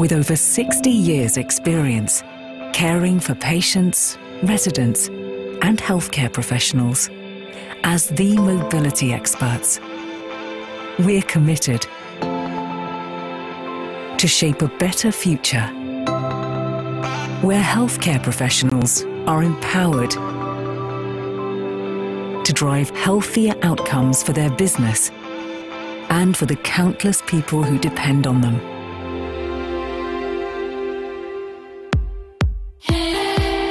With over 60 years experience caring for patients, residents, and healthcare professionals. As the immobility experts, we're committed to shape a better future where healthcare professionals are empowered to drive healthier outcomes for their business and for the countless people who depend on them.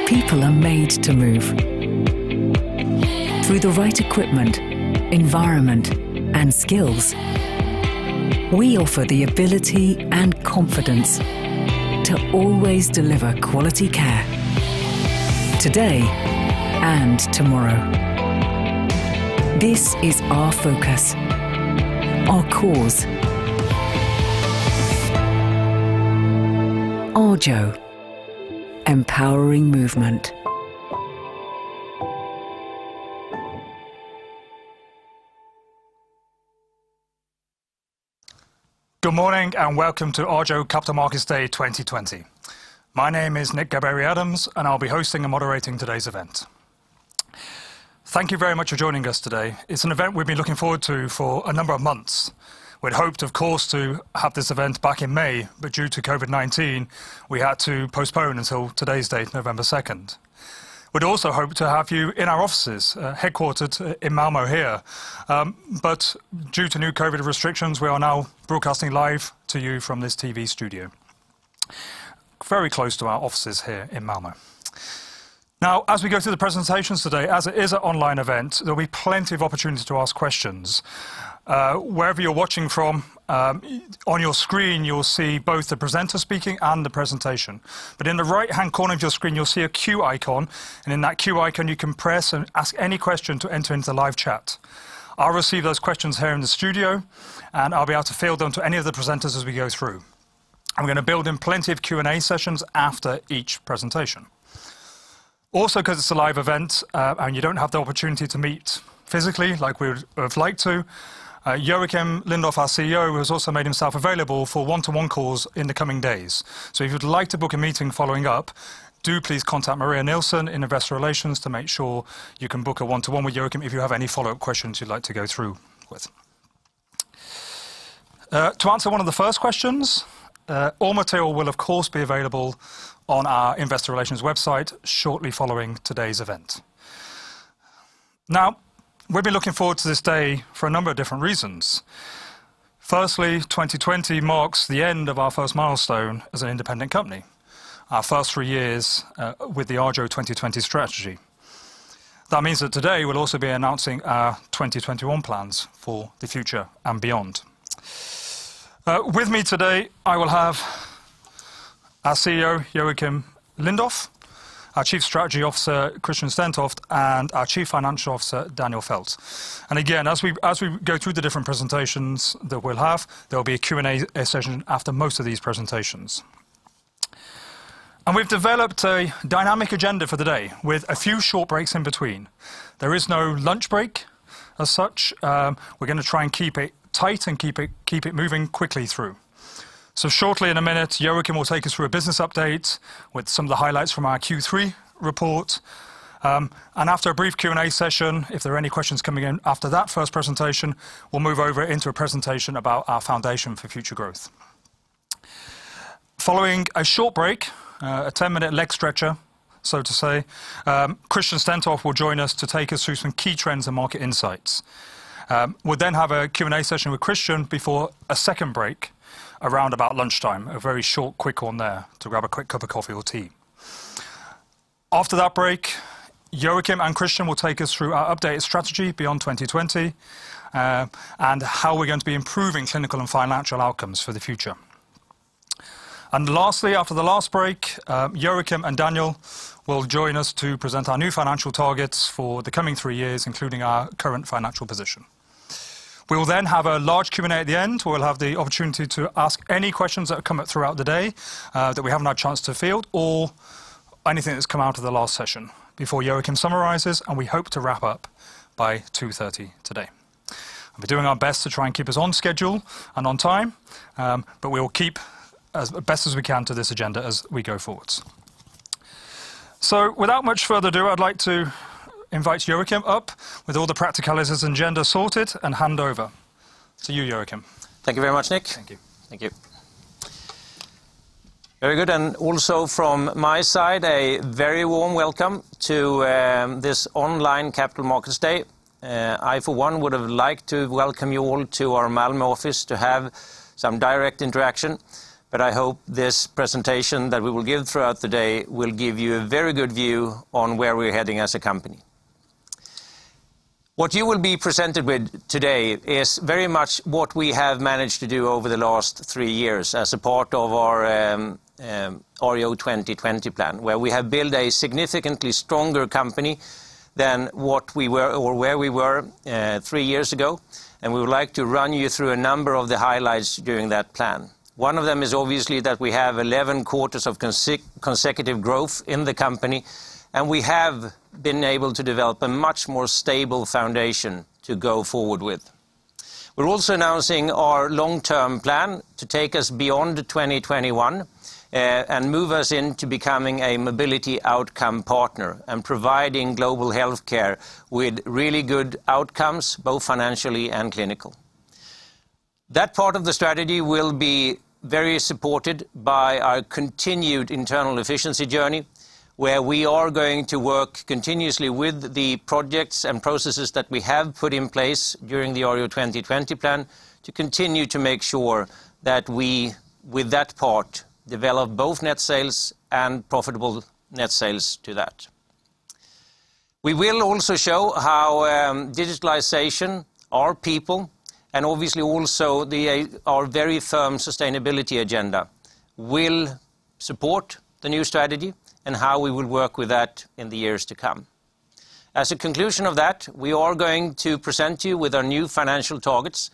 People are made to move. Through the right equipment, environment, and skills, we offer the ability and confidence to always deliver quality care today and tomorrow. This is our focus, our cause. Arjo, Empowering Movement. Good morning, welcome to Arjo Capital Markets Day 2020. My name is Nick Gabery Adams, and I'll be hosting and moderating today's event. Thank you very much for joining us today. It's an event we've been looking forward to for a number of months. We'd hoped, of course, to have this event back in May, but due to COVID-19, we had to postpone until today's date, November 2nd. We'd also hoped to have you in our offices, headquartered in Malmö here. Due to new COVID restrictions, we are now broadcasting live to you from this TV studio very close to our offices here in Malmö. As we go through the presentations today, as it is an online event, there'll be plenty of opportunities to ask questions. Wherever you're watching from, on your screen, you'll see both the presenter speaking and the presentation. In the right-hand corner of your screen, you'll see a Q icon, and in that Q icon, you can press and ask any question to enter into the live chat. I'll receive those questions here in the studio, and I'll be able to field them to any of the presenters as we go through. I'm going to build in plenty of Q&A sessions after each presentation. Because it's a live event, and you don't have the opportunity to meet physically like we would have liked to, Joacim Lindoff, our CEO, has also made himself available for one-to-one calls in the coming days. If you'd like to book a meeting following up, do please contact Maria Nilsson in investor relations to make sure you can book a one-to-one with Joacim if you have any follow-up questions you'd like to go through with. To answer one of the first questions, all material will of course be available on our investor relations website shortly following today's event. We've been looking forward to this day for a number of different reasons. 2020 marks the end of our first milestone as an independent company, our first three years with the Arjo 2020 strategy. That means that today we'll also be announcing our 2021 plans for the future and beyond. With me today, I will have our CEO, Joacim Lindoff, our Chief Strategy Officer, Christian Stentoft, and our Chief Financial Officer, Daniel Fäldt. Again, as we go through the different presentations that we'll have, there'll be a Q&A session after most of these presentations. We've developed a dynamic agenda for the day with a few short breaks in between. There is no lunch break as such. We're going to try and keep it tight and keep it moving quickly through. Shortly in a minute, Joacim will take us through a business update with some of the highlights from our Q3 report. After a brief Q&A session, if there are any questions coming in after that first presentation, we'll move over into a presentation about our foundation for future growth. Following a short break, a 10-minute leg stretcher, so to say, Christian Stentoft will join us to take us through some key trends and market insights. We'll have a Q&A session with Christian before a second break around about lunchtime, a very short quick one there to grab a quick cup of coffee or tea. After that break, Joacim and Christian will take us through our updated strategy beyond 2020, and how we're going to be improving clinical and financial outcomes for the future. Lastly, after the last break, Joacim and Daniel will join us to present our new financial targets for the coming three years, including our current financial position. We will have a large Q&A at the end, where we'll have the opportunity to ask any questions that have come up throughout the day, that we haven't had a chance to field or anything that's come out of the last session before Joacim summarizes, and we hope to wrap up by 2:30 P.M. today. We're doing our best to try and keep us on schedule and on time, but we will keep as best as we can to this agenda as we go forward. Without much further ado, I'd like to invite Joacim up with all the practicalities agenda sorted and hand over to you, Joacim. Thank you very much, Nick. Thank you. Thank you. Very good. Also from my side, a very warm welcome to this online Capital Markets Day. I, for one, would have liked to welcome you all to our Malmö office to have some direct interaction. I hope this presentation that we will give throughout the day will give you a very good view on where we're heading as a company. What you will be presented with today is very much what we have managed to do over the last three years as a part of our Arjo 2020 plan, where we have built a significantly stronger company than where we were three years ago, and we would like to run you through a number of the highlights during that plan. One of them is obviously that we have 11 quarters of consecutive growth in the company, and we have been able to develop a much more stable foundation to go forward with. We're also announcing our long-term plan to take us beyond 2021, move us into becoming a mobility outcome partner and providing global healthcare with really good outcomes, both financially and clinical. That part of the strategy will be very supported by our continued internal efficiency journey, where we are going to work continuously with the projects and processes that we have put in place during the Arjo 2020 plan to continue to make sure that we, with that part, develop both net sales and profitable net sales to that. We will also show how digitalization, our people, and obviously also our very firm sustainability agenda will support the new strategy and how we will work with that in the years to come. As a conclusion of that, we are going to present you with our new financial targets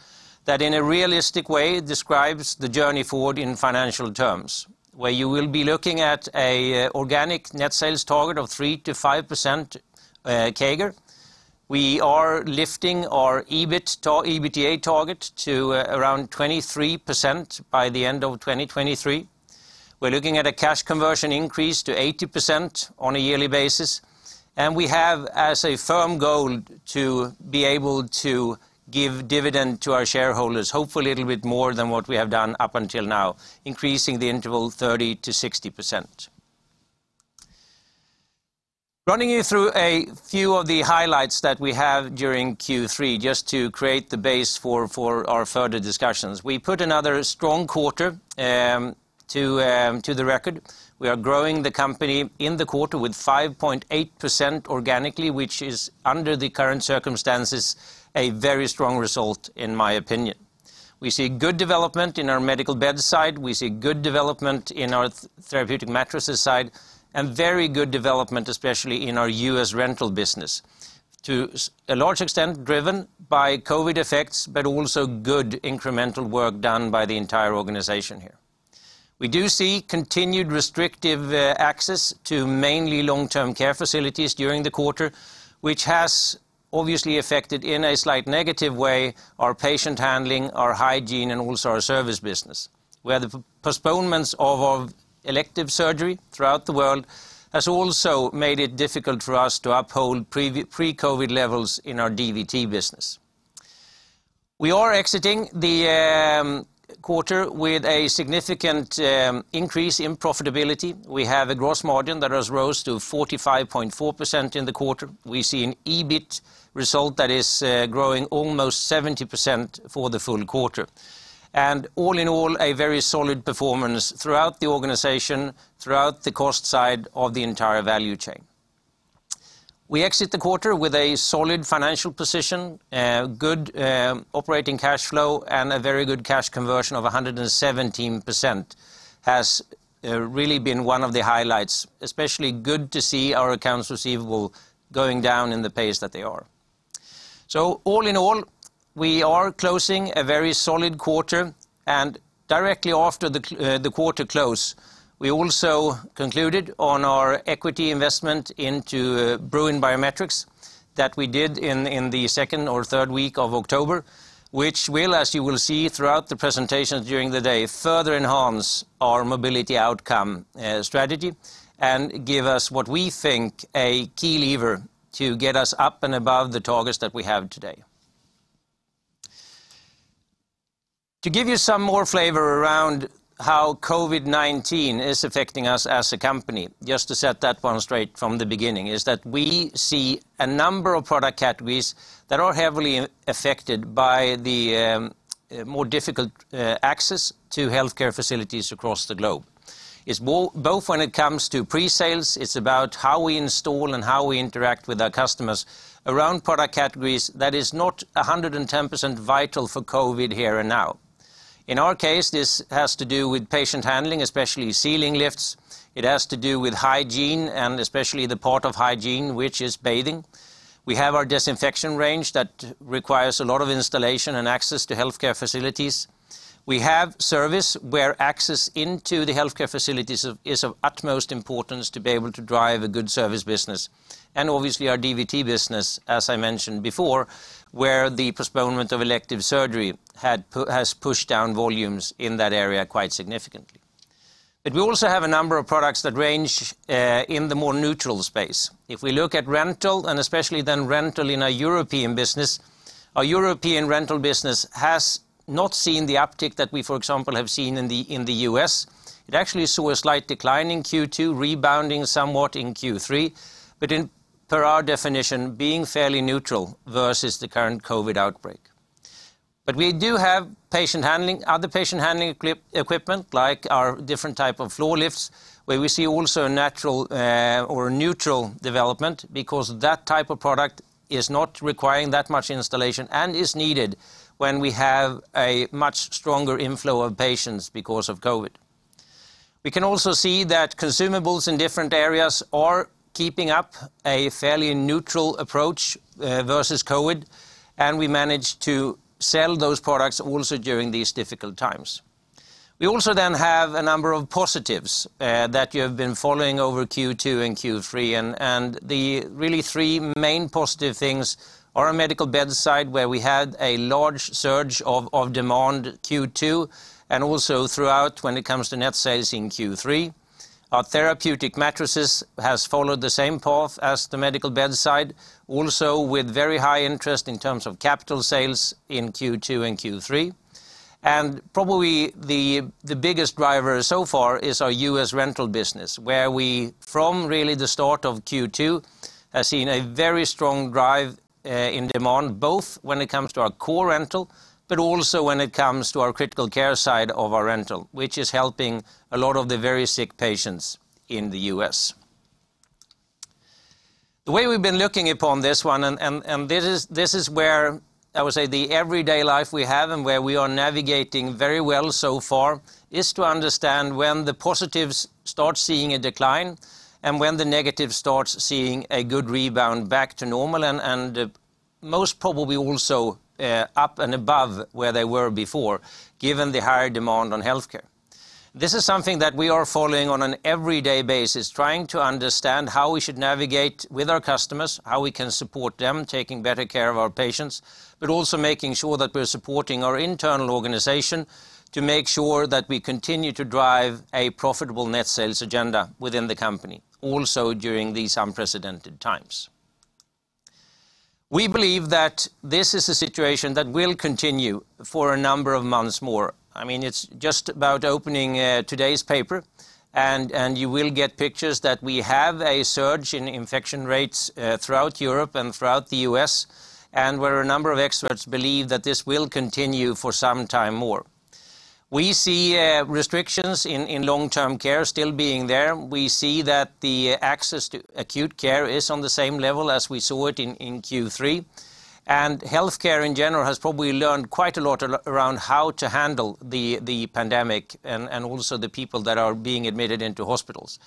that in a realistic way describes the journey forward in financial terms, where you will be looking at an organic net sales target of 3%-5% CAGR. We are lifting our EBITDA target to around 23% by the end of 2023. We're looking at a cash conversion increase to 80% on a yearly basis. We have as a firm goal to be able to give dividend to our shareholders, hopefully a little bit more than what we have done up until now, increasing the interval 30%-60%. Running you through a few of the highlights that we have during Q3 just to create the base for our further discussions. We put another strong quarter to the record. We are growing the company in the quarter with 5.8% organically, which is, under the current circumstances, a very strong result, in my opinion. We see good development in our medical beds side, we see good development in our therapeutic mattresses side, and very good development, especially in our U.S. rental business. To a large extent driven by COVID effects, also good incremental work done by the entire organization here. We do see continued restrictive access to mainly long-term care facilities during the quarter, which has obviously affected, in a slight negative way, our patient handling, our hygiene, and also our service business. The postponements of elective surgery throughout the world has also made it difficult for us to uphold pre-COVID levels in our DVT business. We are exiting the quarter with a significant increase in profitability. We have a gross margin that has rose to 45.4% in the quarter. We see an EBIT result that is growing almost 70% for the full quarter. All in all, a very solid performance throughout the organization, throughout the cost side of the entire value chain. We exit the quarter with a solid financial position, good operating cash flow, and a very good cash conversion of 117%, has really been one of the highlights. Especially good to see our accounts receivable going down in the pace that they are. All in all, we are closing a very solid quarter, and directly after the quarter close, we also concluded on our equity investment into Bruin Biometrics that we did in the second or third week of October, which will, as you will see throughout the presentations during the day, further enhance our mobility outcome strategy and give us, what we think, a key lever to get us up and above the targets that we have today. To give you some more flavor around how COVID-19 is affecting us as a company, just to set that one straight from the beginning, is that we see a number of product categories that are heavily affected by the more difficult access to healthcare facilities across the globe. It's both when it comes to pre-sales, it's about how we install and how we interact with our customers around product categories that is not 110% vital for COVID here and now. In our case, this has to do with patient handling, especially ceiling lifts. It has to do with hygiene, and especially the part of hygiene, which is bathing. We have our disinfection range that requires a lot of installation and access to healthcare facilities. We have service where access into the healthcare facilities is of utmost importance to be able to drive a good service business. Obviously our DVT business, as I mentioned before, where the postponement of elective surgery has pushed down volumes in that area quite significantly. We also have a number of products that range in the more neutral space. If we look at rental, especially then rental in a European business. Our European rental business has not seen the uptick that we, for example, have seen in the U.S. It actually saw a slight decline in Q2, rebounding somewhat in Q3, per our definition, being fairly neutral versus the current COVID outbreak. We do have other patient-handling equipment, like our different type of floor lifts, where we see also a natural or neutral development because that type of product is not requiring that much installation and is needed when we have a much stronger inflow of patients because of COVID. We can also see that consumables in different areas are keeping up a fairly neutral approach versus COVID, and we managed to sell those products also during these difficult times. We also then have a number of positives that you have been following over Q2 and Q3. The really three main positive things are our medical bedside, where we had a large surge of demand Q2, and also throughout when it comes to net sales in Q3. Our therapeutic mattresses has followed the same path as the medical bedside, also with very high interest in terms of capital sales in Q2 and Q3. Probably the biggest driver so far is our U.S. rental business, where we, from really the start of Q2, have seen a very strong drive in demand, both when it comes to our core rental, but also when it comes to our critical care side of our rental, which is helping a lot of the very sick patients in the U.S. The way we've been looking upon this one, and this is where I would say the everyday life we have and where we are navigating very well so far, is to understand when the positives start seeing a decline and when the negative starts seeing a good rebound back to normal and most probably also up and above where they were before, given the higher demand on healthcare. This is something that we are following on an everyday basis, trying to understand how we should navigate with our customers, how we can support them, taking better care of our patients, but also making sure that we're supporting our internal organization to make sure that we continue to drive a profitable net sales agenda within the company, also during these unprecedented times. We believe that this is a situation that will continue for a number of months more. It's just about opening today's paper, and you will get pictures that we have a surge in infection rates throughout Europe and throughout the U.S., and where a number of experts believe that this will continue for some time more. We see restrictions in long-term care still being there. We see that the access to acute care is on the same level as we saw it in Q3. Healthcare, in general, has probably learned quite a lot around how to handle the pandemic and also the people that are being admitted into hospitals.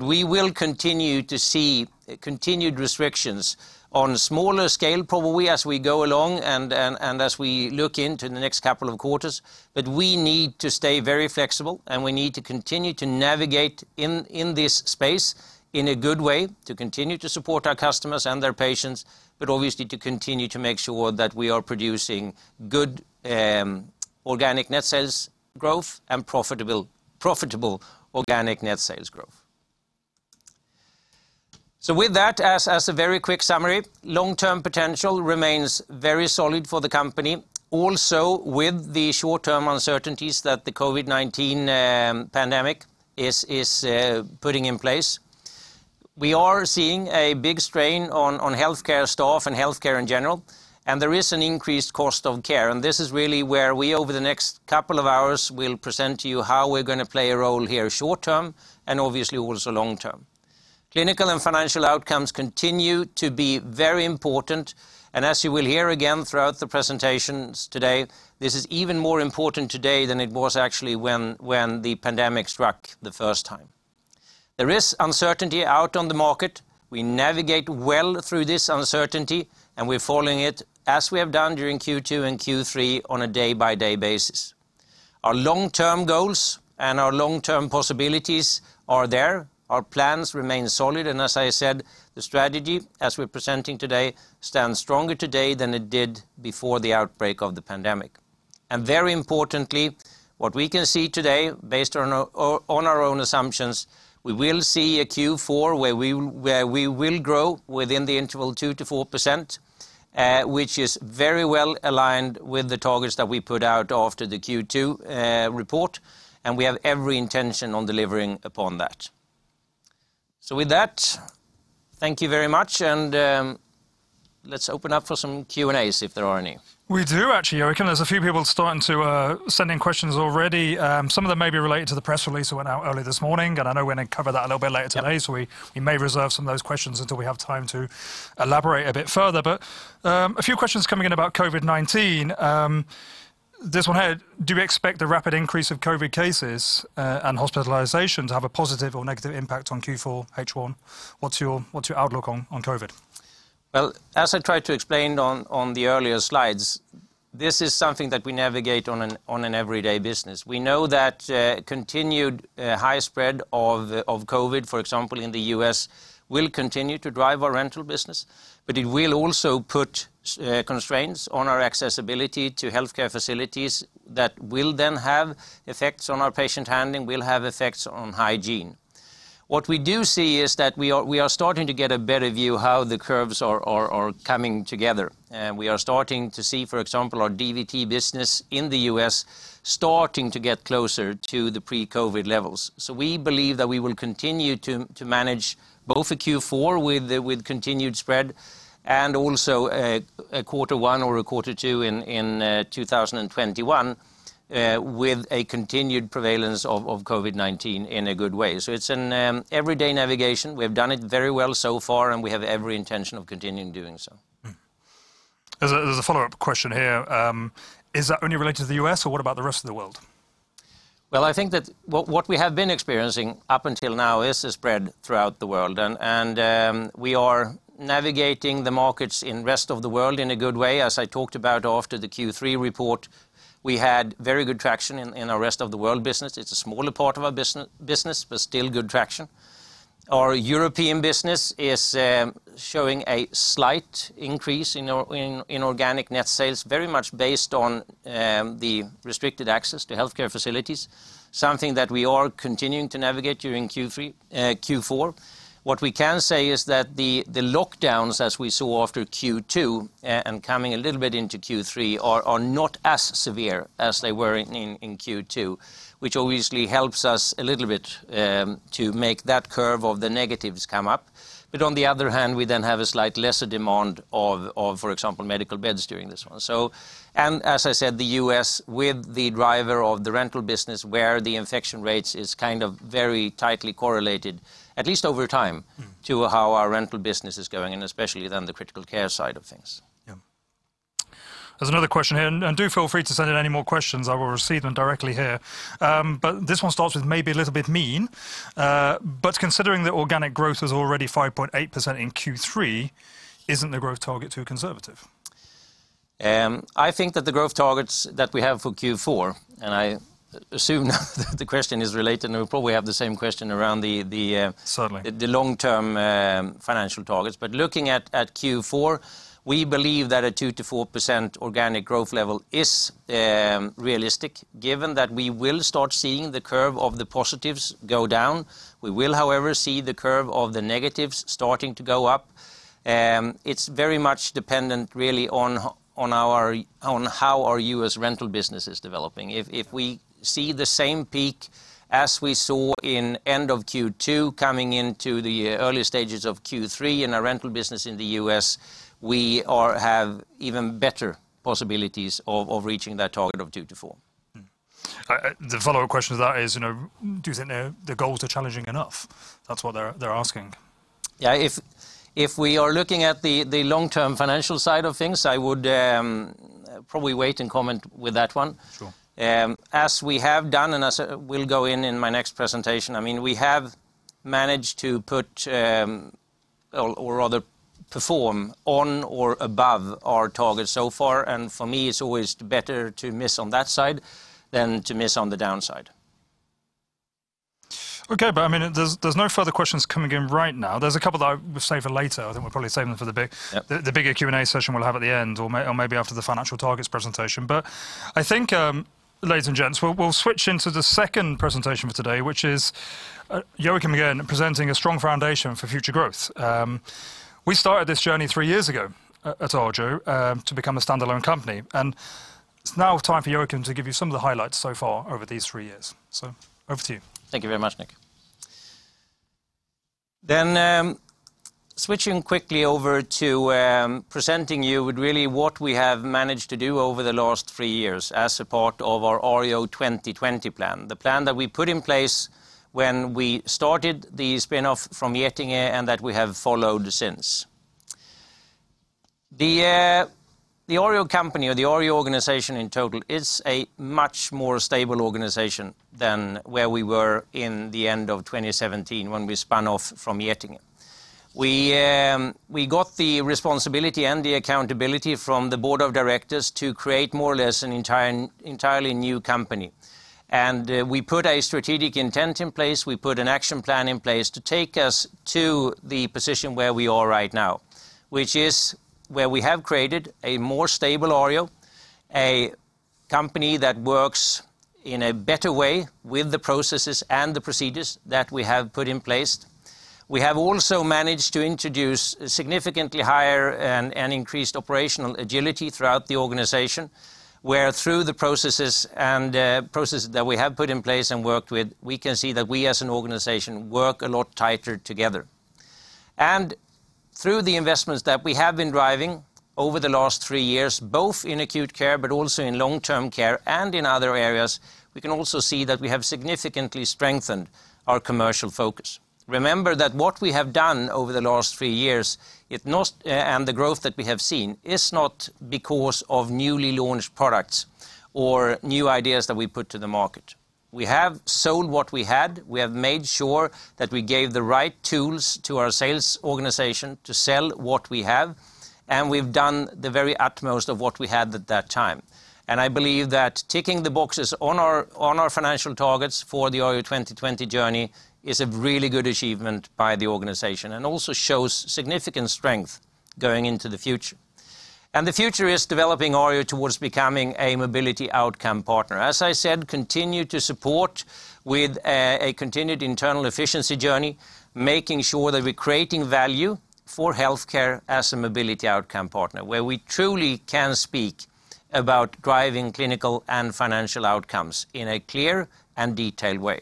We will continue to see continued restrictions on a smaller scale, probably, as we go along and as we look into the next couple of quarters. We need to stay very flexible, and we need to continue to navigate in this space in a good way to continue to support our customers and their patients, but obviously to continue to make sure that we are producing good organic net sales growth and profitable organic net sales growth. With that, as a very quick summary, long-term potential remains very solid for the company. Also, with the short-term uncertainties that the COVID-19 pandemic is putting in place. We are seeing a big strain on healthcare staff and healthcare in general, and there is an increased cost of care. This is really where we, over the next couple of hours, will present to you how we're going to play a role here short term and obviously also long term. Clinical and financial outcomes continue to be very important. As you will hear again throughout the presentations today, this is even more important today than it was actually when the pandemic struck the first time. There is uncertainty out on the market. We navigate well through this uncertainty, and we're following it as we have done during Q2 and Q3 on a day-by-day basis. Our long-term goals and our long-term possibilities are there. Our plans remain solid. As I said, the strategy, as we're presenting today, stands stronger today than it did before the outbreak of the pandemic. Very importantly, what we can see today, based on our own assumptions, we will see a Q4 where we will grow within the interval 2%-4%, which is very well aligned with the targets that we put out after the Q2 report, and we have every intention on delivering upon that. With that, thank you very much, and let's open up for some Q&As if there are any. We do, actually, Joacim. There's a few people starting to send in questions already. Some of them may be related to the press release that went out early this morning, and I know we're going to cover that a little bit later today. Yep. We may reserve some of those questions until we have time to elaborate a bit further. A few questions coming in about COVID-19. This one here: Do you expect the rapid increase of COVID cases and hospitalizations have a positive or negative impact on Q4, H1? What's your outlook on COVID? Well, as I tried to explain on the earlier slides, this is something that we navigate on an everyday business. We know that continued high spread of COVID, for example, in the U.S., will continue to drive our rental business, but it will also put constraints on our accessibility to healthcare facilities that will then have effects on our patient handling, will have effects on hygiene. What we do see is that we are starting to get a better view how the curves are coming together. We are starting to see, for example, our DVT business in the U.S. starting to get closer to the pre-COVID levels. We believe that we will continue to manage both the Q4 with the continued spread and also a quarter one or a quarter two in 2021, with a continued prevalence of COVID-19 in a good way. It's an everyday navigation. We have done it very well so far, and we have every intention of continuing doing so. There's a follow-up question here. Is that only related to the U.S. or what about the rest of the world? Well, I think that what we have been experiencing up until now is a spread throughout the world, and we are navigating the markets in rest of the world in a good way. As I talked about after the Q3 report, we had very good traction in our rest of the world business. It's a smaller part of our business, but still good traction. Our European business is showing a slight increase in organic net sales, very much based on the restricted access to healthcare facilities, something that we are continuing to navigate during Q4. What we can say is that the lockdowns, as we saw after Q2, and coming a little bit into Q3, are not as severe as they were in Q2, which obviously helps us a little bit to make that curve of the negatives come up. On the other hand, we then have a slight lesser demand of, for example, medical beds during this one. As I said, the U.S. with the driver of the rental business, where the infection rates is very tightly correlated, at least over time, to how our rental business is going and especially then the critical care side of things. Yeah. There is another question here. Do feel free to send in any more questions. I will receive them directly here. This one starts with maybe a little bit mean. Considering that organic growth was already 5.8% in Q3, isn't the growth target too conservative? I think that the growth targets that we have for Q4, and I assume now that the question is related and we probably have the same question around the. Certainly the long-term financial targets. Looking at Q4, we believe that a 2%-4% organic growth level is realistic given that we will start seeing the curve of the positives go down. We will, however, see the curve of the negatives starting to go up. It's very much dependent really on how our U.S. rental business is developing. If we see the same peak as we saw in end of Q2 coming into the early stages of Q3 in our rental business in the U.S., we have even better possibilities of reaching that target of 2%-4%. The follow-up question to that is, do you think the goals are challenging enough? That's what they're asking. Yeah. If we are looking at the long-term financial side of things, I would probably wait and comment with that one. Sure. As we have done, and as we'll go in in my next presentation, we have managed to put, or rather, perform on or above our target so far. For me, it's always better to miss on that side than to miss on the downside. Okay. There's no further questions coming in right now. There's a couple that I will save for later. I think we'll probably save them. Yep the bigger Q&A session we'll have at the end or maybe after the financial targets presentation. I think, ladies and gents, we'll switch into the second presentation for today, which is Joacim again presenting a strong foundation for future growth. We started this journey three years ago at Arjo to become a standalone company, and it's now time for Joacim to give you some of the highlights so far over these three years. Over to you. Thank you very much, Nick. Switching quickly over to presenting you with really what we have managed to do over the last three years as support of our Arjo 2020 plan, the plan that we put in place when we started the spinoff from Getinge and that we have followed since. The Arjo company or the Arjo organization in total is a much more stable organization than where we were in the end of 2017 when we spun off from Getinge. We got the responsibility and the accountability from the board of directors to create more or less an entirely new company. We put a strategic intent in place. We put an action plan in place to take us to the position where we are right now, which is where we have created a more stable Arjo, a company that works in a better way with the processes and the procedures that we have put in place. We have also managed to introduce significantly higher and increased operational agility throughout the organization, where through the processes that we have put in place and worked with, we can see that we as an organization work a lot tighter together. Through the investments that we have been driving over the last three years, both in acute care but also in long-term care and in other areas, we can also see that we have significantly strengthened our commercial focus. Remember that what we have done over the last three years and the growth that we have seen is not because of newly launched products or new ideas that we put to the market. We have sold what we had. We have made sure that we gave the right tools to our sales organization to sell what we have, and we've done the very utmost of what we had at that time. I believe that ticking the boxes on our financial targets for the Arjo 2020 journey is a really good achievement by the organization and also shows significant strength. Going into the future. The future is developing Arjo towards becoming a mobility outcome partner. As I said, continue to support with a continued internal efficiency journey, making sure that we're creating value for healthcare as a mobility outcome partner, where we truly can speak about driving clinical and financial outcomes in a clear and detailed way.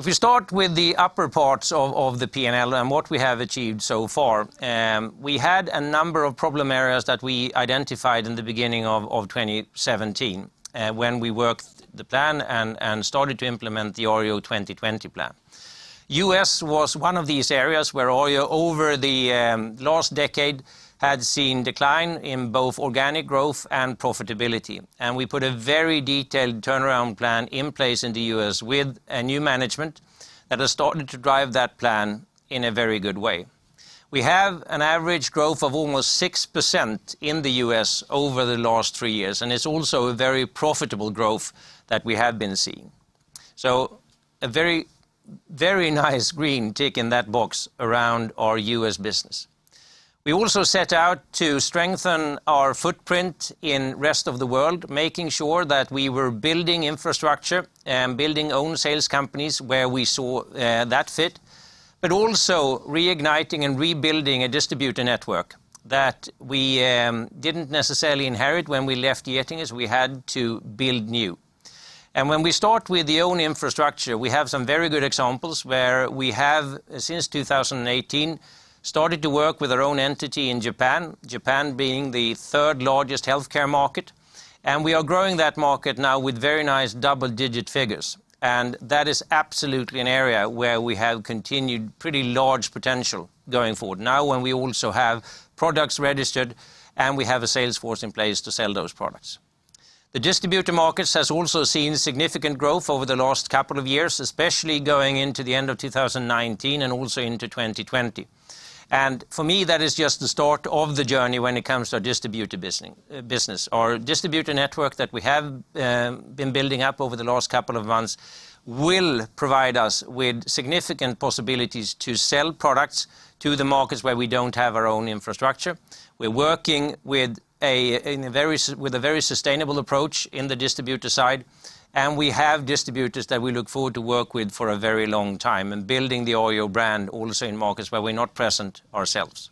If we start with the upper parts of the P&L and what we have achieved so far, we had a number of problem areas that we identified in the beginning of 2017, when we worked the plan and started to implement the Arjo 2020 plan. U.S. was one of these areas where Arjo, over the last decade, had seen decline in both organic growth and profitability. We put a very detailed turnaround plan in place in the U.S. with a new management that has started to drive that plan in a very good way. We have an average growth of almost 6% in the U.S. over the last three years, and it's also a very profitable growth that we have been seeing. A very nice green tick in that box around our U.S. business. We also set out to strengthen our footprint in rest of the world, making sure that we were building infrastructure, building own sales companies where we saw that fit, but also reigniting and rebuilding a distributor network that we didn't necessarily inherit when we left Getinge, so we had to build new. When we start with the own infrastructure, we have some very good examples where we have, since 2018, started to work with our own entity in Japan being the third largest healthcare market. We are growing that market now with very nice double-digit figures. That is absolutely an area where we have continued pretty large potential going forward, now when we also have products registered, and we have a sales force in place to sell those products. The distributor markets has also seen significant growth over the last couple of years, especially going into the end of 2019 and also into 2020. For me, that is just the start of the journey when it comes to distributor business. Our distributor network that we have been building up over the last couple of months will provide us with significant possibilities to sell products to the markets where we don't have our own infrastructure. We're working with a very sustainable approach in the distributor side, and we have distributors that we look forward to work with for a very long time and building the Arjo brand also in markets where we're not present ourselves.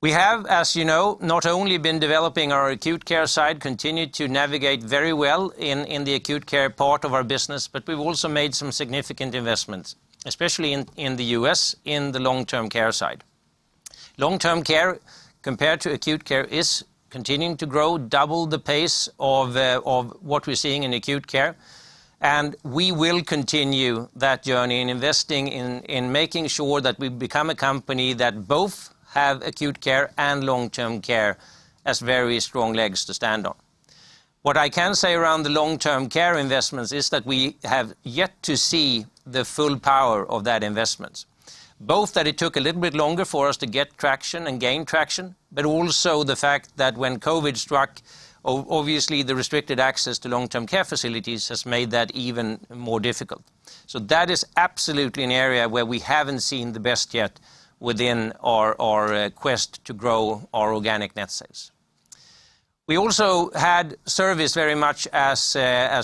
We have, as you know, not only been developing our acute care side, continued to navigate very well in the acute care part of our business, but we've also made some significant investments, especially in the U.S., in the long-term care side. Long-term care, compared to acute care, is continuing to grow double the pace of what we're seeing in acute care, and we will continue that journey in investing in making sure that we become a company that both have acute care and long-term care as very strong legs to stand on. What I can say around the long-term care investments is that we have yet to see the full power of that investment. Both that it took a little bit longer for us to get traction and gain traction, but also the fact that when COVID struck, obviously, the restricted access to long-term care facilities has made that even more difficult. That is absolutely an area where we haven't seen the best yet within our quest to grow our organic net sales. We also had service very much as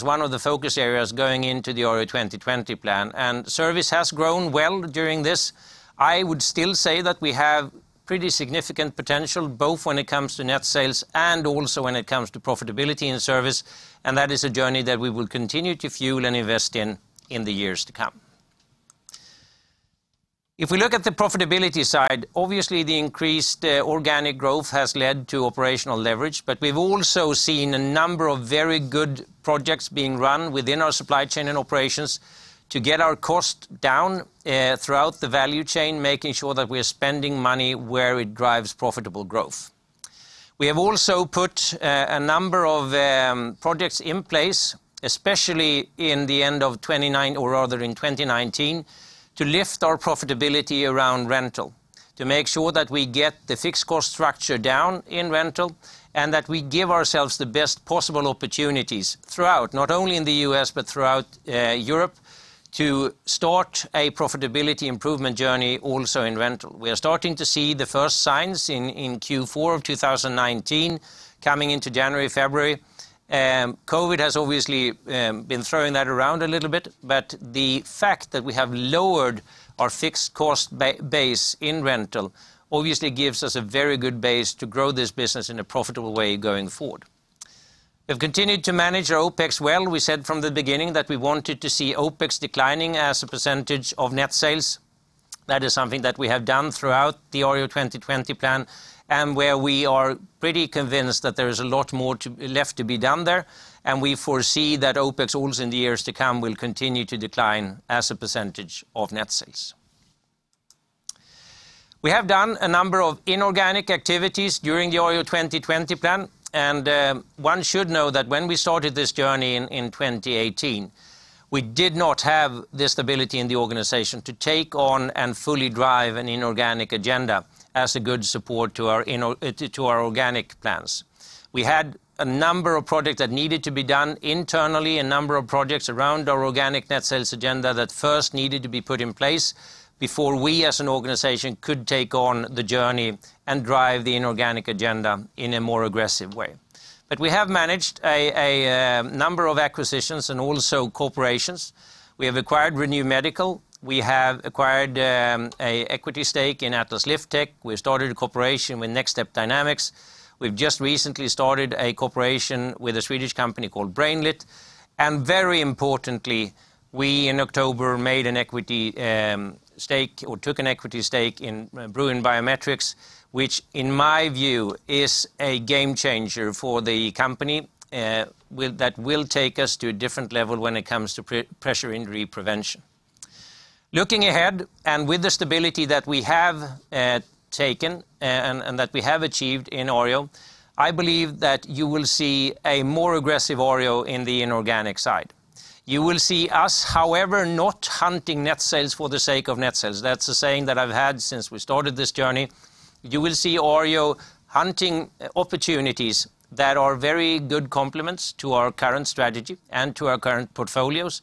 one of the focus areas going into the Arjo 2020 plan, and service has grown well during this. I would still say that we have pretty significant potential, both when it comes to net sales and also when it comes to profitability in service, and that is a journey that we will continue to fuel and invest in the years to come. If we look at the profitability side, obviously, the increased organic growth has led to operational leverage, but we've also seen a number of very good projects being run within our supply chain and operations to get our cost down throughout the value chain, making sure that we are spending money where it drives profitable growth. We have also put a number of projects in place, especially in the end of 29, or rather in 2019, to lift our profitability around rental, to make sure that we get the fixed cost structure down in rental, and that we give ourselves the best possible opportunities throughout, not only in the U.S., but throughout Europe to start a profitability improvement journey also in rental. We are starting to see the first signs in Q4 of 2019 coming into January, February. COVID has obviously been throwing that around a little bit, but the fact that we have lowered our fixed cost base in rental obviously gives us a very good base to grow this business in a profitable way going forward. We've continued to manage our OpEx well. We said from the beginning that we wanted to see OpEx declining as a percentage of net sales. That is something that we have done throughout the Arjo 2020 plan, and where we are pretty convinced that there is a lot more left to be done there, and we foresee that OpEx also in the years to come will continue to decline as a percentage of net sales. We have done a number of inorganic activities during the Arjo 2020 plan. One should know that when we started this journey in 2018, we did not have the stability in the organization to take on and fully drive an inorganic agenda as a good support to our organic plans. We had a number of projects that needed to be done internally, a number of projects around our organic net sales agenda that first needed to be put in place before we, as an organization, could take on the journey and drive the inorganic agenda in a more aggressive way. We have managed a number of acquisitions and also corporations. We have acquired ReNu Medical. We have acquired an equity stake in Atlas Lift Tech. We've started a cooperation with Next Step Dynamics. We've just recently started a cooperation with a Swedish company called BrainLit, and very importantly, we, in October, made an equity stake, or took an equity stake in Bruin Biometrics, which, in my view, is a game changer for the company, that will take us to a different level when it comes to pressure injury prevention. Looking ahead, and with the stability that we have taken and that we have achieved in Arjo, I believe that you will see a more aggressive Arjo in the inorganic side. You will see us, however, not hunting net sales for the sake of net sales. That's the saying that I've had since we started this journey. You will see Arjo hunting opportunities that are very good complements to our current strategy and to our current portfolios,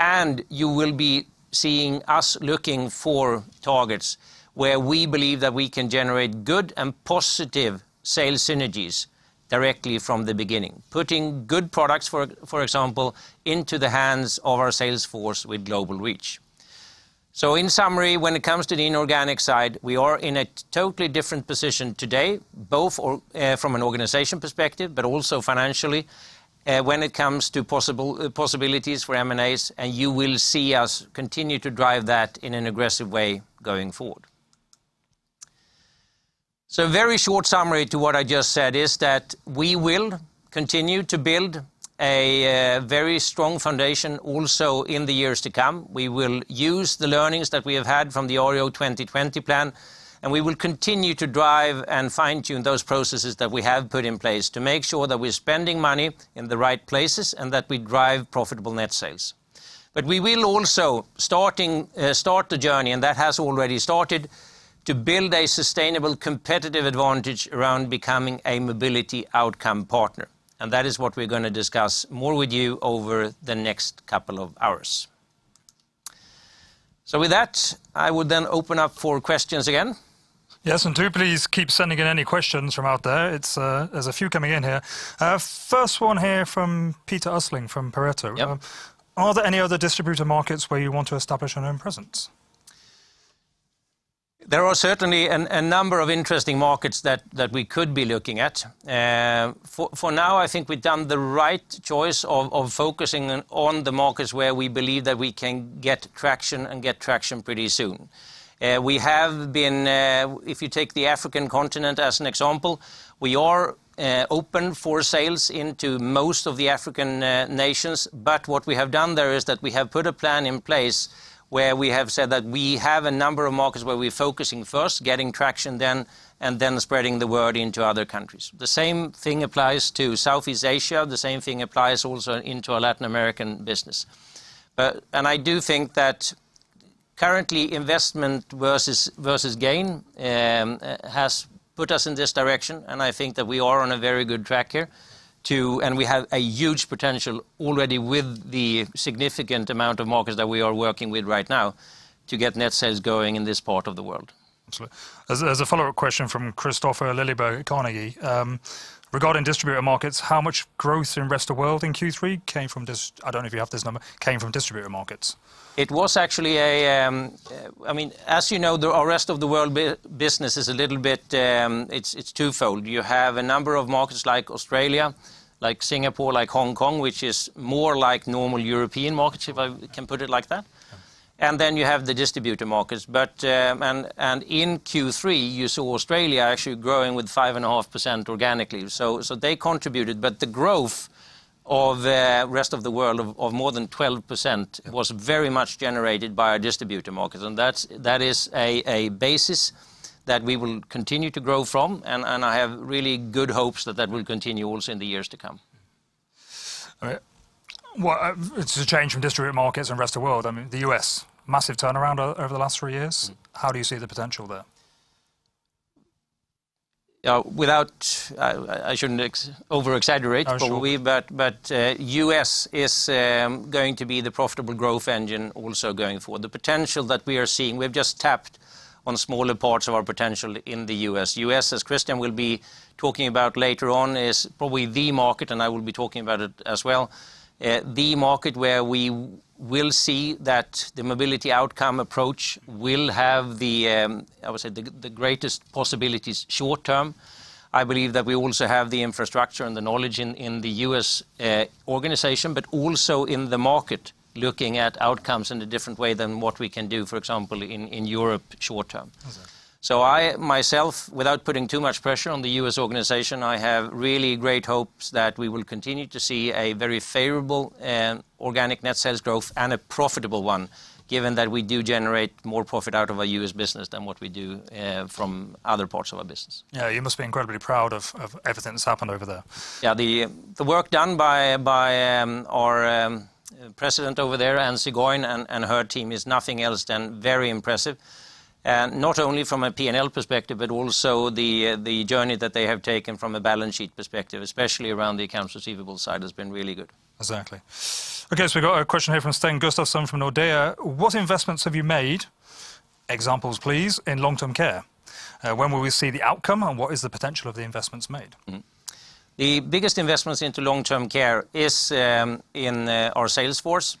and you will be seeing us looking for targets where we believe that we can generate good and positive sales synergies directly from the beginning. Putting good products, for example, into the hands of our sales force with global reach. In summary, when it comes to the inorganic side, we are in a totally different position today, both from an organization perspective, but also financially, when it comes to possibilities for M&As, and you will see us continue to drive that in an aggressive way going forward. Very short summary to what I just said is that we will continue to build a very strong foundation also in the years to come. We will use the learnings that we have had from the Arjo 2020 plan, and we will continue to drive and fine-tune those processes that we have put in place to make sure that we're spending money in the right places, and that we drive profitable net sales. We will also start the journey, and that has already started, to build a sustainable competitive advantage around becoming a mobility outcome partner, and that is what we're going to discuss more with you over the next couple of hours. With that, I would then open up for questions again. Yes, do please keep sending in any questions from out there. There's a few coming in here. First one here from Peter Östling from Pareto. Yep. Are there any other distributor markets where you want to establish an end presence? There are certainly a number of interesting markets that we could be looking at. For now, I think we've done the right choice of focusing on the markets where we believe that we can get traction and get traction pretty soon. If you take the African continent as an example, we are open for sales into most of the African nations. What we have done there is that we have put a plan in place where we have said that we have a number of markets where we're focusing first, getting traction then, and then spreading the word into other countries. The same thing applies to Southeast Asia. The same thing applies also into our Latin American business. I do think that currently investment versus gain has put us in this direction, and I think that we are on a very good track here. We have a huge potential already with the significant amount of markets that we are working with right now to get net sales going in this part of the world. Absolutely. There is a follow-up question from Kristofer Liljeberg, Carnegie. Regarding distributor markets, how much growth in rest of world in Q3 came from I don't know if you have this number, came from distributor markets? As you know, our rest of the world business is a little bit, it's twofold. You have a number of markets like Australia, like Singapore, like Hong Kong, which is more like normal European markets, if I can put it like that. Yeah. You have the distributor markets. In Q3, you saw Australia actually growing with 5.5% organically. They contributed, but the growth of rest of the world of more than 12% was very much generated by our distributor markets, and that is a basis that we will continue to grow from, and I have really good hopes that that will continue also in the years to come. All right. It's a change from distributor markets and rest of world. I mean, the U.S., massive turnaround over the last three years. How do you see the potential there? I shouldn't over-exaggerate- Oh, sure. U.S. is going to be the profitable growth engine also going forward. The potential that we are seeing, we've just tapped on smaller parts of our potential in the U.S. U.S., as Christian will be talking about later on, is probably the market, and I will be talking about it as well, the market where we will see that the mobility outcome approach will have the, I would say, the greatest possibilities short term. I believe that we also have the infrastructure and the knowledge in the U.S. organization, but also in the market, looking at outcomes in a different way than what we can do, for example, in Europe short term. Okay. I, myself, without putting too much pressure on the U.S. organization, I have really great hopes that we will continue to see a very favorable organic net sales growth and a profitable one, given that we do generate more profit out of our U.S. business than what we do from other parts of our business. Yeah, you must be incredibly proud of everything that's happened over there. Yeah. The work done by our president over there, Anne Sigouin, and her team is nothing else than very impressive. Not only from a P&L perspective, but also the journey that they have taken from a balance sheet perspective, especially around the accounts receivable side, has been really good. Exactly. Okay, we've got a question here from Sten Gustafsson from Nordea: "What investments have you made, examples please, in long-term care? When will we see the outcome, and what is the potential of the investments made? The biggest investments into long-term care is in our sales force,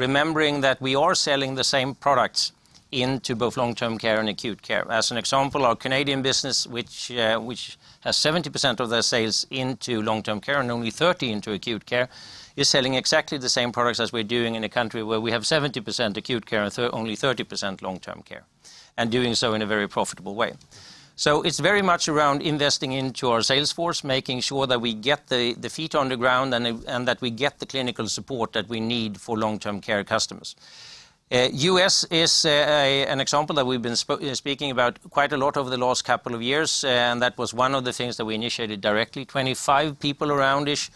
remembering that we are selling the same products into both long-term care and acute care. As an example, our Canadian business, which has 70% of their sales into long-term care and only 30% into acute care, is selling exactly the same products as we're doing in a country where we have 70% acute care and only 30% long-term care, and doing so in a very profitable way. It's very much around investing into our sales force, making sure that we get the feet on the ground and that we get the clinical support that we need for long-term care customers. U.S. is an example that we've been speaking about quite a lot over the last couple of years, and that was one of the things that we initiated directly. 25 people around-ish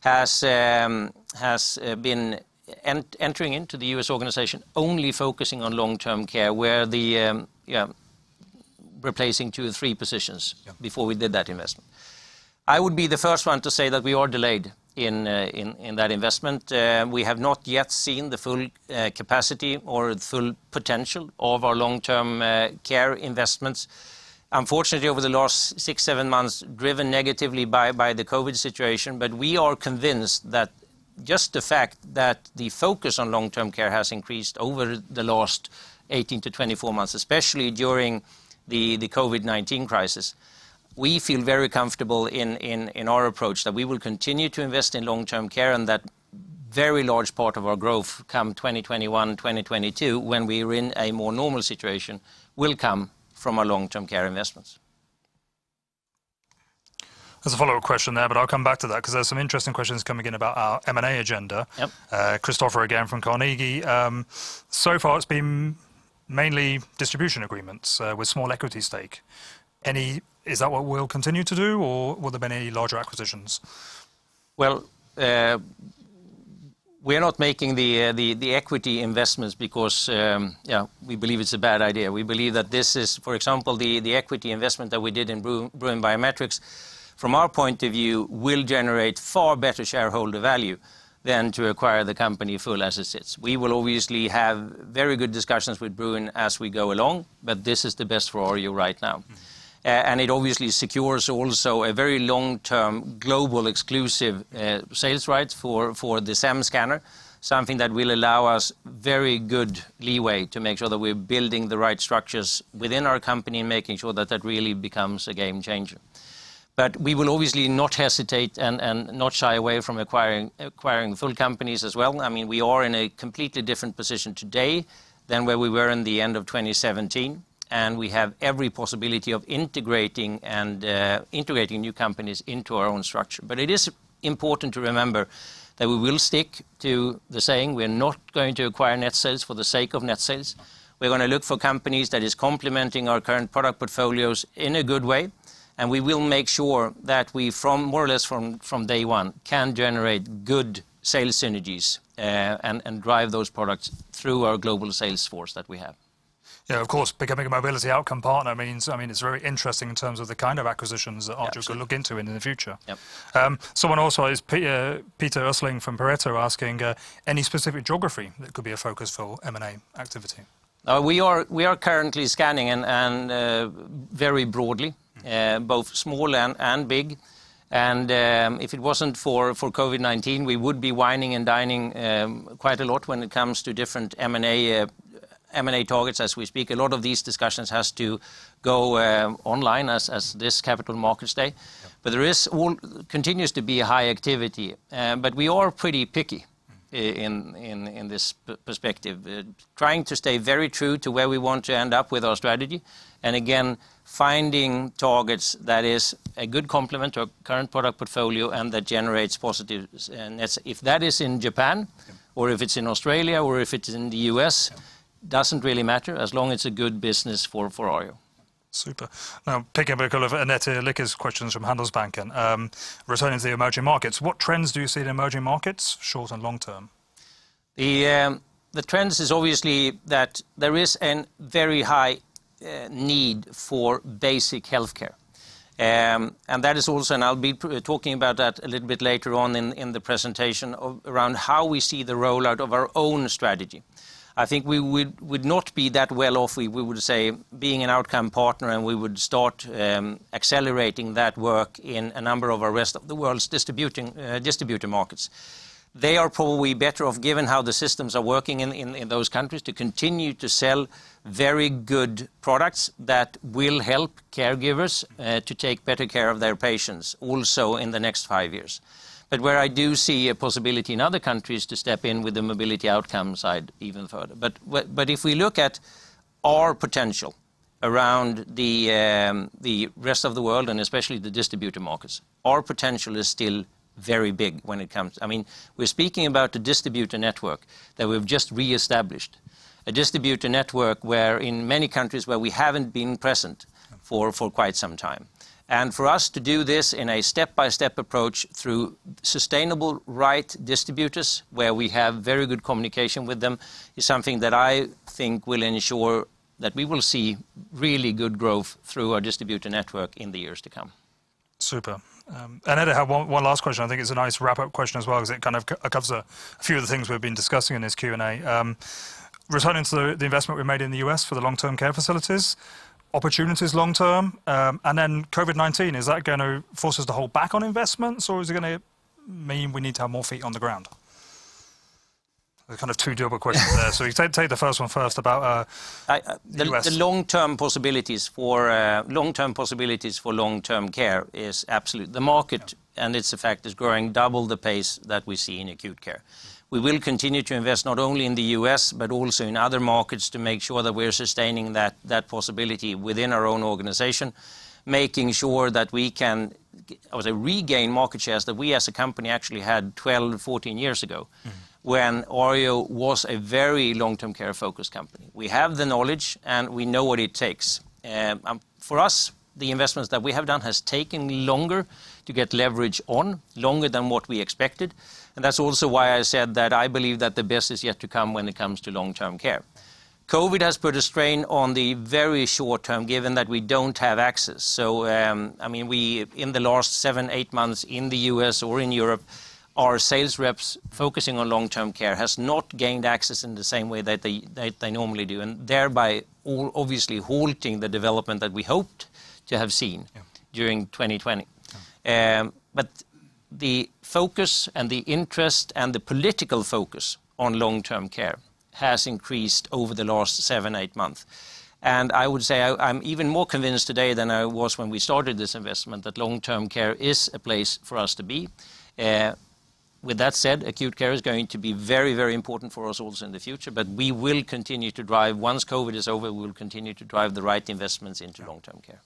has been entering into the U.S. organization, only focusing on long-term care replacing two or three positions. Yeah before we did that investment. I would be the first one to say that we are delayed in that investment. We have not yet seen the full capacity or the full potential of our long-term care investments. Unfortunately, over the last six, seven months, driven negatively by the COVID situation, but we are convinced that just the fact that the focus on long-term care has increased over the last 18-24 months, especially during the COVID-19 crisis, we feel very comfortable in our approach that we will continue to invest in long-term care and that very large part of our growth come 2021, 2022, when we are in a more normal situation, will come from our long-term care investments. There's a follow-up question there. I'll come back to that because there are some interesting questions coming in about our M&A agenda. Yep. Kristofer again from Carnegie. So far it's been mainly distribution agreements with small equity stake. Is that what we'll continue to do, or will there be any larger acquisitions? Well, we are not making the equity investments because, yeah, we believe it's a bad idea. We believe that this is, for example, the equity investment that we did in Bruin Biometrics, from our point of view, will generate far better shareholder value than to acquire the company full as it is. We will obviously have very good discussions with Bruin as we go along, but this is the best for Arjo right now. It obviously secures also a very long-term global exclusive sales rights for the SEM Scanner, something that will allow us very good leeway to make sure that we're building the right structures within our company and making sure that that really becomes a game changer. We will obviously not hesitate and not shy away from acquiring full companies as well. We are in a completely different position today than where we were in the end of 2017, and we have every possibility of integrating new companies into our own structure. It is important to remember that we will stick to the saying, we're not going to acquire net sales for the sake of net sales. We're going to look for companies that is complementing our current product portfolios in a good way, and we will make sure that we, more or less from day one, can generate good sales synergies, and drive those products through our global sales force that we have. Yeah, of course. Becoming a mobility outcome partner means, it's very interesting in terms of the kind of acquisitions that Arjo. Yeah could look into in the future. Yep. Someone also, it's Peter Östling from Pareto asking, "Any specific geography that could be a focus for M&A activity? We are currently scanning and very broadly, both small and big. If it wasn't for COVID-19, we would be wining and dining quite a lot when it comes to different M&A targets as we speak. A lot of these discussions has to go online as this Capital Markets Day. Yeah. There continues to be a high activity. We are pretty picky in this perspective. Trying to stay very true to where we want to end up with our strategy, and again, finding targets that is a good complement to our current product portfolio and that generates positives. Yeah if it's in Australia, or if it's in the U.S.- Yeah doesn't really matter, as long as it's a good business for Arjo. Super. Now, picking up a couple of Annette Lykke's questions from Handelsbanken. Returning to the emerging markets, what trends do you see in emerging markets, short and long term? The trends is obviously that there is a very high need for basic healthcare. That is also, and I'll be talking about that a little bit later on in the presentation around how we see the rollout of our own strategy. I think we would not be that well off if we would say being an outcome partner and we would start accelerating that work in a number of our rest of the world's distributor markets. They are probably better off, given how the systems are working in those countries, to continue to sell very good products that will help caregivers to take better care of their patients also in the next five years. Where I do see a possibility in other countries to step in with the mobility outcome side even further. If we look at our potential around the rest of the world, and especially the distributor markets, our potential is still very big. We're speaking about a distributor network that we've just re-established. A distributor network where, in many countries, where we haven't been present for quite some time. For us to do this in a step-by-step approach through sustainable right distributors, where we have very good communication with them, is something that I think will ensure that we will see really good growth through our distributor network in the years to come. Super. Eddie had one last question. I think it's a nice wrap-up question as well, because it kind of covers a few of the things we've been discussing in this Q&A. Returning to the investment we made in the U.S. for the long-term care facilities, opportunities long term, and then COVID-19, is that going to force us to hold back on investments or is it going to mean we need to have more feet on the ground? They're kind of two double questions there. Take the first one first about U.S. The long-term possibilities for long-term care is absolute. The market and its effect is growing double the pace that we see in acute care. We will continue to invest not only in the U.S. but also in other markets to make sure that we're sustaining that possibility within our own organization, making sure that we can, I would say, regain market shares that we as a company actually had 12, 14 years ago. When Arjo was a very long-term care focused company. We have the knowledge and we know what it takes. For us, the investments that we have done has taken longer to get leverage on, longer than what we expected. That's also why I said that I believe that the best is yet to come when it comes to long-term care. COVID has put a strain on the very short term, given that we don't have access. In the last seven, eight months in the U.S. or in Europe, our sales reps focusing on long-term care has not gained access in the same way that they normally do, and thereby obviously halting the development that we hoped to have seen. Yeah during 2020. Yeah. The focus and the interest and the political focus on long-term care has increased over the last seven, eight months. I would say I'm even more convinced today than I was when we started this investment that long-term care is a place for us to be. With that said, acute care is going to be very important for us also in the future, but Once COVID is over, we will continue to drive the right investments into long-term care.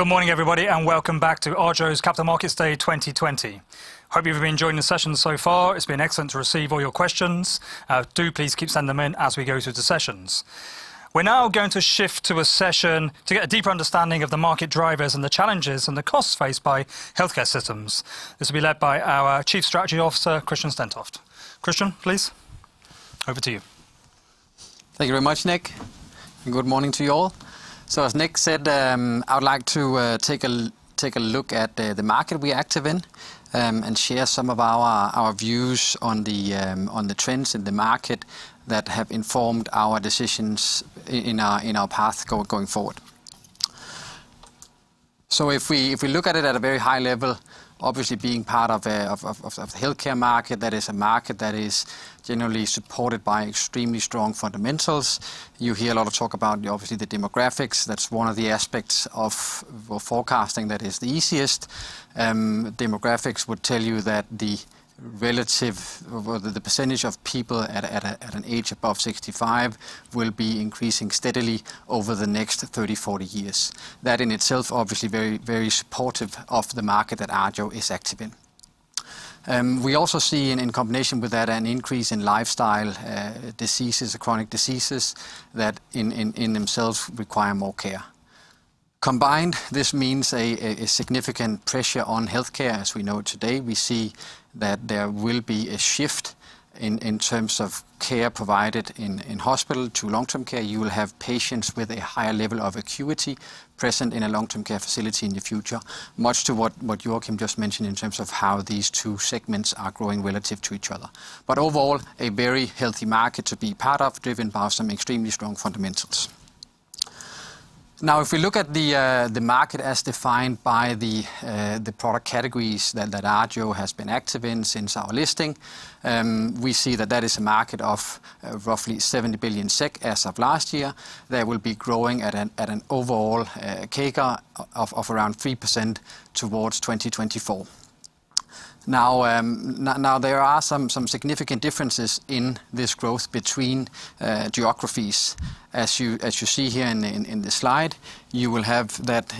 Good morning, everybody. Welcome back to Arjo's Capital Markets Day 2020. Hope you've been enjoying the session so far. It's been excellent to receive all your questions. Do please keep sending them in as we go through the sessions. We're now going to shift to a session to get a deeper understanding of the market drivers and the challenges and the costs faced by healthcare systems. This will be led by our Chief Strategy Officer, Christian Stentoft. Christian, please, over to you. Thank you very much, Nick. Good morning to you all. As Nick said, I would like to take a look at the market we are active in and share some of our views on the trends in the market that have informed our decisions in our path going forward. If we look at it at a very high level, obviously being part of the healthcare market, that is a market that is generally supported by extremely strong fundamentals. You hear a lot of talk about obviously the demographics. That's one of the aspects of forecasting that is the easiest. Demographics would tell you that the percentage of people at an age above 65 will be increasing steadily over the next 30, 40 years. That in itself, obviously very supportive of the market that Arjo is active in. We also see in combination with that, an increase in lifestyle diseases or chronic diseases that in themselves require more care. Combined, this means a significant pressure on healthcare as we know it today. We see that there will be a shift in terms of care provided in hospital to long-term care. You will have patients with a higher level of acuity present in a long-term care facility in the future, much to what Joacim just mentioned in terms of how these two segments are growing relative to each other. Overall, a very healthy market to be part of, driven by some extremely strong fundamentals. Now, if we look at the market as defined by the product categories that Arjo has been active in since our listing, we see that that is a market of roughly 70 billion SEK as of last year, that will be growing at an overall CAGR of around 3% towards 2024. There are some significant differences in this growth between geographies. As you see here in this slide, you will have that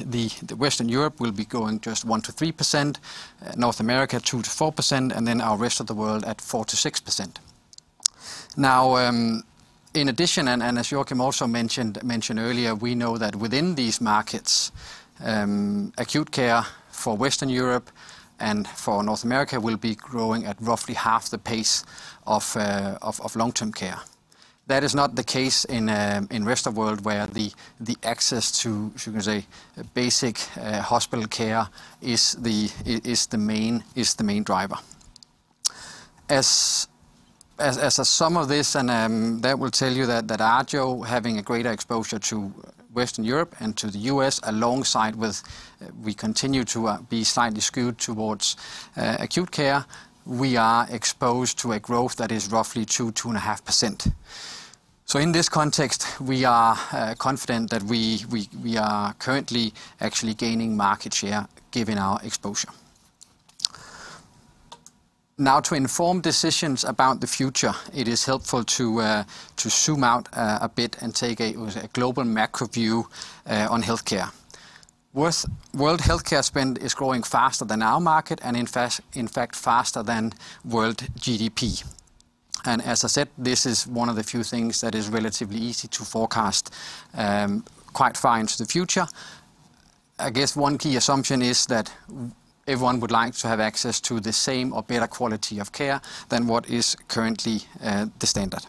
Western Europe will be growing just 1%-3%, North America 2%-4%, and then our rest of the world at 4%-6%. In addition, and as Joacim also mentioned earlier, we know that within these markets, acute care for Western Europe and for North America will be growing at roughly half the pace of long-term care. That is not the case in rest of world where the access to, you can say, basic hospital care is the main driver. As a sum of this, and that will tell you that Arjo having a greater exposure to Western Europe and to the U.S., alongside with we continue to be slightly skewed towards acute care, we are exposed to a growth that is roughly 2.5%. In this context, we are confident that we are currently actually gaining market share given our exposure. Now to inform decisions about the future, it is helpful to zoom out a bit and take a global macro view on healthcare. World healthcare spend is growing faster than our market, and in fact, faster than world GDP. As I said, this is one of the few things that is relatively easy to forecast quite far into the future. I guess one key assumption is that everyone would like to have access to the same or better quality of care than what is currently the standard.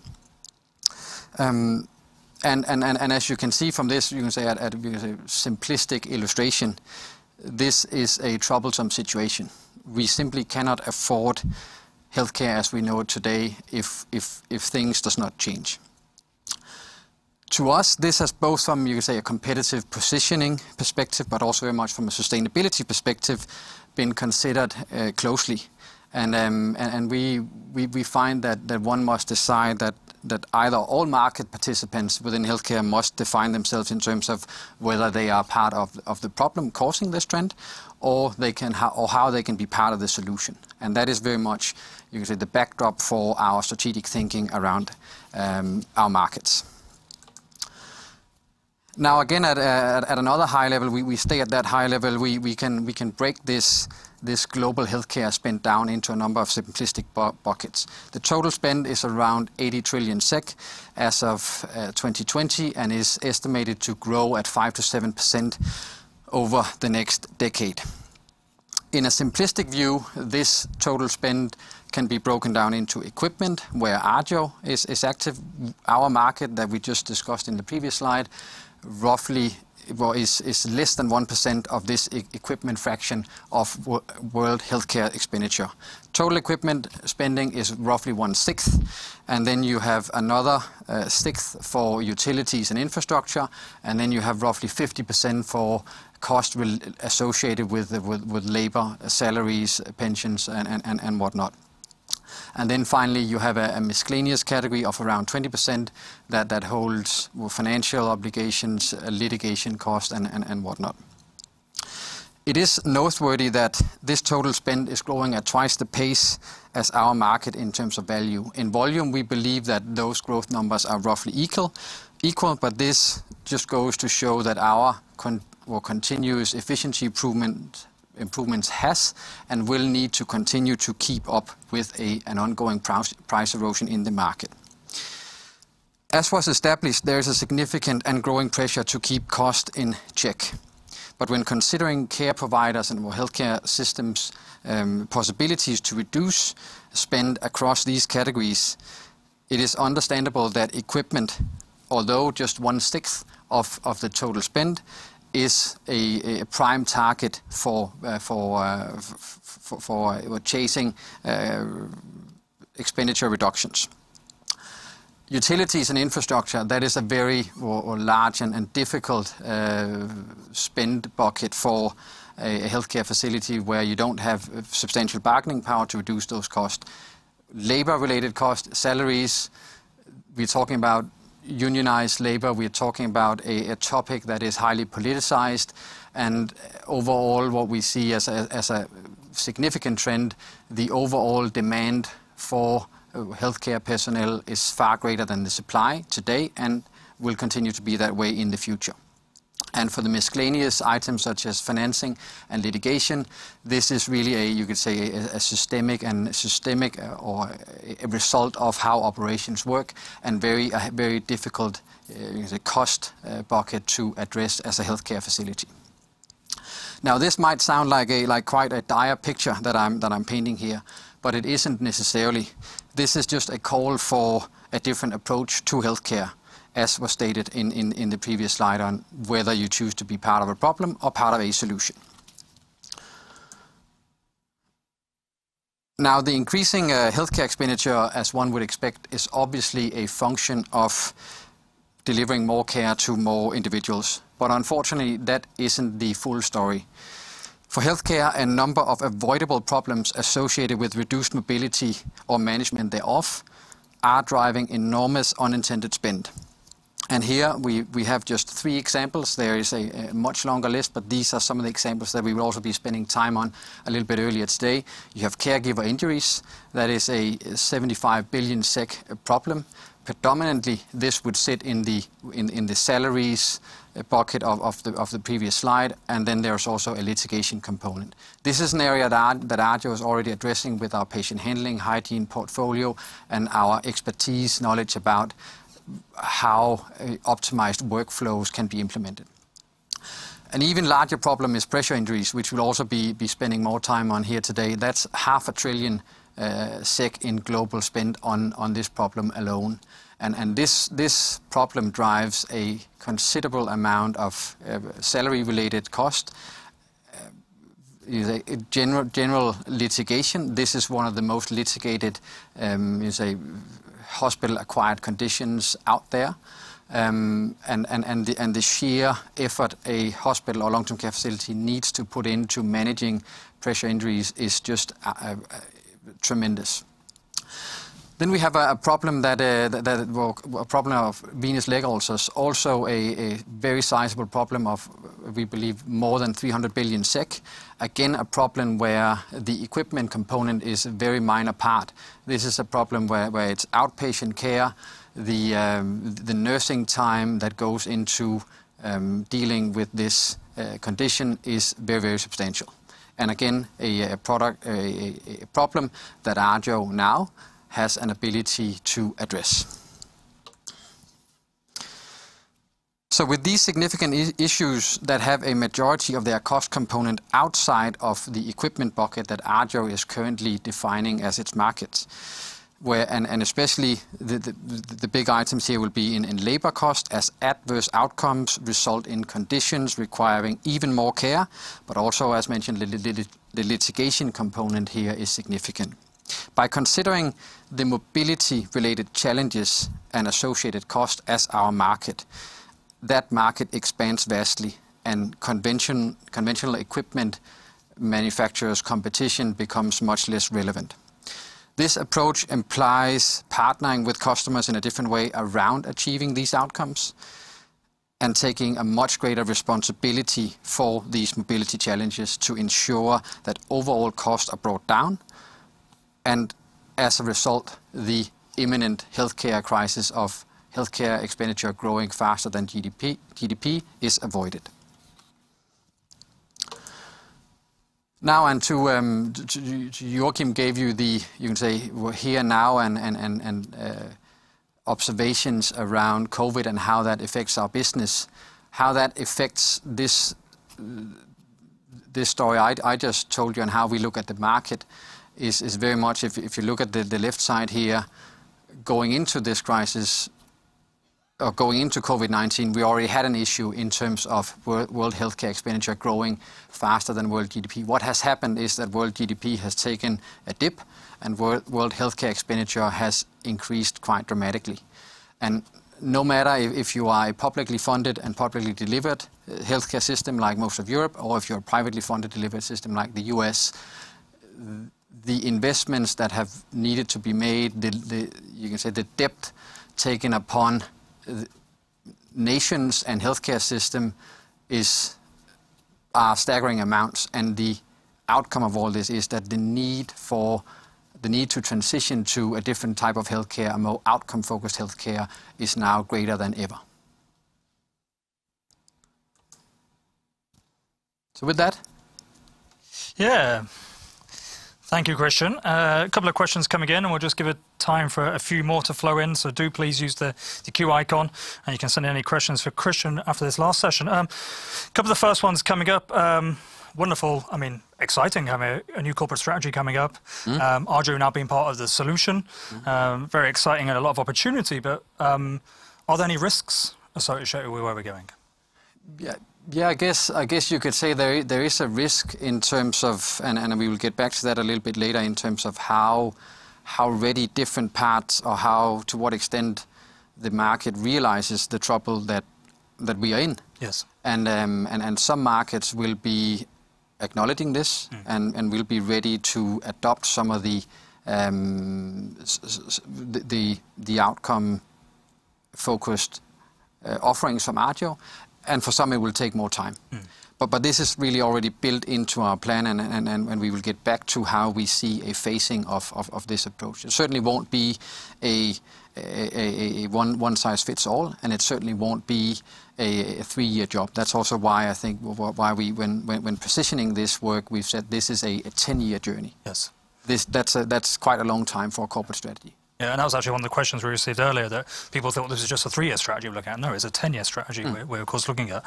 As you can see from this, you can say a simplistic illustration, this is a troublesome situation. We simply cannot afford healthcare as we know it today if things does not change. To us, this has both from, you can say, a competitive positioning perspective, but also very much from a sustainability perspective, been considered closely. We find that one must decide that either all market participants within healthcare must define themselves in terms of whether they are part of the problem causing this trend or how they can be part of the solution. That is very much, you can say, the backdrop for our strategic thinking around our markets. Now again, at another high level, we stay at that high level. We can break this global healthcare spend down into a number of simplistic buckets. The total spend is around 80 trillion SEK as of 2020, and is estimated to grow at 5%-7% over the next decade. In a simplistic view, this total spend can be broken down into equipment where Arjo is active. Our market that we just discussed in the previous slide, roughly is less than 1% of this equipment fraction of world healthcare expenditure. Total equipment spending is roughly one sixth, and then you have another sixth for utilities and infrastructure, and then you have roughly 50% for cost associated with labor, salaries, pensions and whatnot. Then finally, you have a miscellaneous category of around 20% that holds financial obligations, litigation cost, and whatnot. It is noteworthy that this total spend is growing at twice the pace as our market in terms of value. In volume, we believe that those growth numbers are roughly equal, but this just goes to show that our continuous efficiency improvements has and will need to continue to keep up with an ongoing price erosion in the market. As was established, there is a significant and growing pressure to keep cost in check. When considering care providers and more healthcare systems' possibilities to reduce spend across these categories, it is understandable that equipment, although just 1/6 of the total spend, is a prime target for chasing expenditure reductions. Utilities and infrastructure, that is a very large and difficult spend bucket for a healthcare facility where you don't have substantial bargaining power to reduce those costs. Labor-related costs, salaries, we're talking about unionized labor, we're talking about a topic that is highly politicized. Overall, what we see as a significant trend, the overall demand for healthcare personnel is far greater than the supply today and will continue to be that way in the future. For the miscellaneous items such as financing and litigation, this is really a, you could say, a systemic or a result of how operations work and very difficult, as a cost bucket to address as a healthcare facility. Now, this might sound like quite a dire picture that I'm painting here, but it isn't necessarily. This is just a call for a different approach to healthcare, as was stated in the previous slide on whether you choose to be part of a problem or part of a solution. The increasing healthcare expenditure, as one would expect, is obviously a function of delivering more care to more individuals. Unfortunately, that isn't the full story. For healthcare, a number of avoidable problems associated with reduced mobility or management thereof are driving enormous unintended spend. Here we have just three examples. There is a much longer list, these are some of the examples that we will also be spending time on a little bit earlier today. You have caregiver injuries. That is a 75 billion SEK problem. Predominantly, this would sit in the salaries bucket of the previous slide, then there's also a litigation component. This is an area that Arjo is already addressing with our patient handling hygiene portfolio and our expertise knowledge about how optimized workflows can be implemented. An even larger problem is pressure injuries, which we'll also be spending more time on here today. That's half a trillion SEK in global spend on this problem alone. This problem drives a considerable amount of salary-related cost. General litigation, this is one of the most litigated, you say, hospital-acquired conditions out there. The sheer effort a hospital or long-term care facility needs to put into managing pressure injuries is just tremendous. We have a problem of venous leg ulcers. Also a very sizable problem of, we believe more than 300 billion SEK. Again, a problem where the equipment component is a very minor part. This is a problem where it's outpatient care. The nursing time that goes into dealing with this condition is very substantial. Again, a problem that Arjo now has an ability to address. With these significant issues that have a majority of their cost component outside of the equipment bucket that Arjo is currently defining as its markets, and especially the big items here will be in labor cost as adverse outcomes result in conditions requiring even more care, but also, as mentioned, the litigation component here is significant. By considering the mobility-related challenges and associated cost as our market, that market expands vastly and conventional equipment manufacturers' competition becomes much less relevant. This approach implies partnering with customers in a different way around achieving these outcomes and taking a much greater responsibility for these mobility challenges to ensure that overall costs are brought down, and as a result, the imminent healthcare crisis of healthcare expenditure growing faster than GDP is avoided. Now, Joacim gave you the, you can say, we're here now and observations around COVID and how that affects our business, how that affects this story I just told you on how we look at the market is very much if you look at the left side here, going into this crisis or going into COVID-19, we already had an issue in terms of world healthcare expenditure growing faster than world GDP. What has happened is that world GDP has taken a dip and world healthcare expenditure has increased quite dramatically. No matter if you are a publicly funded and publicly delivered healthcare system like most of Europe, or if you're a privately funded delivered system like the U.S., the investments that have needed to be made, you can say the debt taken upon nations and healthcare system are staggering amounts and the outcome of all this is that the need to transition to a different type of healthcare, a more outcome-focused healthcare, is now greater than ever. With that. Yeah. Thank you, Christian. A couple of questions coming in, and we'll just give it time for a few more to flow in. Do please use the Q icon, and you can send any questions for Christian after this last session. Couple of the first ones coming up. Wonderful, I mean, exciting having a new corporate strategy coming up. Arjo now being part of the solution. Very exciting and a lot of opportunity but, are there any risks associated with where we're going? Yeah. I guess you could say there is a risk in terms of, and we will get back to that a little bit later in terms of how ready different parts or how to what extent the market realizes the trouble that we are in. Yes. Some markets will be acknowledging this. Will be ready to adopt some of the outcome-focused offerings from Arjo, and for some, it will take more time. This is really already built into our plan, and we will get back to how we see a phasing of this approach. It certainly won't be a one size fits all, and it certainly won't be a three-year job. That's also why I think when positioning this work, we've said this is a 10-year journey. Yes. That's quite a long time for a corporate strategy. Yeah, that was actually one of the questions we received earlier, that people thought this was just a three-year strategy we're looking at. No, it's a 10-year strategy. We're of course looking at.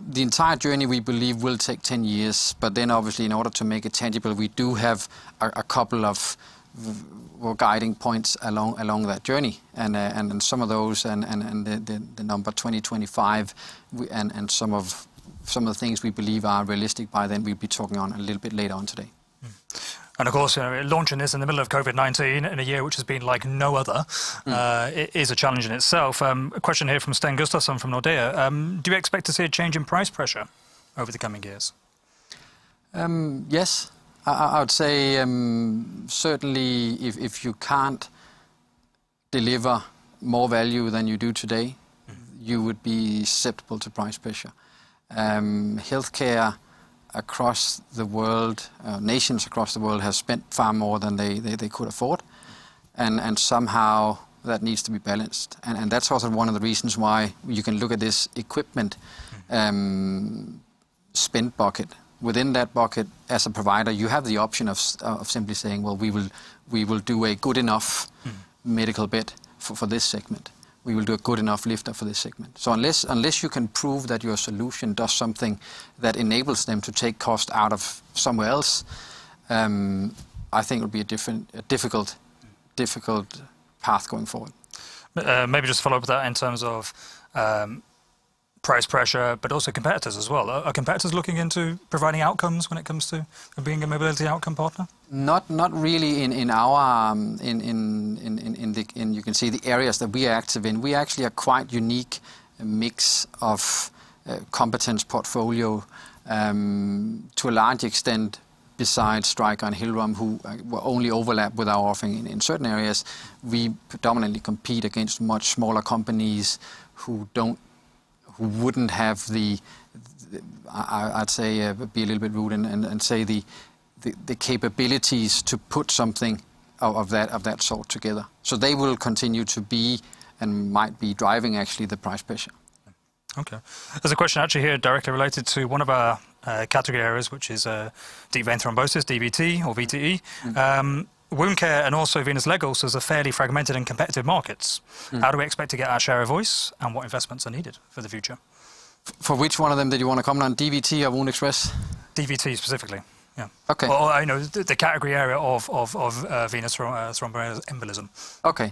The entire journey, we believe, will take 10 years. Obviously, in order to make it tangible, we do have a couple of guiding points along that journey. Some of those, and the number 2025, and some of the things we believe are realistic by then, we'll be talking on a little bit later on today. Of course, launching this in the middle of COVID-19, in a year which has been like no other, is a challenge in itself. A question here from Sten Gustafsson from Nordea, "Do you expect to see a change in price pressure over the coming years? Yes. I would say certainly if you can't deliver more value than you do today, you would be susceptible to price pressure. Healthcare across the world, nations across the world have spent far more than they could afford, and somehow that needs to be balanced. That's also one of the reasons why you can look at this equipment spend bucket. Within that bucket, as a provider, you have the option of simply saying, "Well, we will do a good enough medical bed for this segment. We will do a good enough lifter for this segment." Unless you can prove that your solution does something that enables them to take cost out of somewhere else, I think it will be a difficult path going forward. Maybe just follow up with that in terms of price pressure, but also competitors as well. Are competitors looking into providing outcomes when it comes to being a mobility outcome partner? Not really in the areas that we are active in. We actually are quite unique mix of competence portfolio, to a large extent besides Stryker and Hillrom, who only overlap with our offering in certain areas. We predominantly compete against much smaller companies who wouldn't have the, I'd be a little bit rude and say the capabilities to put something of that sort together. They will continue to be, and might be driving actually the price pressure. Okay. There's a question actually here directly related to one of our category areas, which is deep vein thrombosis, DVT or VTE. Wound care and also venous leg ulcers are fairly fragmented and competitive markets. How do we expect to get our share of voice, and what investments are needed for the future? For which one of them did you want to comment on, DVT or WoundExpress? DVT specifically. Yeah. Okay. The category area of venous thromboembolism. Okay.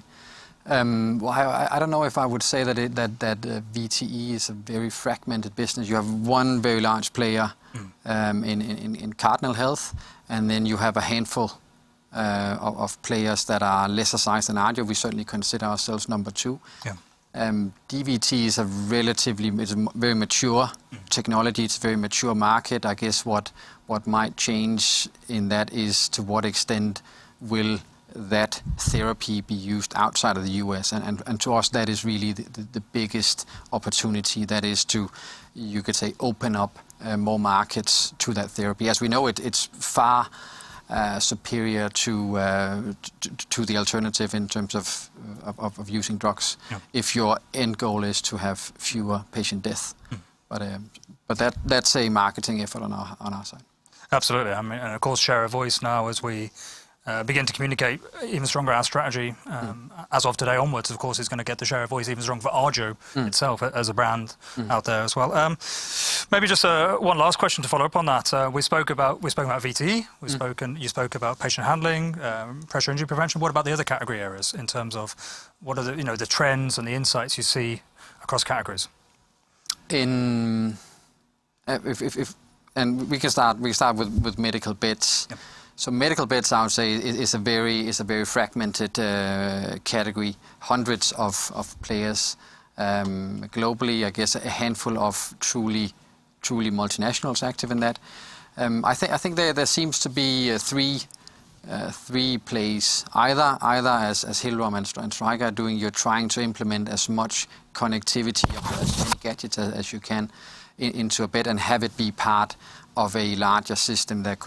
Well, I don't know if I would say that VTE is a very fragmented business. You have one very large player in Cardinal Health. Then you have a handful of players that are lesser sized than Arjo. We certainly consider ourselves number two. Yeah. DVT is a very mature technology. It's a very mature market. I guess what might change in that is to what extent will that therapy be used outside of the U.S., and to us, that is really the biggest opportunity. That is to, you could say, open up more markets to that therapy. As we know it's far superior to the alternative in terms of using drugs. Yeah if your end goal is to have fewer patient deaths. That's a marketing effort on our side. Absolutely. Of course, share of voice now as we begin to communicate even stronger our strategy as of today onwards, of course, is going to get the share of voice even stronger for Arjo itself as a brand out there as well. Maybe just one last question to follow up on that. We spoke about VTE. You spoke about patient handling, pressure injury prevention. What about the other category areas in terms of what are the trends and the insights you see across categories? We can start with medical beds. Yeah. Medical beds, I would say, is a very fragmented category. Hundreds of players globally. I guess a handful of truly multinationals active in that. I think there seems to be three plays, either as Hillrom and Stryker are doing, you're trying to implement as much connectivity of as many gadgets as you can into a bed and have it be part of a larger system that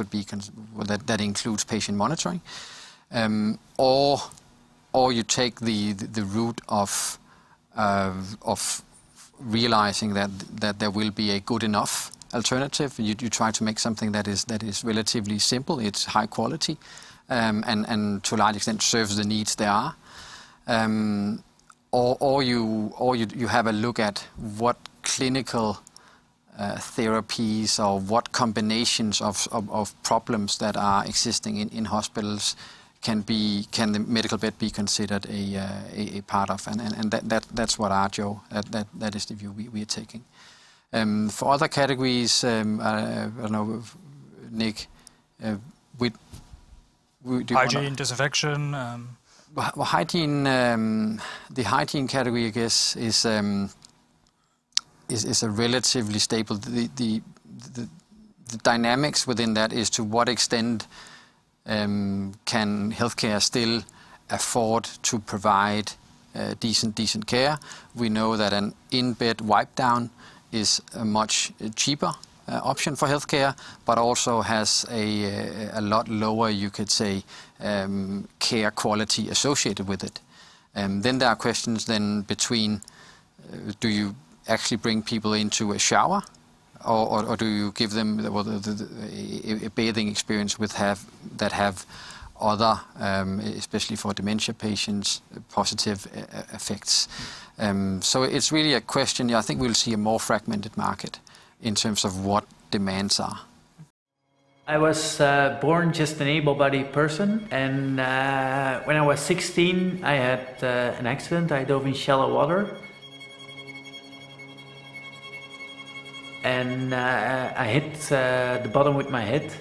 includes patient monitoring. You take the route of realizing that there will be a good enough alternative. You try to make something that is relatively simple, it's high quality, and to a large extent serves the needs there are. You have a look at what clinical therapies or what combinations of problems that are existing in hospitals can the medical bed be considered a part of, and that's what Arjo, that is the view we are taking. For other categories, I don't know, Nick, do you want to? Hygiene, disinfection. Well, the hygiene category, I guess, is a relatively stable. The dynamics within that is to what extent can healthcare still afford to provide decent care. We know that an in-bed wipe down is a much cheaper option for healthcare, but also has a lot lower, you could say, care quality associated with it. There are questions then between do you actually bring people into a shower or do you give them a bathing experience that have. Other, especially for dementia patients, positive effects. It's really a question. I think we'll see a more fragmented market in terms of what demands are. I was born just an able-bodied person. When I was 16, I had an accident. I dove in shallow water and I hit the bottom with my head.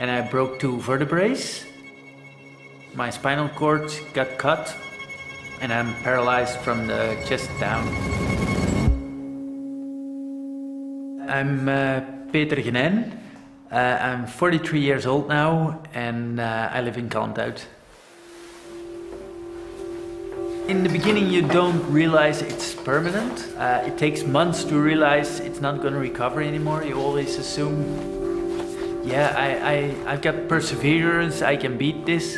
I broke two vertebrae. My spinal cord got cut. I'm paralyzed from the chest down. I'm Peter Genyn. I'm 43 years old now. I live in Ghent. In the beginning, you don't realize it's permanent. It takes months to realize it's not going to recover anymore. You always assume, yeah, I've got perseverance. I can beat this.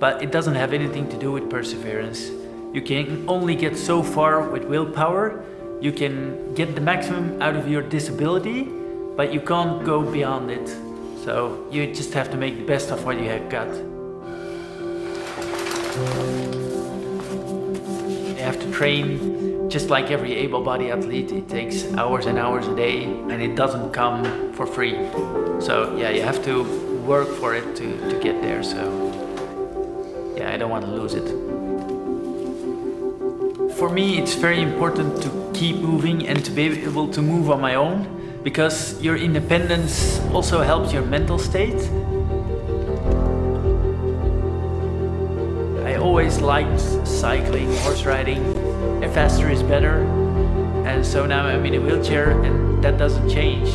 It doesn't have anything to do with perseverance. You can only get so far with willpower. You can get the maximum out of your disability. You can't go beyond it. You just have to make the best of what you have got. You have to train just like every able-bodied athlete. It takes hours and hours a day. It doesn't come for free. Yeah, you have to work for it to get there. Yeah, I don't want to lose it. For me, it's very important to keep moving and to be able to move on my own, because your independence also helps your mental state. I always liked cycling, horse riding. The faster is better. Now I'm in a wheelchair, that doesn't change.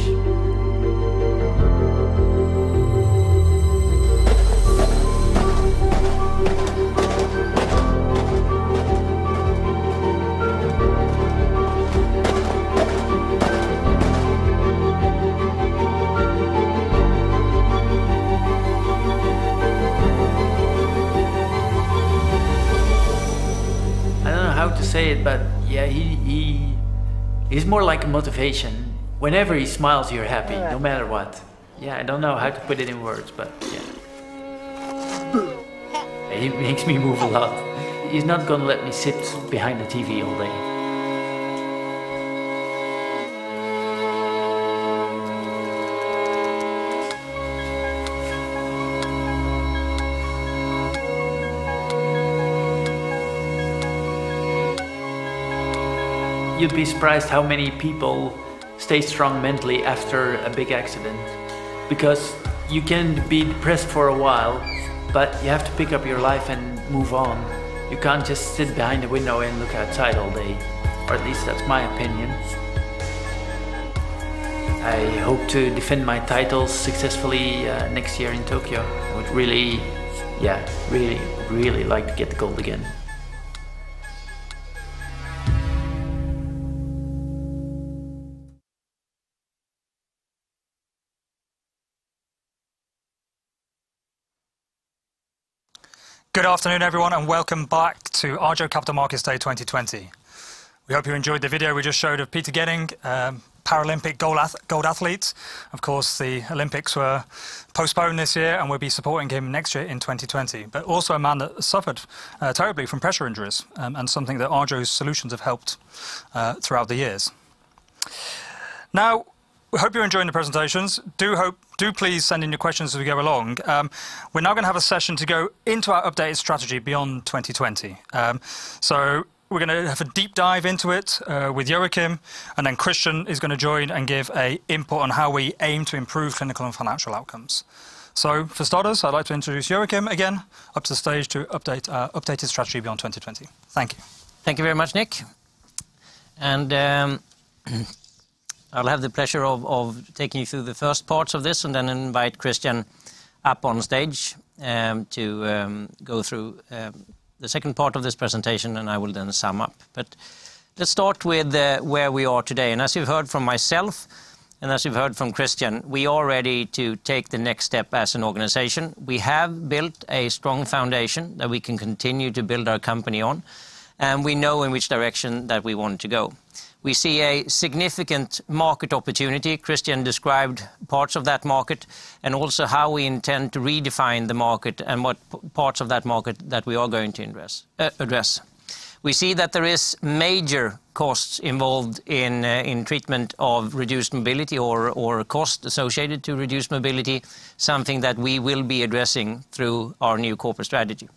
I don't know how to say it. Yeah, he's more like a motivation. Whenever he smiles, you're happy. Yeah no matter what. Yeah, I don't know how to put it in words, but yeah. Boo. He makes me move a lot. He's not going to let me sit behind the TV all day. You'd be surprised how many people stay strong mentally after a big accident, because you can be depressed for a while, but you have to pick up your life and move on. You can't just sit behind a window and look outside all day. At least that's my opinion. I hope to defend my title successfully next year in Tokyo. I would really like to get the gold again. Good afternoon, everyone, welcome back to Arjo Capital Markets Day 2020. We hope you enjoyed the video we just showed of Peter Genyn, Paralympic gold athlete. Of course, the Olympics were postponed this year, we'll be supporting him next year in 2020. Also a man that suffered terribly from pressure injuries, something that Arjo's solutions have helped throughout the years. We hope you're enjoying the presentations. Do please send in your questions as we go along. We're now going to have a session to go into our updated strategy beyond 2020. We're going to have a deep dive into it with Joacim, Christian is going to join and give input on how we aim to improve clinical and financial outcomes. For starters, I'd like to introduce Joacim again up to stage to update his strategy beyond 2020. Thank you. Thank you very much, Nick. I'll have the pleasure of taking you through the first parts of this and then invite Christian up on stage to go through the second part of this presentation, and I will then sum up. Let's start with where we are today. As you've heard from myself, and as you've heard from Christian, we are ready to take the next step as an organization. We have built a strong foundation that we can continue to build our company on, and we know in which direction that we want to go. We see a significant market opportunity. Christian described parts of that market and also how we intend to redefine the market and what parts of that market that we are going to address. We see that there is major costs involved in treatment of reduced mobility or cost associated to reduced mobility, something that we will be addressing through our new corporate strategy.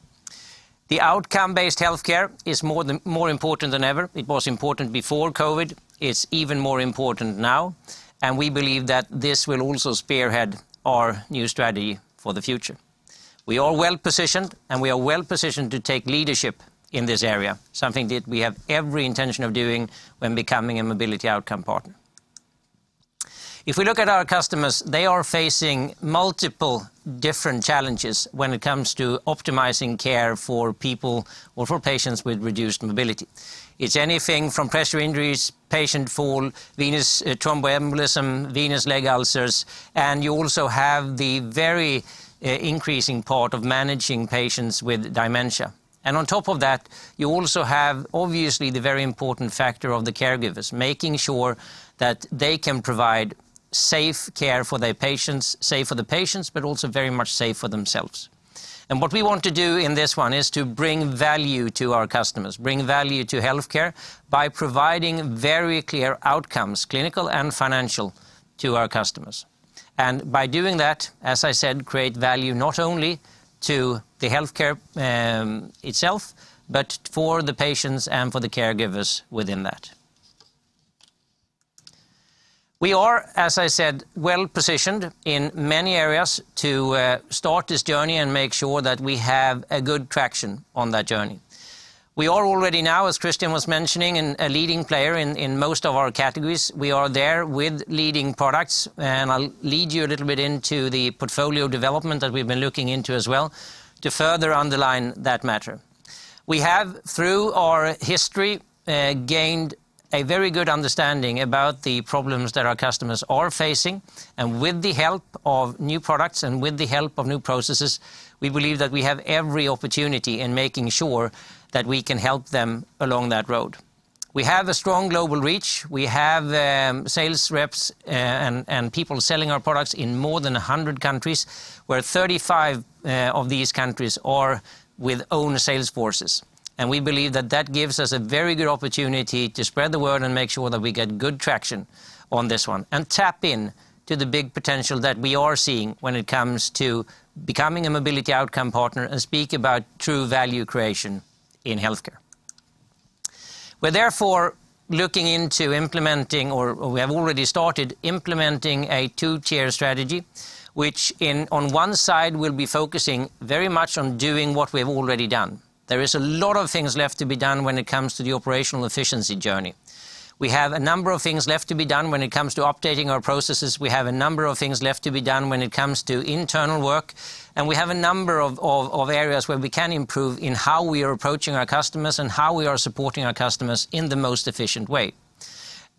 The outcome-based healthcare is more important than ever. It was important before COVID. It's even more important now, and we believe that this will also spearhead our new strategy for the future. We are well-positioned, and we are well-positioned to take leadership in this area, something that we have every intention of doing when becoming a mobility outcome partner. If we look at our customers, they are facing multiple different challenges when it comes to optimizing care for people or for patients with reduced mobility. It's anything from pressure injuries, patient fall, venous thromboembolism, venous leg ulcers, and you also have the very increasing part of managing patients with dementia. On top of that, you also have obviously the very important factor of the caregivers, making sure that they can provide safe care for their patients, safe for the patients, but also very much safe for themselves. What we want to do in this one is to bring value to our customers, bring value to healthcare by providing very clear outcomes, clinical and financial, to our customers. By doing that, as I said, create value not only to the healthcare itself, but for the patients and for the caregivers within that. We are, as I said, well-positioned in many areas to start this journey and make sure that we have a good traction on that journey. We are already now, as Christian was mentioning, a leading player in most of our categories. We are there with leading products. I'll lead you a little bit into the portfolio development that we've been looking into as well to further underline that matter. We have, through our history, gained a very good understanding about the problems that our customers are facing. With the help of new products and with the help of new processes, we believe that we have every opportunity in making sure that we can help them along that road. We have a strong global reach. We have sales reps and people selling our products in more than 100 countries, where 35 of these countries are with own sales forces. We believe that that gives us a very good opportunity to spread the word and make sure that we get good traction on this one, and tap into the big potential that we are seeing when it comes to becoming a mobility outcome partner and speak about true value creation in healthcare. We're therefore looking into implementing, or we have already started implementing a 2-tier strategy, which on one side will be focusing very much on doing what we've already done. There is a lot of things left to be done when it comes to the operational efficiency journey. We have a number of things left to be done when it comes to updating our processes. We have a number of things left to be done when it comes to internal work, and we have a number of areas where we can improve in how we are approaching our customers and how we are supporting our customers in the most efficient way.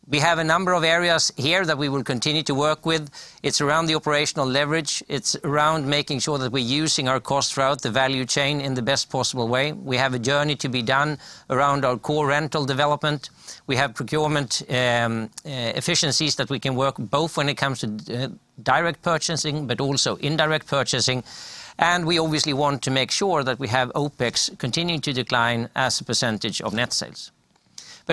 We have a number of areas here that we will continue to work with. It's around the operational leverage. It's around making sure that we're using our costs throughout the value chain in the best possible way. We have a journey to be done around our core rental development. We have procurement efficiencies that we can work both when it comes to direct purchasing, but also indirect purchasing. We obviously want to make sure that we have OpEx continuing to decline as a % of net sales.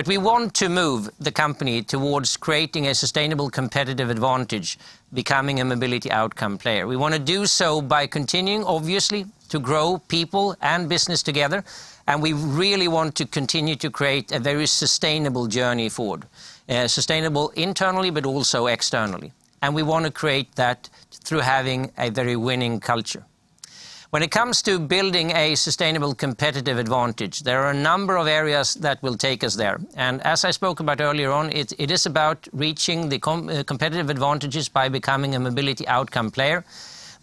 We want to move the company towards creating a sustainable competitive advantage, becoming a mobility outcome player. We want to do so by continuing, obviously, to grow people and business together, and we really want to continue to create a very sustainable journey forward, sustainable internally, but also externally. We want to create that through having a very winning culture. When it comes to building a sustainable competitive advantage, there are a number of areas that will take us there. As I spoke about earlier on, it is about reaching the competitive advantages by becoming a mobility outcome player,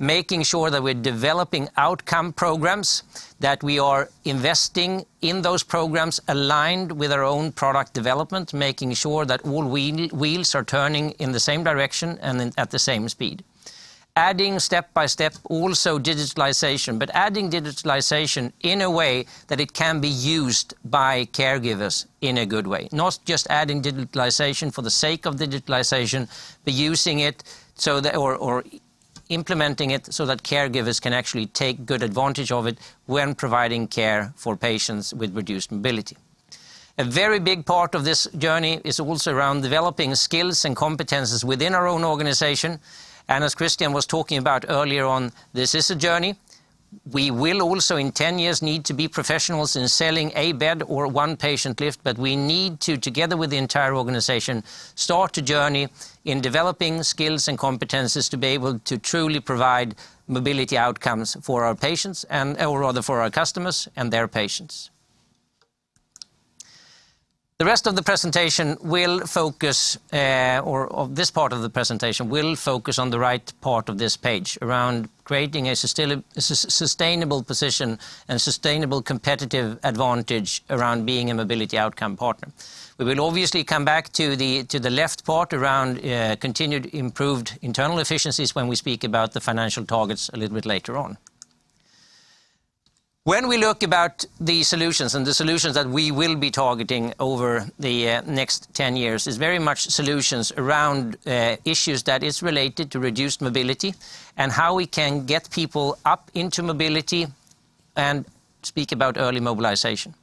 making sure that we're developing outcome programs, that we are investing in those programs aligned with our own product development, making sure that all wheels are turning in the same direction and at the same speed. Adding step by step also digitalization, but adding digitalization in a way that it can be used by caregivers in a good way. Not just adding digitalization for the sake of digitalization, but implementing it so that caregivers can actually take good advantage of it when providing care for patients with reduced mobility. A very big part of this journey is also around developing skills and competencies within our own organization, and as Christian was talking about earlier on, this is a journey. We will also in 10 years need to be professionals in selling a bed or one patient lift, but we need to, together with the entire organization, start a journey in developing skills and competencies to be able to truly provide mobility outcomes for our customers and their patients. This part of the presentation will focus on the right part of this page around creating a sustainable position and sustainable competitive advantage around being a mobility outcome partner. We will obviously come back to the left part around continued improved internal efficiencies when we speak about the financial targets a little bit later on. When we look about the solutions, the solutions that we will be targeting over the next 10 years is very much solutions around issues that is related to reduced mobility and how we can get people up into mobility and speak about early mobilization.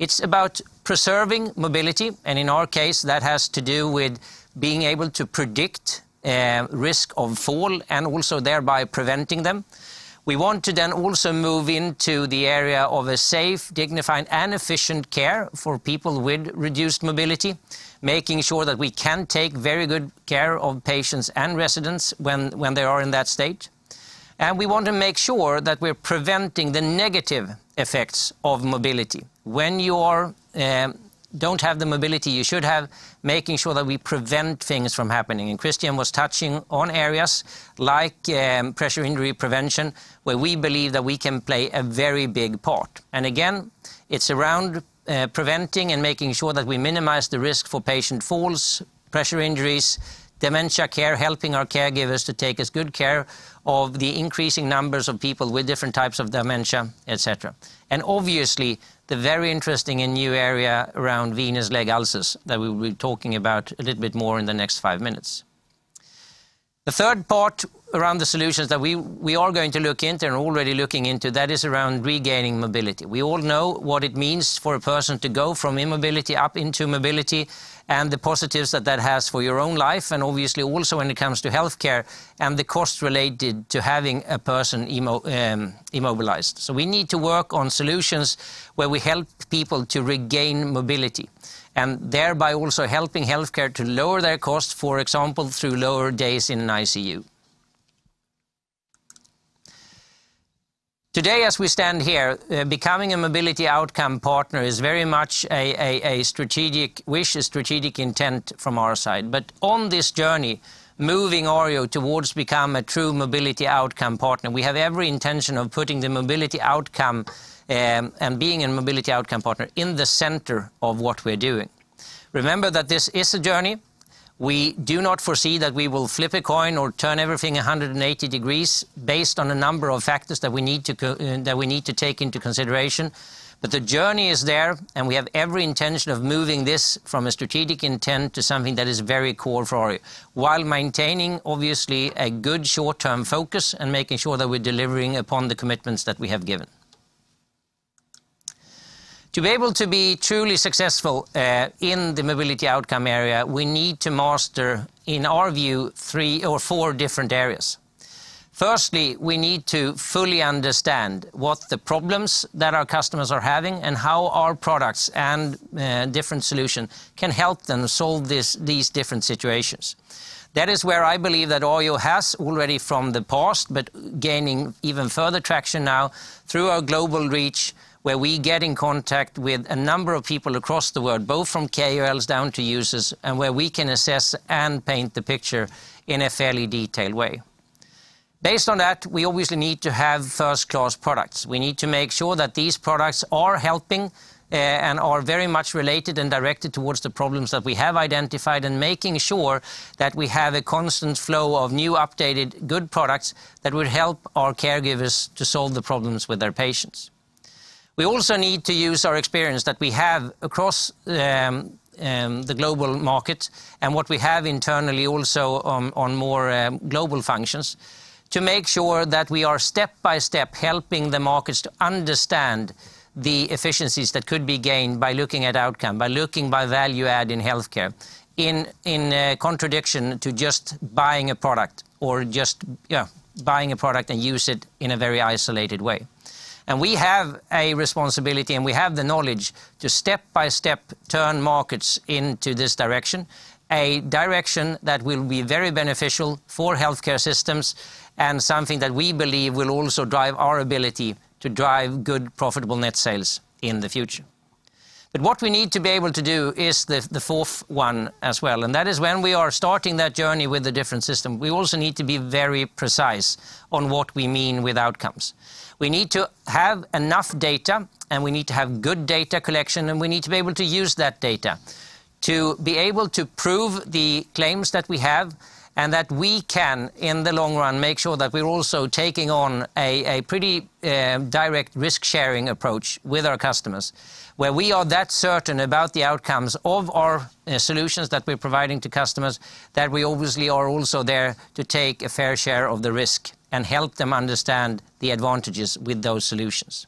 It's about preserving mobility, and in our case, that has to do with being able to predict risk of fall and also thereby preventing them. We want to also move into the area of a safe, dignified, and efficient care for people with reduced mobility, making sure that we can take very good care of patients and residents when they are in that state. We want to make sure that we're preventing the negative effects of mobility. When you don't have the mobility you should have, making sure that we prevent things from happening. Christian was touching on areas like pressure injury prevention, where we believe that we can play a very big part. Again, it's around preventing and making sure that we minimize the risk for patient falls, pressure injuries, dementia care, helping our caregivers to take as good care of the increasing numbers of people with different types of dementia, et cetera. Obviously, the very interesting and new area around venous leg ulcers that we'll be talking about a little bit more in the next five minutes. The third part around the solutions that we are going to look into, and already looking into, that is around regaining mobility. We all know what it means for a person to go from immobility up into mobility, and the positives that that has for your own life, and obviously also when it comes to healthcare and the cost related to having a person immobilized. We need to work on solutions where we help people to regain mobility, and thereby also helping healthcare to lower their costs, for example, through lower days in ICU. Today, as we stand here, becoming a mobility outcome partner is very much a strategic wish, a strategic intent from our side. On this journey, moving Arjo towards become a true mobility outcome partner, we have every intention of putting the mobility outcome, and being a mobility outcome partner, in the center of what we're doing. Remember that this is a journey. We do not foresee that we will flip a coin or turn everything 180 degrees based on a number of factors that we need to take into consideration. The journey is there, and we have every intention of moving this from a strategic intent to something that is very core for Arjo, while maintaining, obviously, a good short-term focus and making sure that we're delivering upon the commitments that we have given. To be able to be truly successful in the mobility outcome area, we need to master, in our view, three or four different areas. Firstly, we need to fully understand what the problems that our customers are having, and how our products and different solutions can help them solve these different situations. That is where I believe that Arjo has already from the past, but gaining even further traction now through our global reach, where we get in contact with a number of people across the world, both from KOLs down to users, and where we can assess and paint the picture in a fairly detailed way. Based on that, we obviously need to have first-class products. We need to make sure that these products are helping, and are very much related and directed towards the problems that we have identified, and making sure that we have a constant flow of new, updated, good products that will help our caregivers to solve the problems with their patients. We also need to use our experience that we have across the global market, and what we have internally also on more global functions, to make sure that we are step-by-step helping the markets to understand the efficiencies that could be gained by looking at outcome, by looking by value add in healthcare, in contradiction to just buying a product, or just buying a product and use it in a very isolated way. We have a responsibility, and we have the knowledge to step-by-step turn markets into this direction, a direction that will be very beneficial for healthcare systems, and something that we believe will also drive our ability to drive good profitable net sales in the future. What we need to be able to do is the fourth one as well, and that is when we are starting that journey with a different system. We also need to be very precise on what we mean with outcomes. We need to have enough data, and we need to have good data collection, and we need to be able to use that data to be able to prove the claims that we have, and that we can, in the long run, make sure that we're also taking on a pretty direct risk-sharing approach with our customers, where we are that certain about the outcomes of our solutions that we're providing to customers, that we obviously are also there to take a fair share of the risk, and help them understand the advantages with those solutions.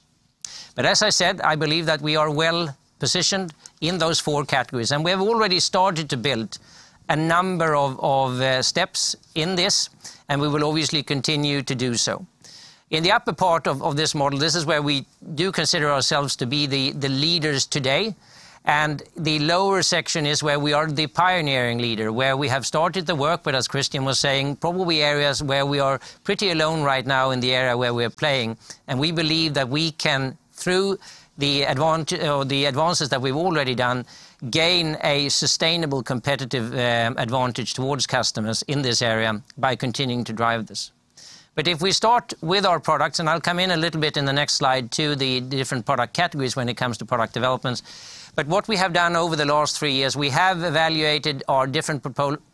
As I said, I believe that we are well positioned in those four categories, and we have already started to build a number of steps in this, and we will obviously continue to do so. In the upper part of this model, this is where we do consider ourselves to be the leaders today. The lower section is where we are the pioneering leader, where we have started the work, but as Christian was saying, probably areas where we are pretty alone right now in the area where we are playing. We believe that we can, through the advances that we've already done, gain a sustainable competitive advantage towards customers in this area by continuing to drive this. If we start with our products, and I'll come in a little bit in the next slide to the different product categories when it comes to product developments. What we have done over the last three years, we have evaluated our different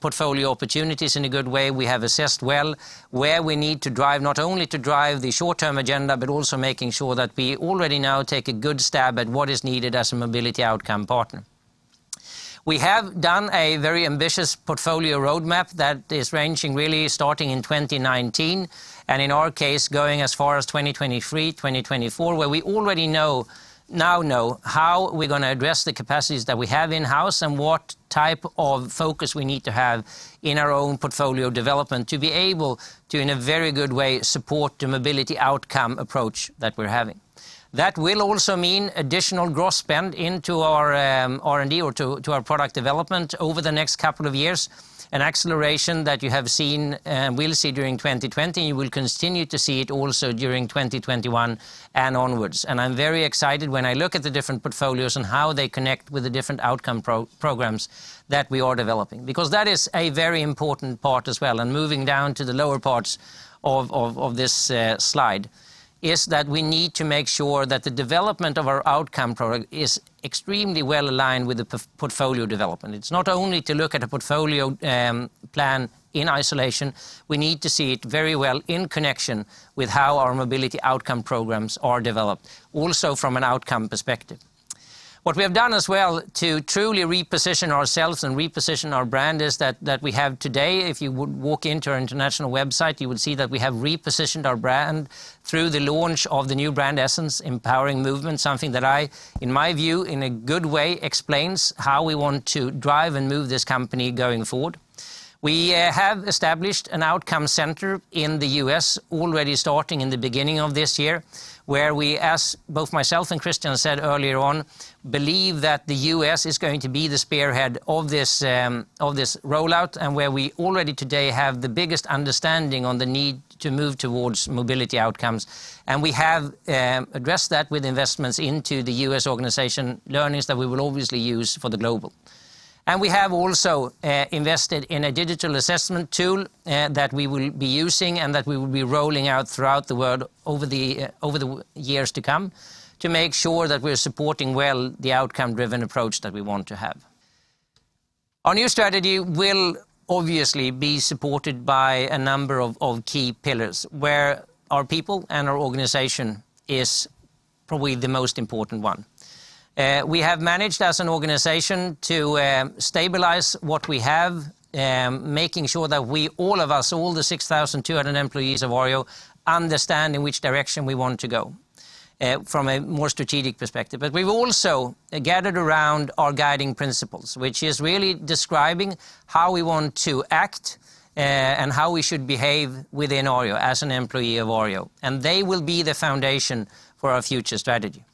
portfolio opportunities in a good way. We have assessed well where we need to drive, not only to drive the short-term agenda, but also making sure that we already now take a good stab at what is needed as a mobility outcome partner. We have done a very ambitious portfolio roadmap that is ranging really starting in 2019, and in our case, going as far as 2023, 2024, where we already now know how we're going to address the capacities that we have in-house, and what type of focus we need to have in our own portfolio development to be able to, in a very good way, support the mobility outcome approach that we're having. That will also mean additional gross spend into our R&D, or to our product development over the next couple of years, an acceleration that you have seen, and will see during 2020. You will continue to see it also during 2021 and onwards. I'm very excited when I look at the different portfolios and how they connect with the different outcome programs that we are developing. That is a very important part as well, and moving down to the lower parts of this slide, is that we need to make sure that the development of our outcome product is extremely well aligned with the portfolio development. It's not only to look at a portfolio plan in isolation. We need to see it very well in connection with how our mobility outcome programs are developed, also from an outcome perspective. What we have done as well to truly reposition ourselves and reposition our brand is that we have today, if you would walk into our international website, you would see that we have repositioned our brand through the launch of the new brand essence, Empowering Movement, something that, in my view, in a good way explains how we want to drive and move this company going forward. We have established an outcome center in the U.S. already starting in the beginning of this year, where we, as both myself and Christian said earlier on, believe that the U.S. is going to be the spearhead of this rollout and where we already today have the biggest understanding on the need to move towards mobility outcomes. We have addressed that with investments into the U.S. organization, learnings that we will obviously use for the global. We have also invested in a digital assessment tool that we will be using and that we will be rolling out throughout the world over the years to come to make sure that we are supporting well the outcome-driven approach that we want to have. Our new strategy will obviously be supported by a number of key pillars, where our people and our organization is probably the most important one. We have managed as an organization to stabilize what we have, making sure that we, all of us, all the 6,200 employees of Arjo, understand in which direction we want to go from a more strategic perspective. We've also gathered around our guiding principles, which is really describing how we want to act, and how we should behave within Arjo as an employee of Arjo. They will be the foundation for our future strategy.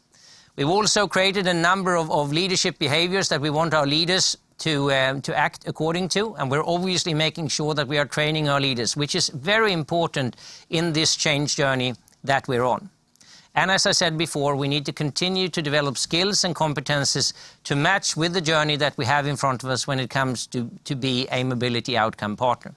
We've also created a number of leadership behaviors that we want our leaders to act according to, and we're obviously making sure that we are training our leaders, which is very important in this change journey that we're on. As I said before, we need to continue to develop skills and competencies to match with the journey that we have in front of us when it comes to be a mobility outcome partner.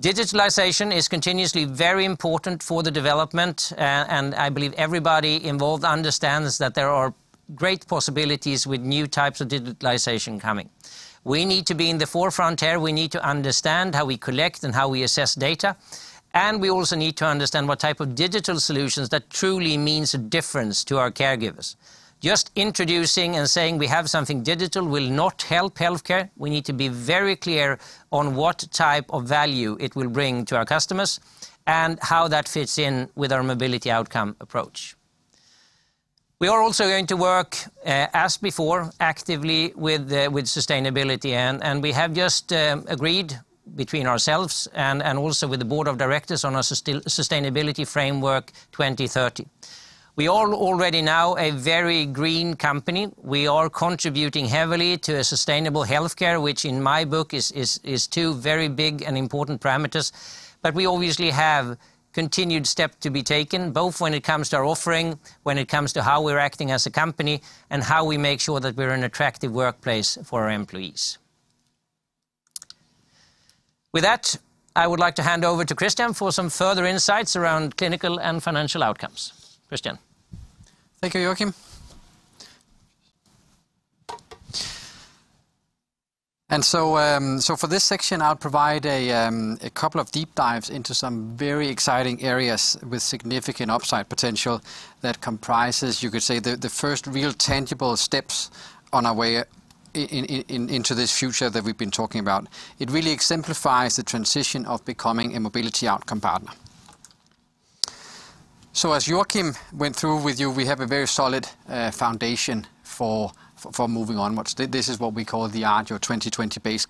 Digitalization is continuously very important for the development, and I believe everybody involved understands that there are great possibilities with new types of digitalization coming. We need to be in the forefront here. We need to understand how we collect and how we assess data, and we also need to understand what type of digital solutions that truly means a difference to our caregivers. Just introducing and saying we have something digital will not help healthcare. We need to be very clear on what type of value it will bring to our customers and how that fits in with our mobility outcome approach. We are also going to work, as before, actively with sustainability, and we have just agreed between ourselves and also with the board of directors on our Sustainability Framework 2030. We are already now a very green company. We are contributing heavily to a sustainable healthcare, which in my book is two very big and important parameters. We obviously have continued step to be taken, both when it comes to our offering, when it comes to how we're acting as a company, and how we make sure that we're an attractive workplace for our employees. With that, I would like to hand over to Christian for some further insights around clinical and financial outcomes. Christian. Thank you, Joacim. For this section, I'll provide a couple of deep dives into some very exciting areas with significant upside potential that comprises, you could say, the first real tangible steps on our way into this future that we've been talking about. It really exemplifies the transition of becoming a mobility outcome partner. As Joacim went through with you, we have a very solid foundation for moving on. This is what we call the Arjo 2020 Base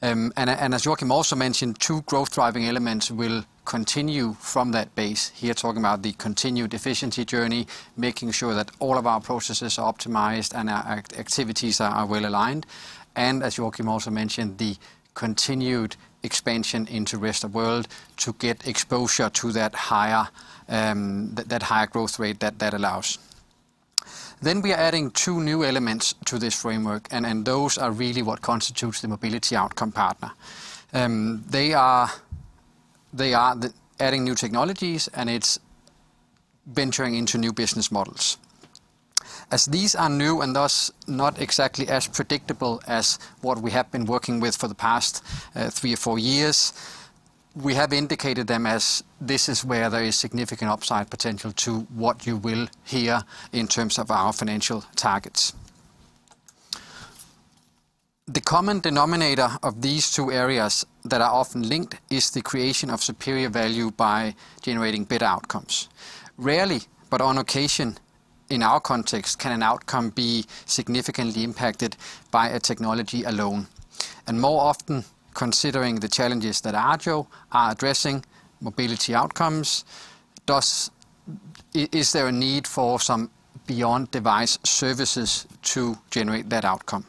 Camp. As Joacim also mentioned, two growth-driving elements will continue from that base. Here talking about the continued efficiency journey, making sure that all of our processes are optimized and our activities are well-aligned, and as Joacim also mentioned, the continued expansion into rest of world to get exposure to that higher growth rate that that allows. We are adding two new elements to this framework, and those are really what constitutes the mobility outcome partner. They are adding new technologies, and it's venturing into new business models. As these are new and thus not exactly as predictable as what we have been working with for the past three or four years, we have indicated them as this is where there is significant upside potential to what you will hear in terms of our financial targets. The common denominator of these two areas that are often linked is the creation of superior value by generating better outcomes. Rarely, but on occasion, in our context, can an outcome be significantly impacted by a technology alone. More often, considering the challenges that Arjo are addressing, mobility outcomes, thus is there a need for some beyond device services to generate that outcome.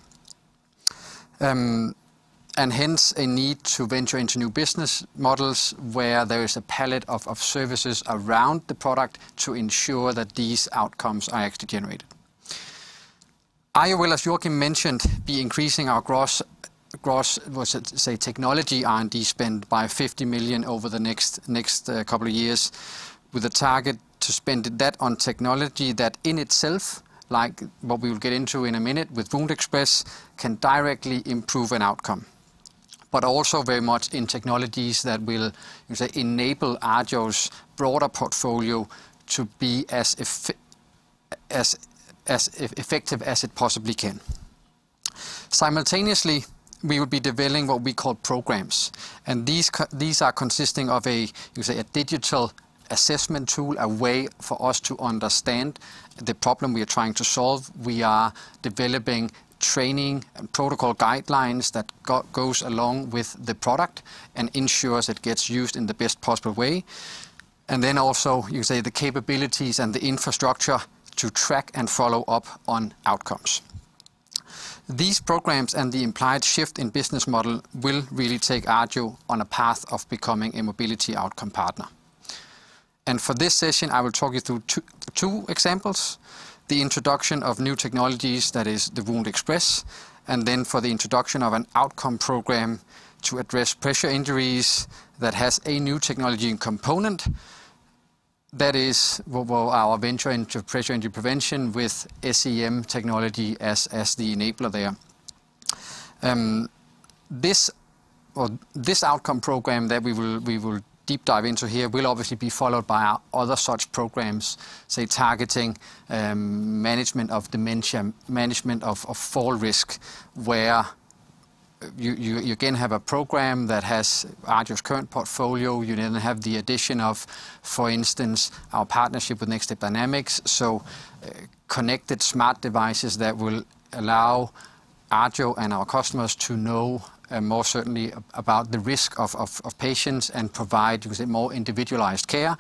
Hence, a need to venture into new business models where there is a palette of services around the product to ensure that these outcomes are actually generated. Arjo will, as Joacim mentioned, be increasing our gross versus, say, technology R&D spend by 50 million over the next couple of years with a target to spend that on technology that in itself, like what we will get into in a minute with WoundExpress, can directly improve an outcome. Also very much in technologies that will enable Arjo's broader portfolio to be as effective as it possibly can. Simultaneously, we will be developing what we call programs. These are consisting of a digital assessment tool, a way for us to understand the problem we are trying to solve. We are developing training protocol guidelines that go along with the product and ensure it gets used in the best possible way. Also, the capabilities and the infrastructure to track and follow up on outcomes. These programs and the implied shift in business model will really take Arjo on a path of becoming a mobility outcome partner. For this session, I will talk you through two examples. The introduction of new technologies, that is the WoundExpress, for the introduction of an outcome program to address pressure injuries that has a new technology component. That is our venture into pressure injury prevention with SEM technology as the enabler there. This outcome program that we will deep dive into here will obviously be followed by other such programs, say targeting management of dementia, management of fall risk, where you again have a program that has Arjo's current portfolio. You then have the addition of, for instance, our partnership with Next Step Dynamics, so connected smart devices that will allow Arjo and our customers to know more certainly about the risk of patients and provide more individualized care.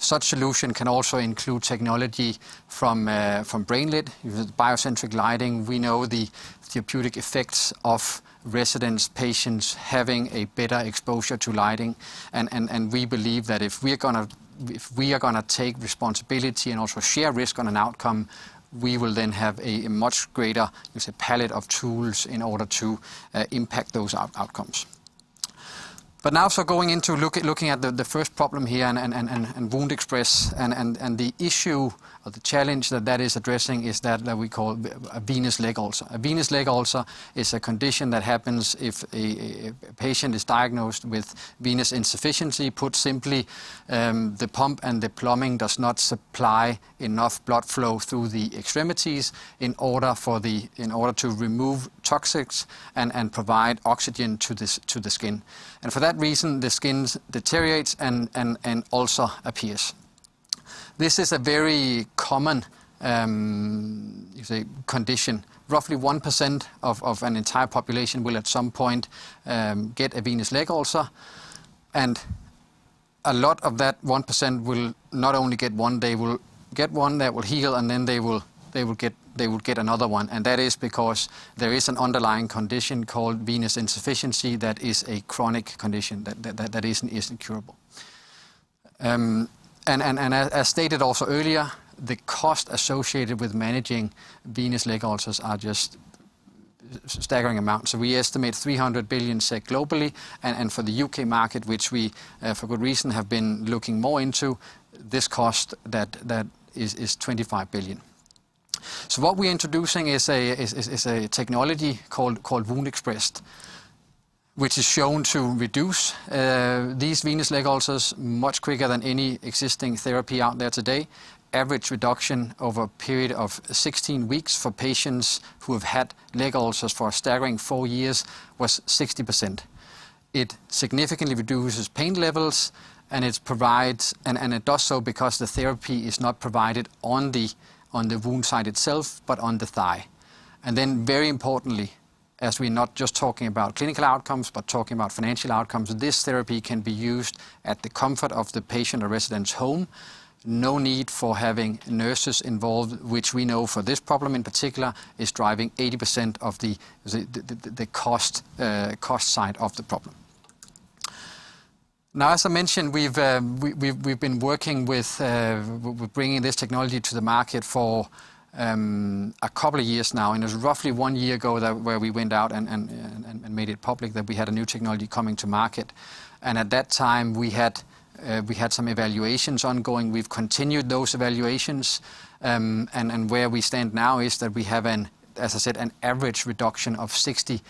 Such solution can also include technology from BrainLit, BioCentric Lighting. We know the therapeutic effects of residents, patients having a better exposure to lighting. We believe that if we are going to take responsibility and also share risk on an outcome, we will then have a much greater palette of tools in order to impact those outcomes. Now for going into looking at the first problem here and WoundExpress and the issue or the challenge that that is addressing is what we call a venous leg ulcer. A venous leg ulcer is a condition that happens if a patient is diagnosed with venous insufficiency. Put simply, the pump and the plumbing does not supply enough blood flow through the extremities in order to remove toxins and provide oxygen to the skin. For that reason, the skin deteriorates and an ulcer appears. This is a very common condition. Roughly 1% of an entire population will at some point get a venous leg ulcer, and a lot of that 1% will not only get one, they will get one that will heal, and then they will get another one. That is because there is an underlying condition called venous insufficiency that is a chronic condition that isn't curable. As stated also earlier, the cost associated with managing venous leg ulcers are just staggering amounts. We estimate 300 billion globally, and for the U.K. market, which we for good reason have been looking more into, this cost is 25 billion. What we're introducing is a technology called WoundExpress, which is shown to reduce these venous leg ulcers much quicker than any existing therapy out there today. Average reduction over a period of 16 weeks for patients who have had leg ulcers for a staggering four years was 60%. It significantly reduces pain levels, and it does so because the therapy is not provided on the wound site itself, but on the thigh. Very importantly, as we're not just talking about clinical outcomes, but talking about financial outcomes, this therapy can be used at the comfort of the patient or resident's home. No need for having nurses involved, which we know for this problem in particular is driving 80% of the cost side of the problem. As I mentioned, we've been working with bringing this technology to the market for a couple of years now, and it was roughly one year ago where we went out and made it public that we had a new technology coming to market. At that time, we had some evaluations ongoing. We've continued those evaluations, and where we stand now is that we have an average reduction of 60%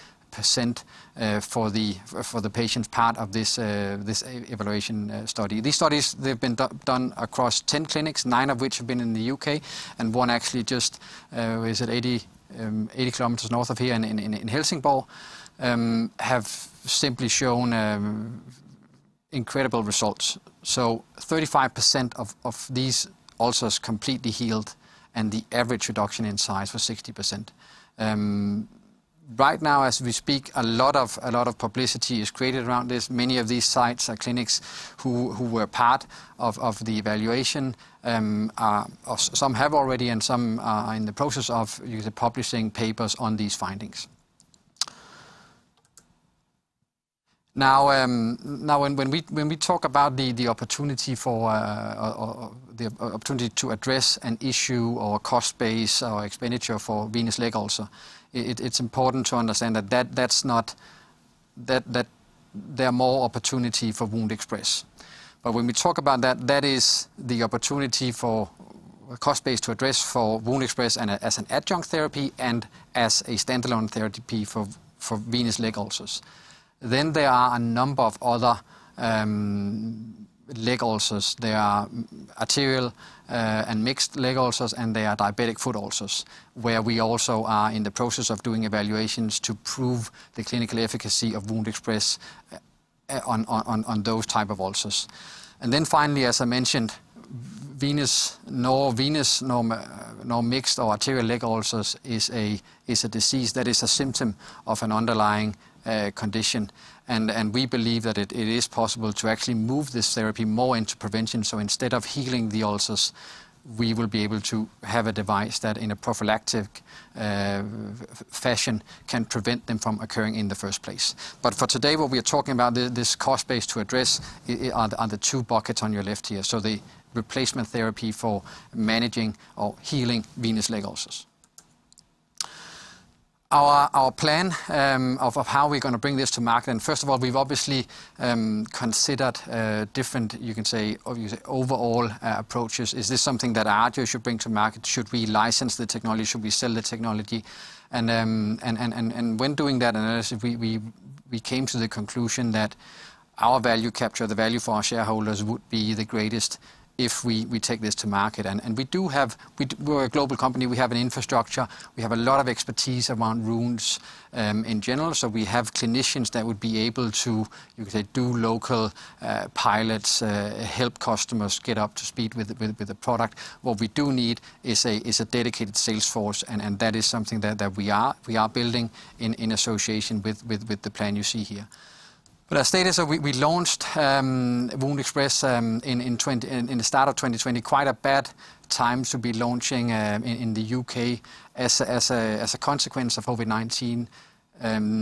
for the patients part of this evaluation study. These studies have been done across 10 clinics, nine of which have been in the U.K. and one actually just, is it 80 km north of here in Helsingborg, have simply shown incredible results. 35% of these ulcers completely healed, and the average reduction in size was 60%. Right now as we speak, a lot of publicity is created around this. Many of these sites are clinics who were part of the evaluation. Some have already and some are in the process of publishing papers on these findings. When we talk about the opportunity to address an issue or cost base or expenditure for venous leg ulcer, it's important to understand that there are more opportunity for WoundExpress. When we talk about that is the opportunity for cost base to address for WoundExpress as an adjunct therapy and as a standalone therapy for venous leg ulcers. There are a number of other leg ulcers. There are arterial and mixed leg ulcers, and there are diabetic foot ulcers, where we also are in the process of doing evaluations to prove the clinical efficacy of WoundExpress on those type of ulcers. Finally, as I mentioned, venous nor mixed or arterial leg ulcers is a disease that is a symptom of an underlying condition, and we believe that it is possible to actually move this therapy more into prevention. Instead of healing the ulcers, we will be able to have a device that, in a prophylactic fashion, can prevent them from occurring in the first place. For today, what we are talking about, this cost base to address are the two buckets on your left here. The replacement therapy for managing or healing venous leg ulcers. Our plan of how we're going to bring this to market, and first of all, we've obviously considered different, you can say, overall approaches. Is this something that Arjo should bring to market? Should we license the technology? Should we sell the technology? When doing that analysis, we came to the conclusion that our value capture, the value for our shareholders, would be the greatest if we take this to market. We're a global company. We have an infrastructure. We have a lot of expertise around wounds in general. We have clinicians that would be able to, you could say, do local pilots, help customers get up to speed with the product. What we do need is a dedicated sales force, and that is something that we are building in association with the plan you see here. Our status, we launched WoundExpress in the start of 2020. Quite a bad time to be launching in the U.K. As a consequence of COVID-19,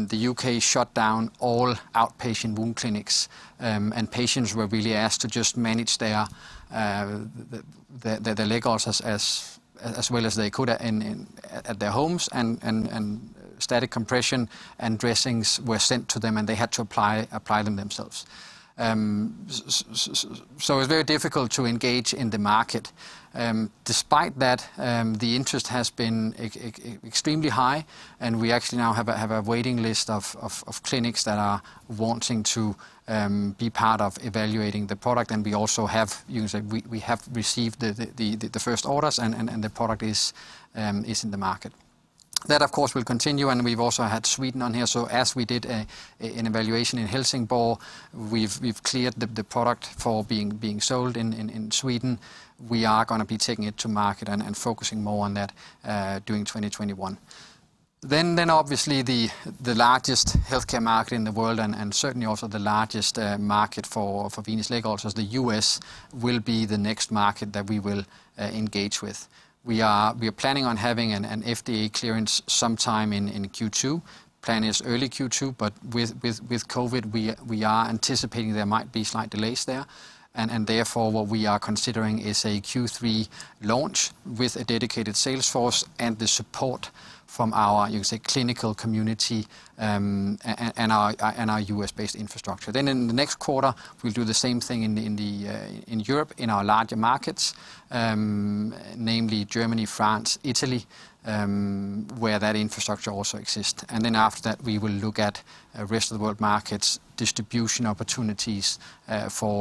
the U.K. shut down all outpatient wound clinics, and patients were really asked to just manage their leg ulcers as well as they could at their homes, and static compression and dressings were sent to them, and they had to apply them themselves. It was very difficult to engage in the market. Despite that, the interest has been extremely high, and we actually now have a waiting list of clinics that are wanting to be part of evaluating the product. We also have received the first orders, and the product is in the market. That, of course, will continue, and we've also had Sweden on here. As we did an evaluation in Helsingborg, we've cleared the product for being sold in Sweden. We are going to be taking it to market and focusing more on that during 2021. Obviously the largest healthcare market in the world, and certainly also the largest market for venous leg ulcers, the U.S., will be the next market that we will engage with. We are planning on having an FDA clearance sometime in Q2. Plan is early Q2, but with COVID, we are anticipating there might be slight delays there. Therefore, what we are considering is a Q3 launch with a dedicated sales force and the support from our, you can say, clinical community and our U.S.-based infrastructure. In the next quarter, we'll do the same thing in Europe, in our larger markets, namely Germany, France, Italy, where that infrastructure also exists. After that, we will look at rest-of-the-world markets, distribution opportunities for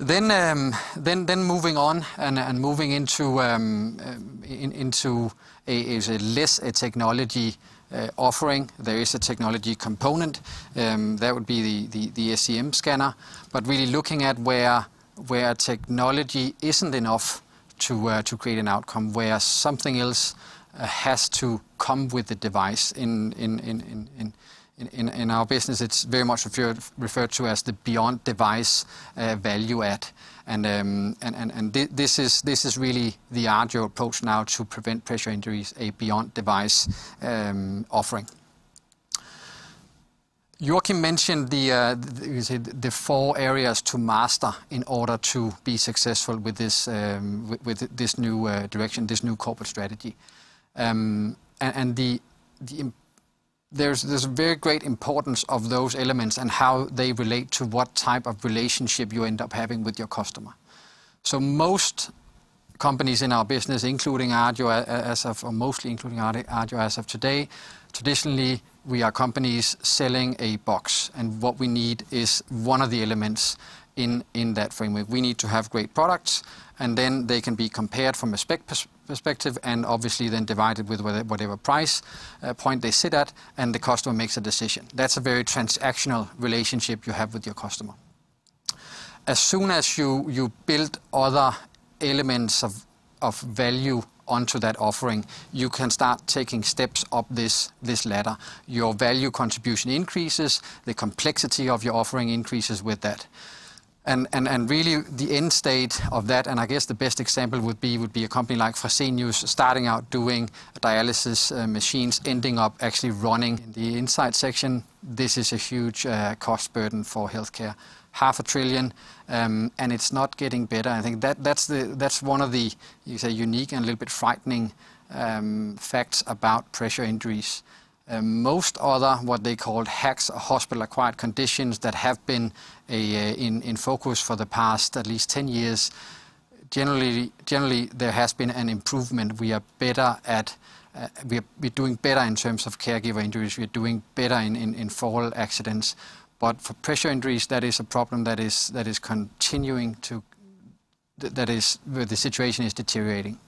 WoundExpress. Moving on and moving into a less technology offering. There is a technology component. That would be the SEM Scanner. Really looking at where technology isn't enough to create an outcome, where something else has to come with the device. In our business, it's very much referred to as the beyond device value add. This is really the Arjo approach now to prevent pressure injuries, a beyond device offering. Joacim mentioned the four areas to master in order to be successful with this new direction, this new corporate strategy. There's very great importance of those elements and how they relate to what type of relationship you end up having with your customer. Most companies in our business, including Arjo as of today, traditionally, we are companies selling a box, and what we need is one of the elements in that framework. We need to have great products, and then they can be compared from a spec perspective and obviously then divided with whatever price point they sit at, and the customer makes a decision. That's a very transactional relationship you have with your customer. As soon as you build other elements of value onto that offering, you can start taking steps up this ladder. Your value contribution increases. The complexity of your offering increases with that. Really the end state of that, I guess the best example would be a company like Fresenius starting out doing dialysis machines, ending up actually running the inside section. This is a huge cost burden for healthcare. Half a trillion SEK. It's not getting better. I think that's one of the, you could say, unique and a little bit frightening facts about pressure injuries. Most other, what they call HACs, hospital-acquired conditions that have been in focus for the past at least 10 years. Generally, there has been an improvement. We are doing better in terms of caregiver injuries. We are doing better in fall accidents. For pressure injuries, that is a problem that the situation is deteriorating.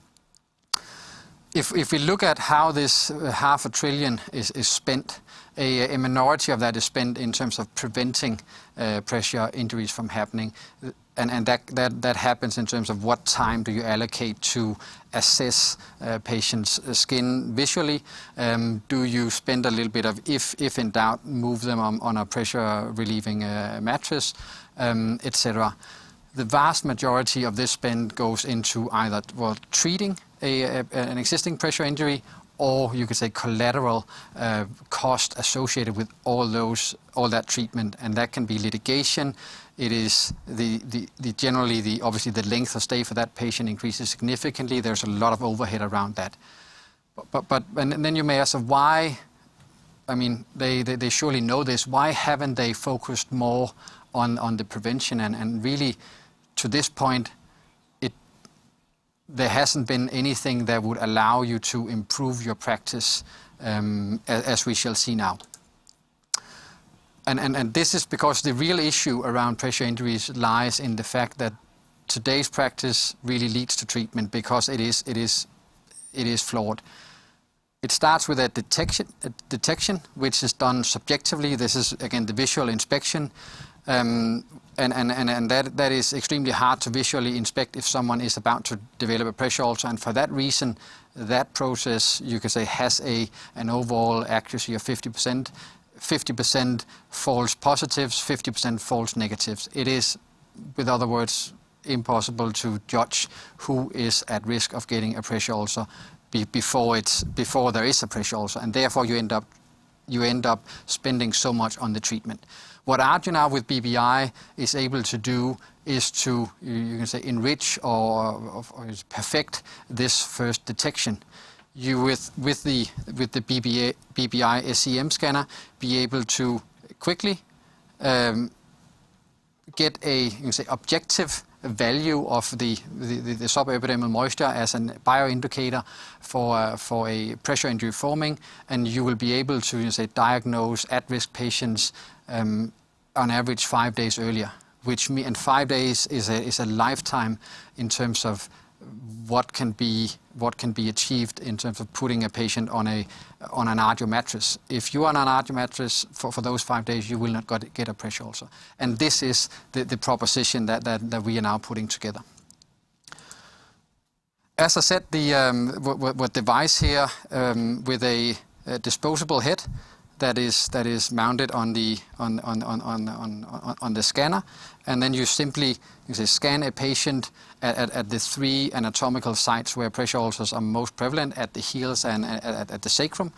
If we look at how this half a trillion is spent, a minority of that is spent in terms of preventing pressure injuries from happening, and that happens in terms of what time do you allocate to assess a patient's skin visually. Do you spend a little bit of, if in doubt, move them on a pressure-relieving mattress, et cetera. The vast majority of this spend goes into either, well, treating an existing pressure injury, or you could say collateral cost associated with all that treatment, and that can be litigation. Obviously, the length of stay for that patient increases significantly. There's a lot of overhead around that. You may ask, "They surely know this. Why haven't they focused more on the prevention?" Really, to this point, there hasn't been anything that would allow you to improve your practice, as we shall see now. This is because the real issue around pressure injuries lies in the fact that today's practice really leads to treatment because it is flawed. It starts with a detection, which is done subjectively. This is, again, the visual inspection. That is extremely hard to visually inspect if someone is about to develop a pressure ulcer. For that reason, that process, you could say, has an overall accuracy of 50%. 50% false positives, 50% false negatives. It is, in other words, impossible to judge who is at risk of getting a pressure ulcer before there is a pressure ulcer. Therefore, you end up spending so much on the treatment. What Arjo now with BBI is able to do is to, you can say, enrich or perfect this first detection. You with the BBI SEM Scanner, be able to quickly get a objective value of the sub-epidermal moisture as a bioindicator for a pressure injury forming, and you will be able to diagnose at-risk patients on average five days earlier. Five days is a lifetime in terms of what can be achieved in terms of putting a patient on an Arjo mattress. If you are on an Arjo mattress for those five days, you will not get a pressure ulcer. This is the proposition that we are now putting together. As I said, what device here with a disposable head that is mounted on the scanner. You simply scan a patient at the three anatomical sites where pressure ulcers are most prevalent, at the heels and at the sacrum.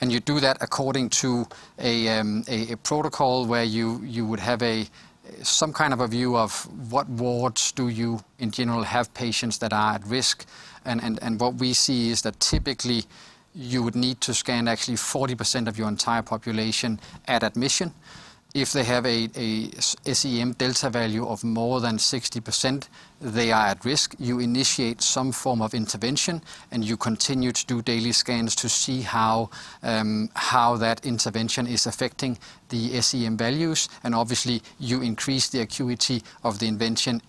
You do that according to a protocol where you would have some kind of a view of what wards do you, in general, have patients that are at risk. What we see is that typically you would need to scan actually 40% of your entire population at admission. If they have a SEM delta value of more than 60%, they are at risk. You initiate some form of intervention, and you continue to do daily scans to see how that intervention is affecting the SEM values. Obviously, you increase the acuity of the intervention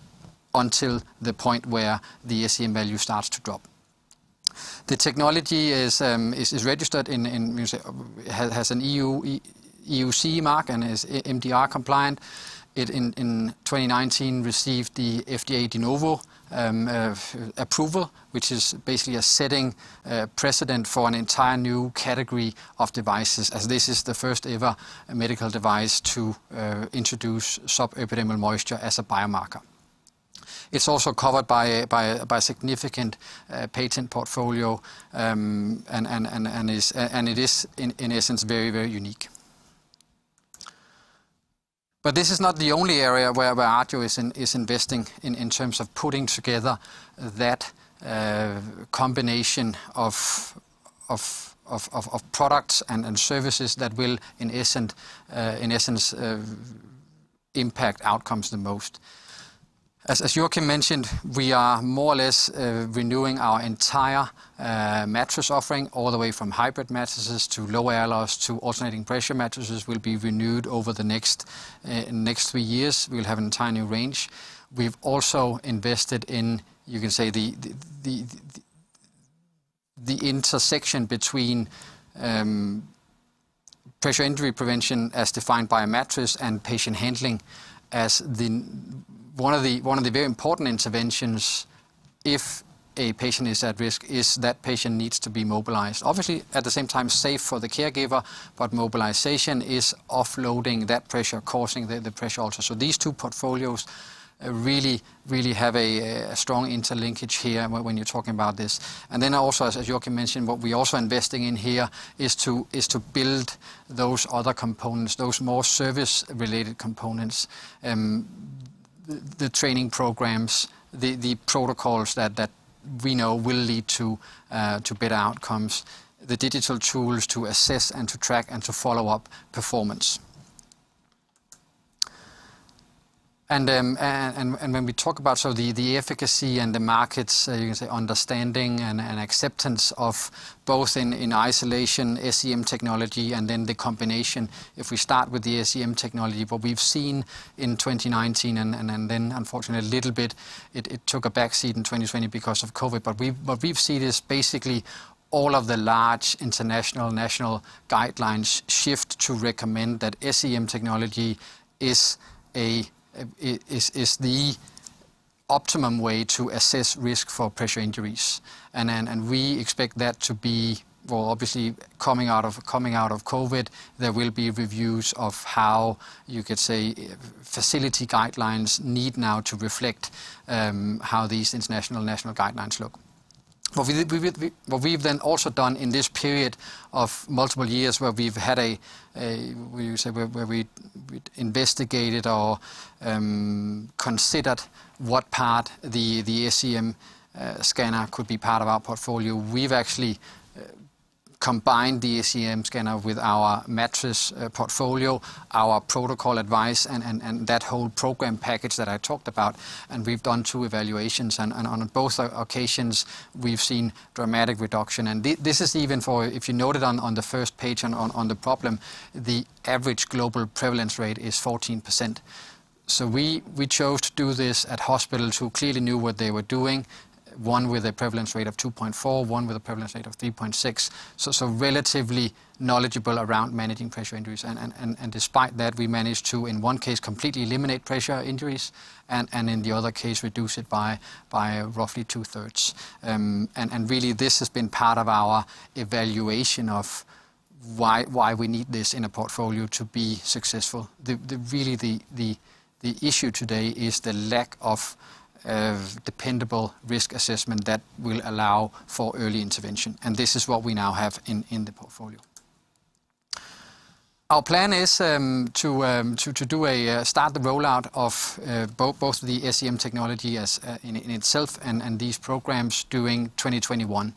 until the point where the SEM value starts to drop. The technology has an EU CE mark and is MDR compliant. It, in 2019, received the FDA De Novo approval, which is basically a setting precedent for an entire new category of devices, as this is the first-ever medical device to introduce sub-epidermal moisture as a biomarker. It's also covered by a significant patent portfolio, and it is, in essence, very unique. This is not the only area where Arjo is investing in terms of putting together that combination of products and services that will, in essence, impact outcomes the most. As Joacim mentioned, we are more or less renewing our entire mattress offering, all the way from hybrid mattresses to low air loss to alternating pressure mattresses will be renewed over the next three years. We'll have an entire new range. We've also invested in, you can say, the intersection between pressure injury prevention as defined by a mattress and patient handling as one of the very important interventions if a patient is at risk, is that patient needs to be mobilized. Obviously, at the same time, safe for the caregiver, mobilization is offloading that pressure, causing the pressure ulcer. These two portfolios really have a strong interlinkage here when you're talking about this. Also, as Joacim mentioned, what we're also investing in here is to build those other components, those more service-related components, the training programs, the protocols that we know will lead to better outcomes, the digital tools to assess and to track and to follow up performance. When we talk about the efficacy and the markets, you can say understanding and acceptance of both in isolation, SEM technology, and then the combination. If we start with the SEM technology, what we've seen in 2019 and then, unfortunately, a little bit, it took a back seat in 2020 because of COVID, but what we've seen is basically all of the large international, national guidelines shift to recommend that SEM technology is the optimum way to assess risk for pressure injuries. We expect that to be, well, obviously, coming out of COVID, there will be reviews of how you could say facility guidelines need now to reflect how these international, national guidelines look. What we've also done in this period of multiple years where we investigated or considered what part the SEM Scanner could be part of our portfolio. We've actually combined the SEM Scanner with our mattress portfolio, our protocol advice, and that whole program package that I talked about. We've done two evaluations, and on both occasions, we've seen dramatic reduction. This is even for, if you noted on the first page on the problem, the average global prevalence rate is 14%. We chose to do this at hospitals who clearly knew what they were doing, one with a prevalence rate of 2.4, one with a prevalence rate of 3.6, so relatively knowledgeable around managing pressure injuries. Despite that, we managed to, in one case, completely eliminate pressure injuries, and in the other case, reduce it by roughly two-thirds. Really, this has been part of our evaluation of why we need this in a portfolio to be successful. Really the issue today is the lack of dependable risk assessment that will allow for early intervention. This is what we now have in the portfolio. Our plan is to start the rollout of both the SEM technology in itself and these programs during 2021.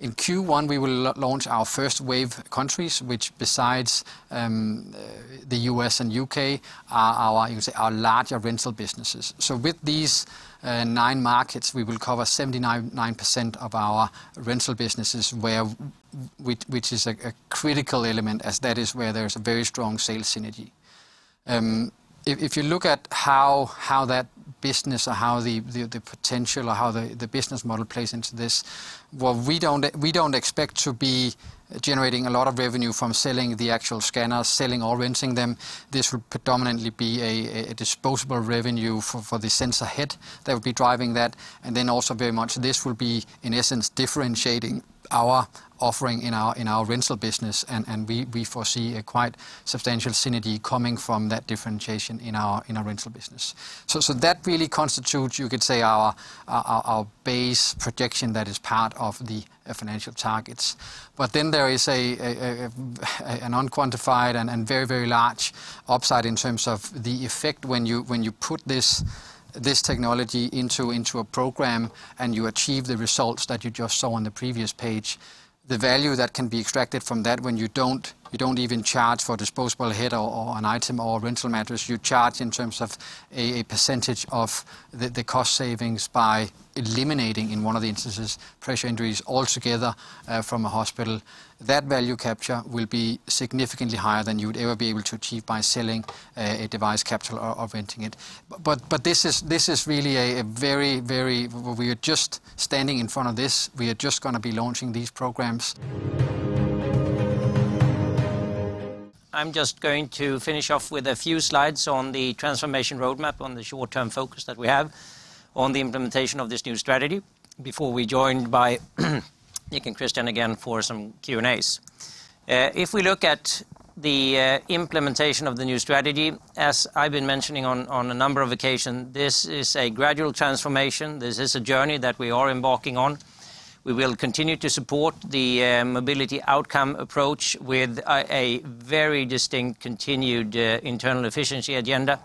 In Q1, we will launch our first wave countries, which besides the U.S. and U.K., are our larger rental businesses. With these nine markets, we will cover 79% of our rental businesses which is a critical element as that is where there's a very strong sales synergy. If you look at how that business or how the potential or how the business model plays into this, while we don't expect to be generating a lot of revenue from selling the actual scanners, selling or renting them, this would predominantly be a disposable revenue for the sensor head that would be driving that. Also very much this would be, in essence, differentiating our offering in our rental business, and we foresee a quite substantial synergy coming from that differentiation in our rental business. That really constitutes, you could say our base projection that is part of the financial targets. There is an unquantified and very large upside in terms of the effect when you put this technology into a program and you achieve the results that you just saw on the previous page. The value that can be extracted from that when you don't even charge for a disposable head or an item or rental mattress, you charge in terms of a percentage of the cost savings by eliminating, in one of the instances, pressure injuries altogether from a hospital. That value capture will be significantly higher than you would ever be able to achieve by selling a device capital or renting it. This is really. We are just standing in front of this. We are just going to be launching these programs. I'm just going to finish off with a few slides on the transformation roadmap on the short-term focus that we have on the implementation of this new strategy before we joined by Nick and Christian again for some Q&As. If we look at the implementation of the new strategy, as I've been mentioning on a number of occasions, this is a gradual transformation. This is a journey that we are embarking on. We will continue to support the mobility outcome approach with a very distinct continued internal efficiency agenda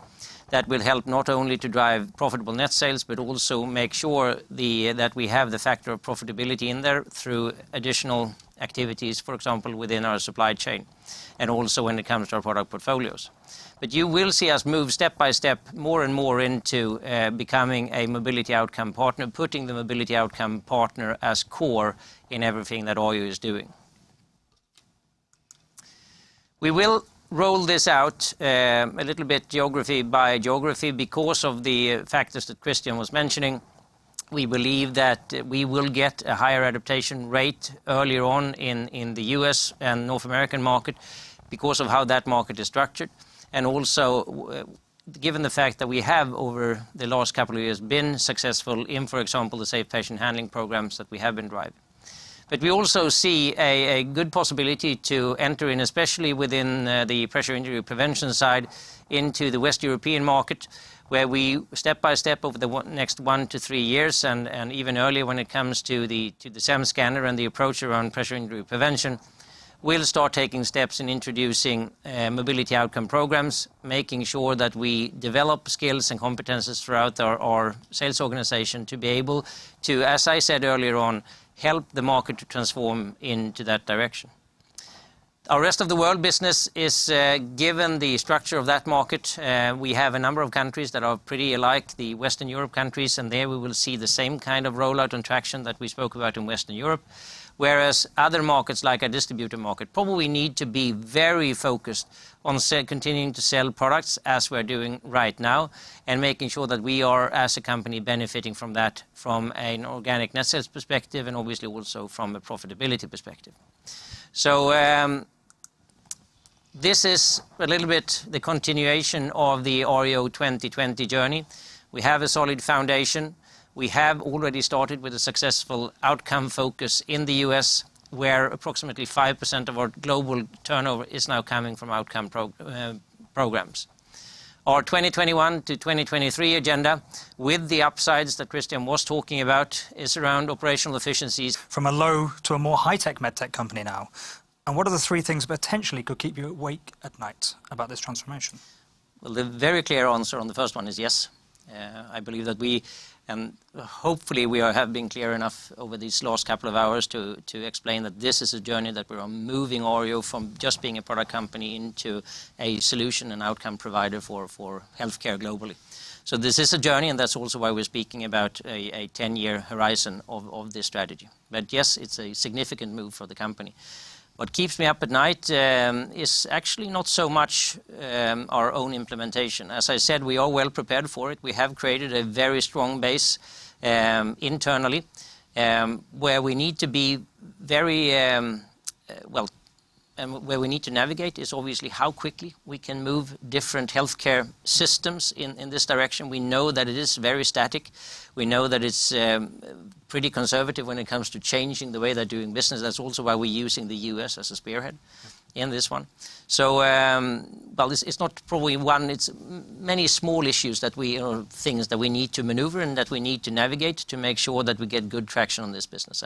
that will help not only to drive profitable net sales but also make sure that we have the factor of profitability in there through additional activities, for example, within our supply chain, and also when it comes to our product portfolios. You will see us move step by step more and more into becoming a mobility outcome partner, putting the mobility outcome partner as core in everything that Arjo is doing. We will roll this out a little bit geography by geography because of the factors that Christian was mentioning. We believe that we will get a higher adaptation rate earlier on in the U.S. and North American market because of how that market is structured, and also given the fact that we have over the last couple of years been successful in, for example, the Safe Patient Handling Programs that we have been driving. We also see a good possibility to enter in, especially within the pressure injury prevention side, into the Western European market, where we step by step over the next 1-3 years and even earlier when it comes to the SEM Scanner and the approach around pressure injury prevention. We'll start taking steps in introducing mobility outcome programs, making sure that we develop skills and competencies throughout our sales organization to be able to, as I said earlier on, help the market to transform into that direction. Our rest of the world business is, given the structure of that market, we have a number of countries that are pretty alike the Western Europe countries, and there we will see the same kind of rollout and traction that we spoke about in Western Europe. Whereas other markets, like a distributor market, probably need to be very focused on continuing to sell products as we're doing right now, and making sure that we are, as a company, benefiting from that from an organic net sales perspective, and obviously also from a profitability perspective. This is a little bit the continuation of the Arjo 2020 journey. We have a solid foundation. We have already started with a successful outcome focus in the U.S., where approximately 5% of our global turnover is now coming from outcome programs. Our 2021 to 2023 agenda, with the upsides that Christian was talking about, is around operational efficiencies. From a low to a more high-tech med tech company now. What are the three things potentially could keep you awake at night about this transformation? Well, the very clear answer on the first one is yes. I believe that we, and hopefully we have been clear enough over these last couple of hours to explain that this is a journey, that we are moving Arjo from just being a product company into a solution and outcome provider for healthcare globally. This is a journey, and that's also why we're speaking about a 10-year horizon of this strategy. Yes, it's a significant move for the company. What keeps me up at night is actually not so much our own implementation. As I said, we are well prepared for it. We have created a very strong base internally. Where we need to navigate is obviously how quickly we can move different healthcare systems in this direction. We know that it is very static. We know that it's pretty conservative when it comes to changing the way they're doing business. That's also why we're using the U.S. as a spearhead in this one. Well, it's not probably one, it's many small issues or things that we need to maneuver and that we need to navigate to make sure that we get good traction on this business.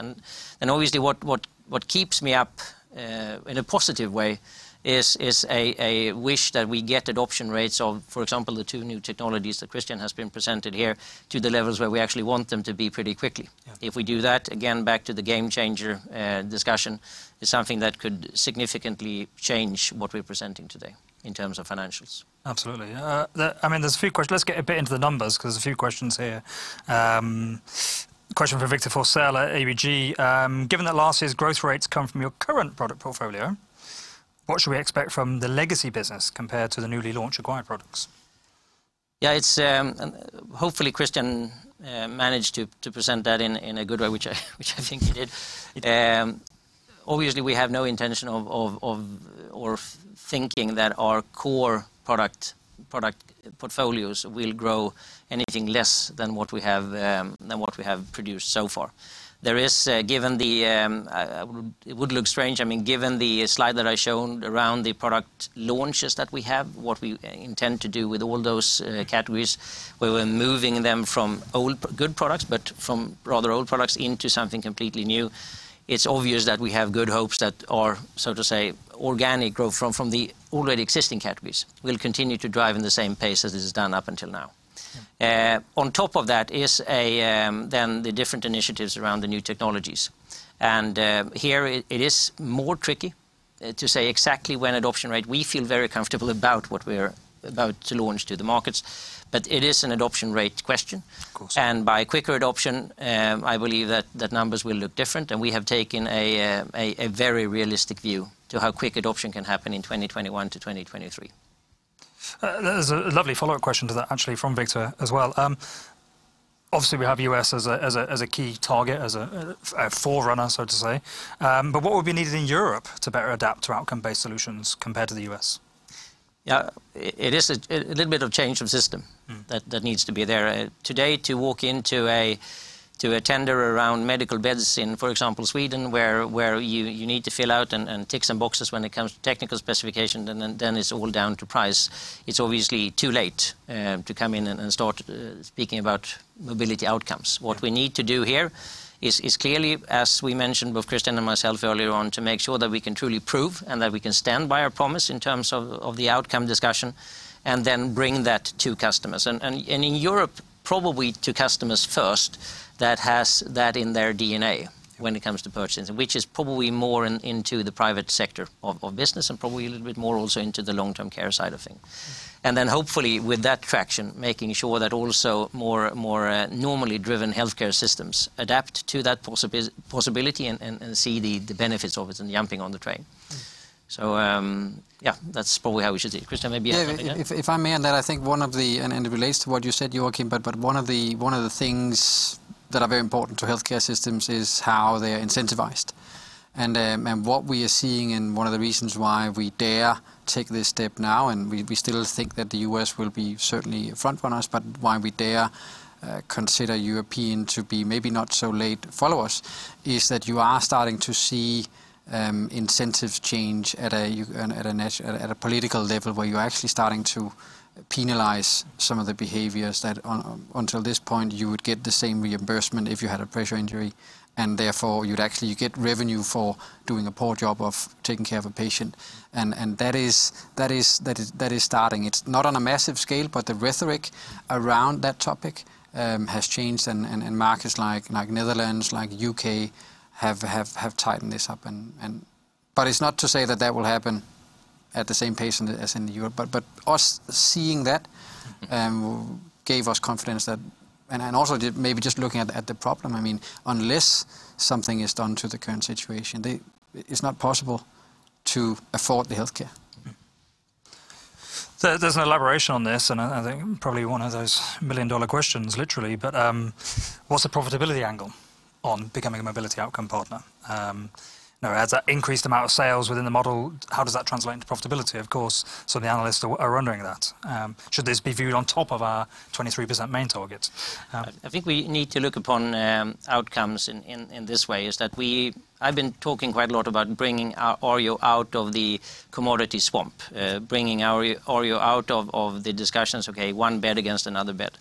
Obviously what keeps me up in a positive way is a wish that we get adoption rates of, for example, the two new technologies that Christian has been presented here to the levels where we actually want them to be pretty quickly. Yeah. If we do that, again back to the game changer discussion, is something that could significantly change what we're presenting today in terms of financials. Absolutely. There's a few questions. Let's get a bit into the numbers because there's a few questions here. Question for Viktor Forssell at ABG. Given that last year's growth rates come from your current product portfolio, what should we expect from the legacy business compared to the newly launched acquired products? Yeah. Hopefully Christian managed to present that in a good way, which I think he did. He did. Obviously, we have no intention of thinking that our core product portfolios will grow anything less than what we have produced so far. It would look strange, given the slide that I shown around the product launches that we have, what we intend to do with all those categories, where we're moving them from good products, but from rather old products into something completely new. It's obvious that we have good hopes that our, so to say, organic growth from the already existing categories will continue to drive in the same pace as it has done up until now. On top of that is the different initiatives around the new technologies. We feel very comfortable about what we're about to launch to the markets, but it is an adoption rate question. Of course. By quicker adoption, I believe that numbers will look different, and we have taken a very realistic view to how quick adoption can happen in 2021 to 2023. There's a lovely follow-up question to that actually from Viktor as well. Obviously, we have U.S. as a key target, as a forerunner, so to say. What would be needed in Europe to better adapt to outcome-based solutions compared to the U.S.? Yeah. It is a little bit of change of system- that needs to be there. Today, to walk in to a tender around medical beds in, for example, Sweden, where you need to fill out and tick some boxes when it comes to technical specifications, then it is all down to price. It is obviously too late to come in and start speaking about mobility outcomes. What we need to do here is clearly, as we mentioned, both Christian and myself earlier on, to make sure that we can truly prove and that we can stand by our promise in terms of the outcome discussion, then bring that to customers. In Europe, probably to customers first that has that in their DNA when it comes to purchasing, which is probably more into the private sector of business, and probably a little bit more also into the long-term care side of things. Hopefully with that traction, making sure that also more normally driven healthcare systems adapt to that possibility and see the benefits of it and jumping on the train. Yeah, that's probably how we should see it. Christian, maybe you have something there? Yeah. If I may add that I think and it relates to what you said, Joacim, but one of the things that are very important to healthcare systems is how they're incentivized. What we are seeing and one of the reasons why we dare take this step now, and we still think that the U.S. will be certainly frontrunners, but why we dare consider European to be maybe not so late followers, is that you are starting to see incentive change at a political level where you're actually starting to penalize some of the behaviors that until this point, you would get the same reimbursement if you had a pressure injury, and therefore you'd actually get revenue for doing a poor job of taking care of a patient. That is starting. It's not on a massive scale, but the rhetoric around that topic has changed, and markets like Netherlands, like U.K., have tightened this up. It's not to say that that will happen at the same pace as in Europe. Us seeing that gave us confidence. Maybe just looking at the problem, unless something is done to the current situation, it's not possible to afford the healthcare. There's an elaboration on this, and I think probably one of those million-dollar questions, literally, but what's the profitability angle on becoming a mobility outcome partner? As that increased amount of sales within the model, how does that translate into profitability? Of course, some of the analysts are wondering that. Should this be viewed on top of our 23% main target? I think we need to look upon outcomes in this way, is that I've been talking quite a lot about bringing our Arjo out of the commodity swamp, bringing our Arjo out of the discussions, okay, one bed against another bed.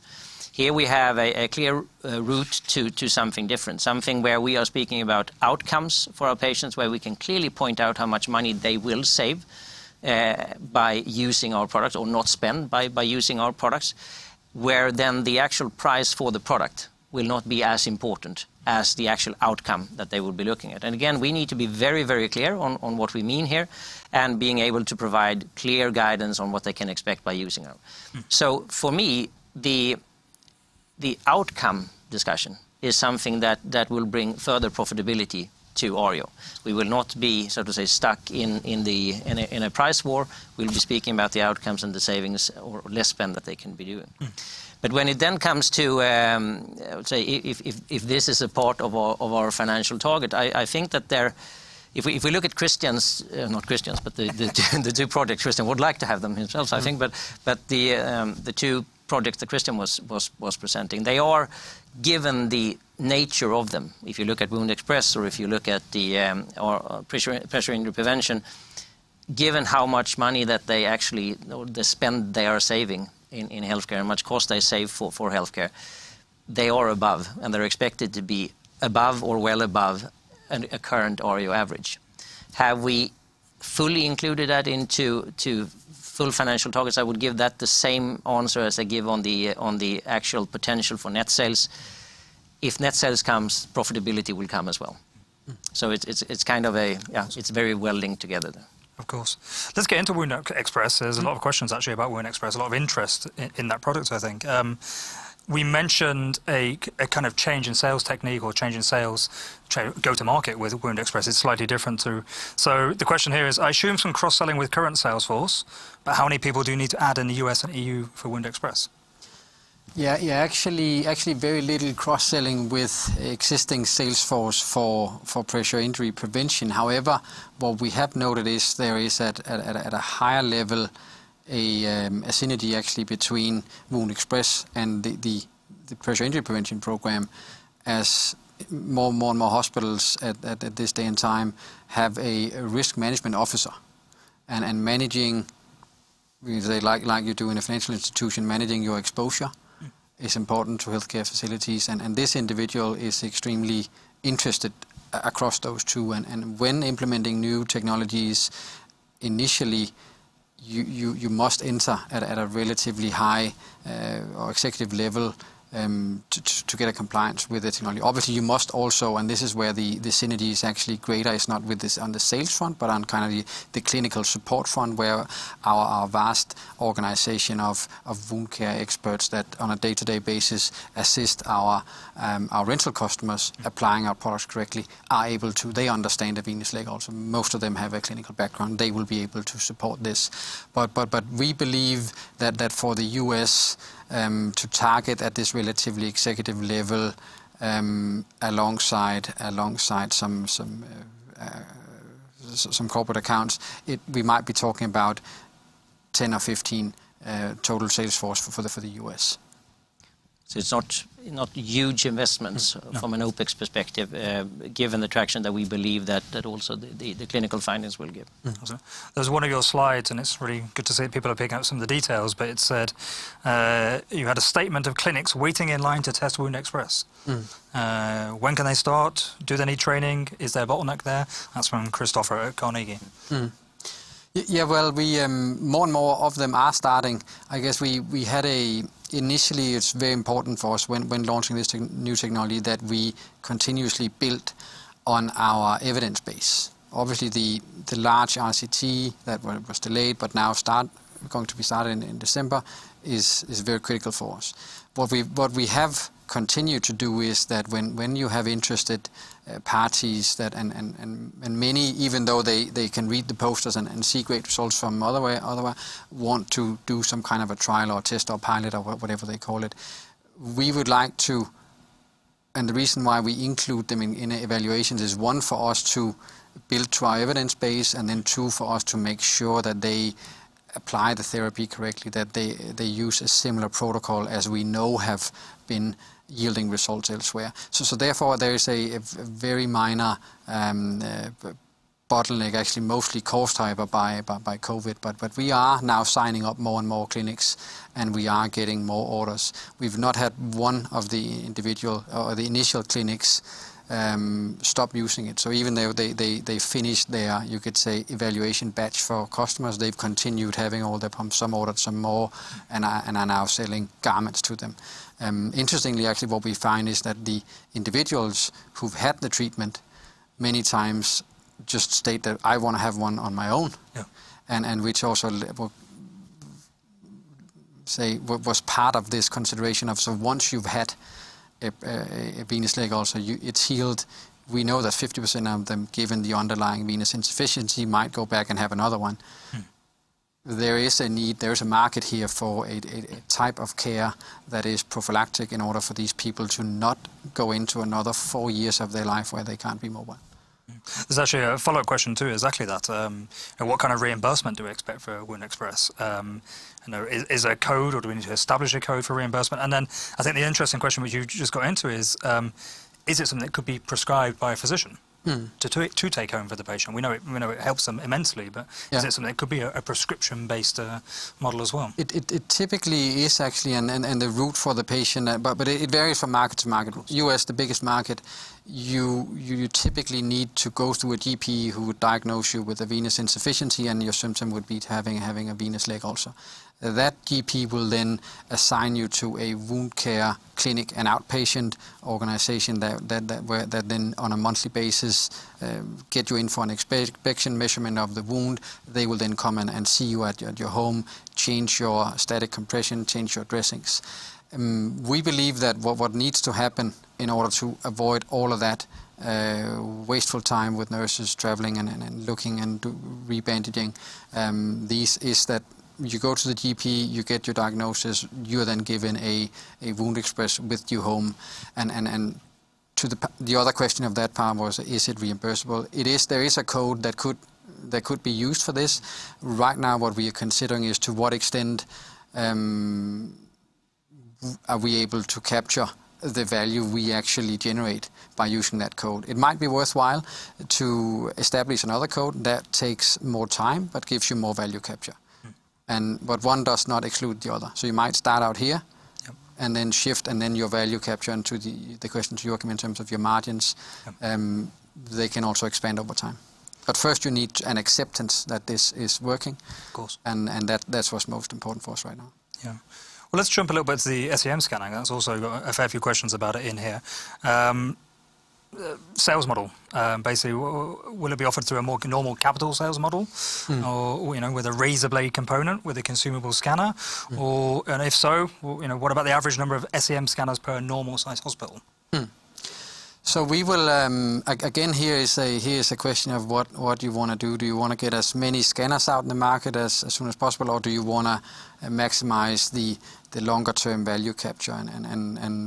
Here we have a clear route to something different, something where we are speaking about outcomes for our patients, where we can clearly point out how much money they will save by using our products, or not spend by using our products, where then the actual price for the product will not be as important as the actual outcome that they will be looking at. Again, we need to be very clear on what we mean here and being able to provide clear guidance on what they can expect by using them. For me, the outcome discussion is something that will bring further profitability to Arjo. We will not be, so to say, stuck in a price war. We'll be speaking about the outcomes and the savings or less spend that they can be doing. When it then comes to, I would say if this is a part of our financial target, I think that if we look at Christian's, not Christian's, but the two projects, Christian would like to have them himself, I think. The two projects that Christian was presenting, they are, given the nature of them, if you look at WoundExpress or if you look at the pressure injury prevention, given how much money that they actually, or the spend they are saving in healthcare, and much cost they save for healthcare, they are above, and they're expected to be above or well above a current Arjo average. Have we fully included that into full financial targets? I would give that the same answer as I give on the actual potential for net sales. If net sales comes, profitability will come as well. It's very well linked together there. Of course. Let's get into WoundExpress. There's a lot of questions actually about WoundExpress, a lot of interest in that product, I think. We mentioned a kind of change in sales technique or change in go-to market with WoundExpress. It's slightly different to. The question here is, I assume some cross-selling with current sales force, but how many people do you need to add in the U.S. and E.U. for WoundExpress? Actually very little cross-selling with existing sales force for pressure injury prevention. However, what we have noted is there is at a higher level, a synergy actually between WoundExpress and the pressure injury prevention program, as more and more hospitals at this day and time have a risk management officer. Managing, like you do in a financial institution, managing your exposure- is important to healthcare facilities. This individual is extremely interested across those two. When implementing new technologies, initially, you must enter at a relatively high or executive level to get a compliance with the technology. Obviously, you must also, and this is where the synergy is actually greater, is not with this on the sales front, but on kind of the clinical support front, where our vast organization of wound care experts that on a day-to-day basis assist our rental customers applying our products correctly, are able to. They understand the venous leg ulcer. Most of them have a clinical background. They will be able to support this. We believe that for the U.S. to target at this relatively executive level, alongside some corporate accounts, we might be talking about 10 or 15 total sales force for the U.S. It's not huge investments. No from an OpEx perspective, given the traction that we believe that also the clinical findings will give. Awesome. There's one of your slides, and it's really good to see people are picking up some of the details, but it said you had a statement of clinics waiting in line to test WoundExpress. When can they start? Do they need training? Is there a bottleneck there? That's from Kristofer at Carnegie. Well, more and more of them are starting. Initially, it's very important for us when launching this new technology that we continuously built on our evidence base. The large RCT that was delayed but now going to be started in December, is very critical for us. What we have continued to do is that when you have interested parties that, and many, even though they can read the posters and see great results from other way, want to do some kind of a trial or test or pilot or whatever they call it. The reason why we include them in evaluations is, one, for us to build to our evidence base, and then two, for us to make sure that they apply the therapy correctly, that they use a similar protocol as we know have been yielding results elsewhere. Therefore, there is a very minor bottleneck, actually mostly caused by COVID, but we are now signing up more and more clinics, and we are getting more orders. We've not had one of the individual or the initial clinics stop using it. Even though they finished their, you could say, evaluation batch for customers, they've continued having all their pumps. Some ordered some more, and are now selling garments to them. Interestingly, actually, what we find is that the individuals who've had the treatment many times just state that, "I want to have one on my own. Yeah. Which also, what was part of this consideration of so once you've had a venous leg ulcer, it's healed? We know that 50% of them, given the underlying venous insufficiency, might go back and have another one. There is a need, there is a market here for a type of care that is prophylactic in order for these people to not go into another four years of their life where they cannot be mobile. There is actually a follow-up question too, exactly that. What kind of reimbursement do we expect for WoundExpress? Is there a code or do we need to establish a code for reimbursement? Then I think the interesting question, which you just got into is it something that could be prescribed by a physician? To take home for the patient? We know it helps them immensely, but. Yeah is it something that could be a prescription-based model as well? It typically is actually. It varies from market to market. U.S., the biggest market, you typically need to go through a GP who would diagnose you with a venous insufficiency. Your symptom would be having a venous leg ulcer. That GP will then assign you to a wound care clinic and outpatient organization that then, on a monthly basis, get you in for an inspection, measurement of the wound. They will then come and see you at your home, change your static compression, change your dressings. We believe that what needs to happen in order to avoid all of that wasteful time with nurses traveling and looking and re-bandaging these is that you go to the GP, you get your diagnosis, you are then given a WoundExpress with you home. To the other question of that part was, is it reimbursable? It is. There is a code that could be used for this. Right now, what we are considering is to what extent are we able to capture the value we actually generate by using that code. It might be worthwhile to establish another code that takes more time but gives you more value capture. One does not exclude the other. You might start out here. Yep Then shift, and then your value capture and to the question to Joacim in terms of your margins. Yep they can also expand over time. First, you need an acceptance that this is working. Of course. That's what's most important for us right now. Yeah. Well, let's jump a little bit to the SEM Scanner. That's also got a fair few questions about it in here. Sales model. Basically, will it be offered through a more normal capital sales model? With a razor blade component, with a consumable scanner? If so, what about the average number of SEM Scanners per normal size hospital? Again, here is a question of what do you want to do? Do you want to get as many scanners out in the market as soon as possible, or do you want to maximize the longer-term value capture?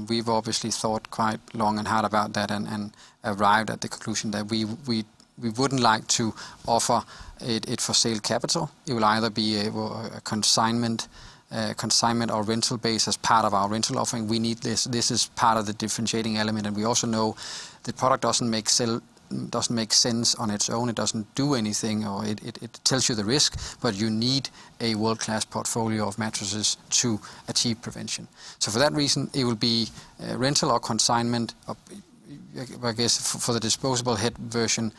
We've obviously thought quite long and hard about that and arrived at the conclusion that we wouldn't like to offer it for sale capital. It will either be a consignment or rental base as part of our rental offering. We need this. This is part of the differentiating element, and we also know the product doesn't make sense on its own. It doesn't do anything, or it tells you the risk, but you need a world-class portfolio of mattresses to achieve prevention. For that reason, it will be rental or consignment. I guess for the disposable head version,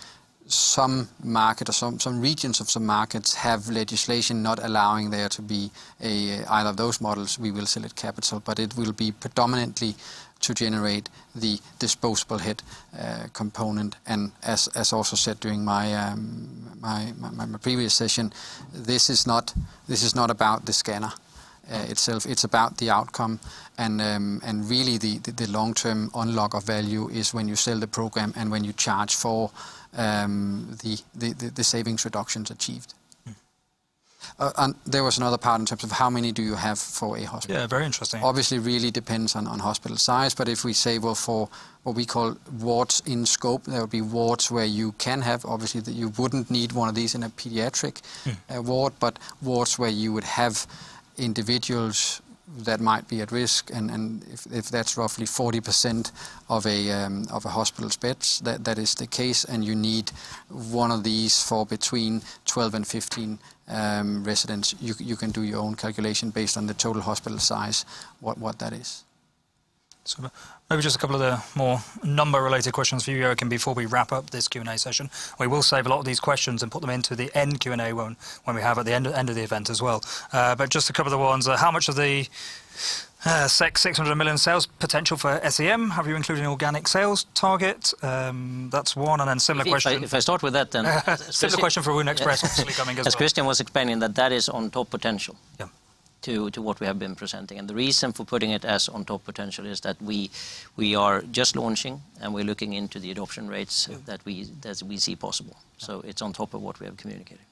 some market or some regions of some markets have legislation not allowing there to be either of those models. We will sell it capital, but it will be predominantly to generate the disposable head component. As also said during my previous session, this is not about the scanner itself. It's about the outcome, and really the long-term unlock of value is when you sell the program and when you charge for the savings reductions achieved. There was another part in terms of how many do you have for a hospital? Yeah, very interesting. Obviously, really depends on hospital size. If we say, well, for what we call wards in scope, there will be wards where you wouldn't need one of these in a pediatric ward. Wards where you would have individuals that might be at risk, and if that's roughly 40% of a hospital's beds, that is the case, and you need one of these for between 12 and 15 residents. You can do your own calculation based on the total hospital size, what that is. Maybe just a couple of the more number-related questions for you, Joacim, before we wrap up this Q&A session. We will save a lot of these questions and put them into the end Q&A one, when we have at the end of the event as well. Just a couple of the ones. How much of the 600 million sales potential for SEM have you included in organic sales target? That's one, similar question- If I start with that, Save the question for WoundExpress obviously coming as well. as Christian was explaining that that is on top potential-. Yeah to what we have been presenting. The reason for putting it as on top potential is that we are just launching, and we're looking into the adoption rates. Yeah that we see possible. It's on top of what we have communicated.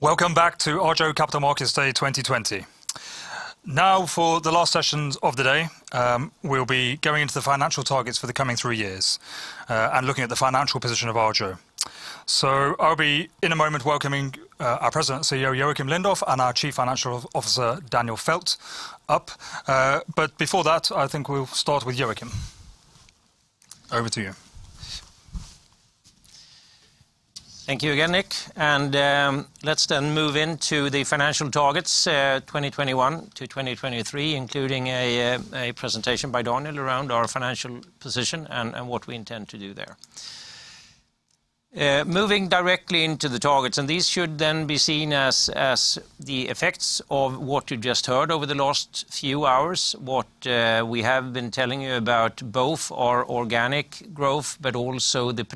Welcome back to Arjo Capital Markets Day 2020. For the last sessions of the day, we'll be going into the financial targets for the coming three years, and looking at the financial position of Arjo. I'll be, in a moment, welcoming our President and CEO, Joacim Lindoff, and our Chief Financial Officer, Daniel Fäldt, up. Before that, I think we'll start with Joacim. Over to you. Thank you again, Nick. Let's then move into the financial targets 2021 to 2023, including a presentation by Daniel around our financial position and what we intend to do there. Moving directly into the targets, these should then be seen as the effects of what you just heard over the last few hours, what we have been telling you about both our organic growth, but also the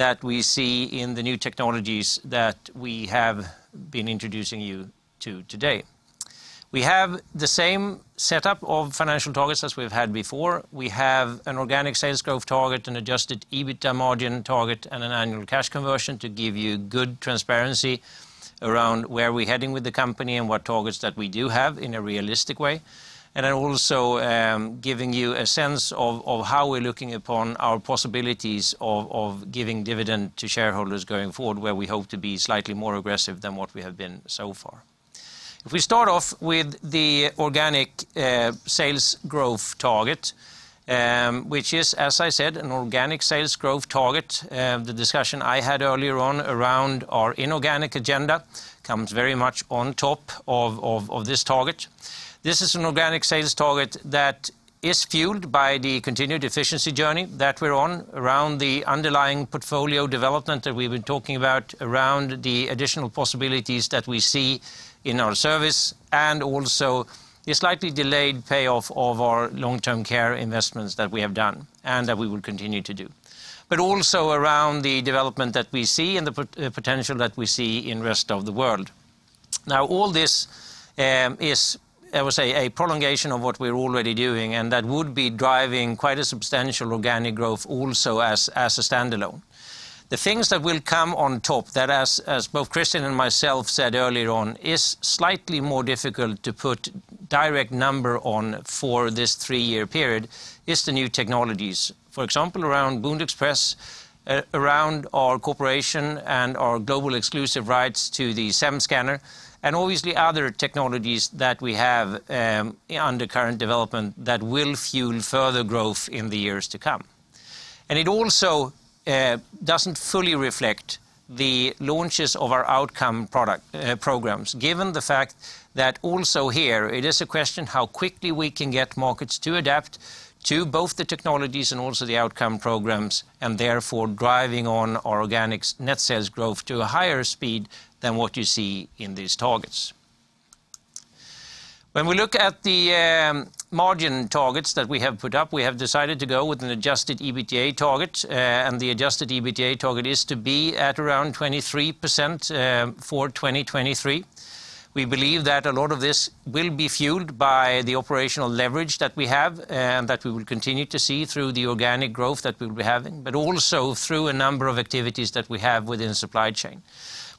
potential that we see in the new technologies that we have been introducing you to today. We have the same setup of financial targets as we've had before. We have an organic sales growth target, an adjusted EBITDA margin target, and an annual cash conversion to give you good transparency around where we're heading with the company and what targets that we do have in a realistic way. Also, giving you a sense of how we're looking upon our possibilities of giving dividend to shareholders going forward, where we hope to be slightly more aggressive than what we have been so far. If we start off with the organic sales growth target, which is, as I said, an organic sales growth target. The discussion I had earlier on around our inorganic agenda comes very much on top of this target. This is an organic sales target that is fueled by the continued efficiency journey that we're on around the underlying portfolio development that we've been talking about, around the additional possibilities that we see in our service, and also the slightly delayed payoff of our long-term care investments that we have done, and that we will continue to do. Also around the development that we see and the potential that we see in rest of the world. All this is, I would say, a prolongation of what we're already doing, and that would be driving quite a substantial organic growth also as a standalone. The things that will come on top that, as both Christian and myself said earlier on, is slightly more difficult to put direct number on for this three-year period is the new technologies. For example, around WoundExpress, around our cooperation and our global exclusive rights to the SEM Scanner, obviously other technologies that we have under current development that will fuel further growth in the years to come. It also doesn't fully reflect the launches of our outcome programs, given the fact that also here, it is a question how quickly we can get markets to adapt to both the technologies and also the outcome programs, and therefore driving on our organic net sales growth to a higher speed than what you see in these targets. When we look at the margin targets that we have put up, we have decided to go with an adjusted EBITDA target. The adjusted EBITDA target is to be at around 23% for 2023. We believe that a lot of this will be fueled by the operational leverage that we have, and that we will continue to see through the organic growth that we'll be having, but also through a number of activities that we have within supply chain.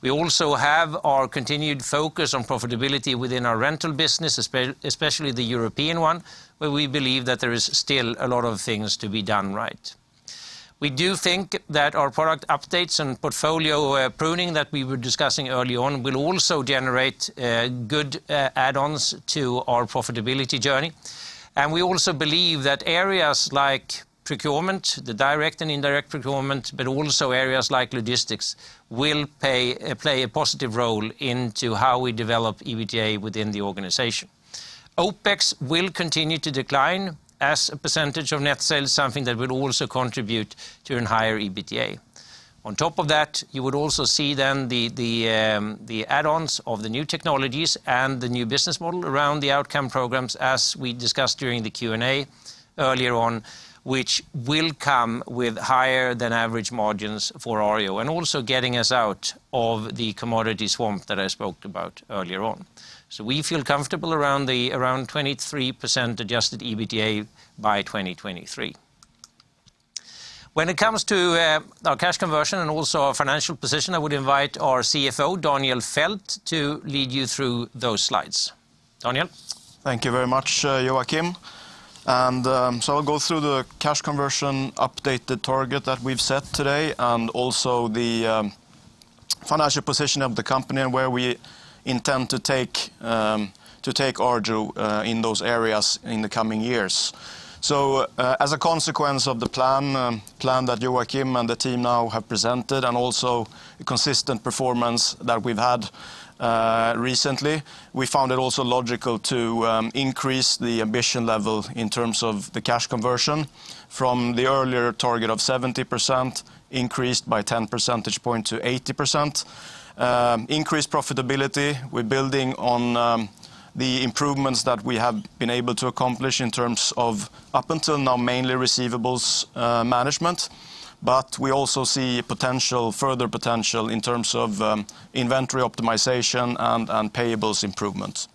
We also have our continued focus on profitability within our rental business, especially the European one, where we believe that there is still a lot of things to be done right. We do think that our product updates and portfolio pruning that we were discussing early on will also generate good add-ons to our profitability journey. We also believe that areas like procurement, the direct and indirect procurement, but also areas like logistics, will play a positive role into how we develop EBITDA within the organization. OpEx will continue to decline as a percentage of net sales, something that will also contribute to a higher EBITDA. On top of that, you would also see then the add-ons of the new technologies and the new business model around the outcome programs as we discussed during the Q&A earlier on, which will come with higher than average margins for Arjo, and also getting us out of the commodity swamp that I spoke about earlier on. We feel comfortable around 23% adjusted EBITDA by 2023. When it comes to our cash conversion and also our financial position, I would invite our CFO, Daniel Fäldt, to lead you through those slides. Daniel? Thank you very much, Joacim. I'll go through the cash conversion updated target that we've set today and also the financial position of the company and where we intend to take Arjo in those areas in the coming years. As a consequence of the plan that Joacim and the team now have presented and also the consistent performance that we've had recently, we found it also logical to increase the ambition level in terms of the cash conversion from the earlier target of 70%, increased by 10 percentage point to 80%. Increased profitability, we're building on the improvements that we have been able to accomplish in terms of up until now, mainly receivables management. We also see further potential in terms of inventory optimization and payables improvements.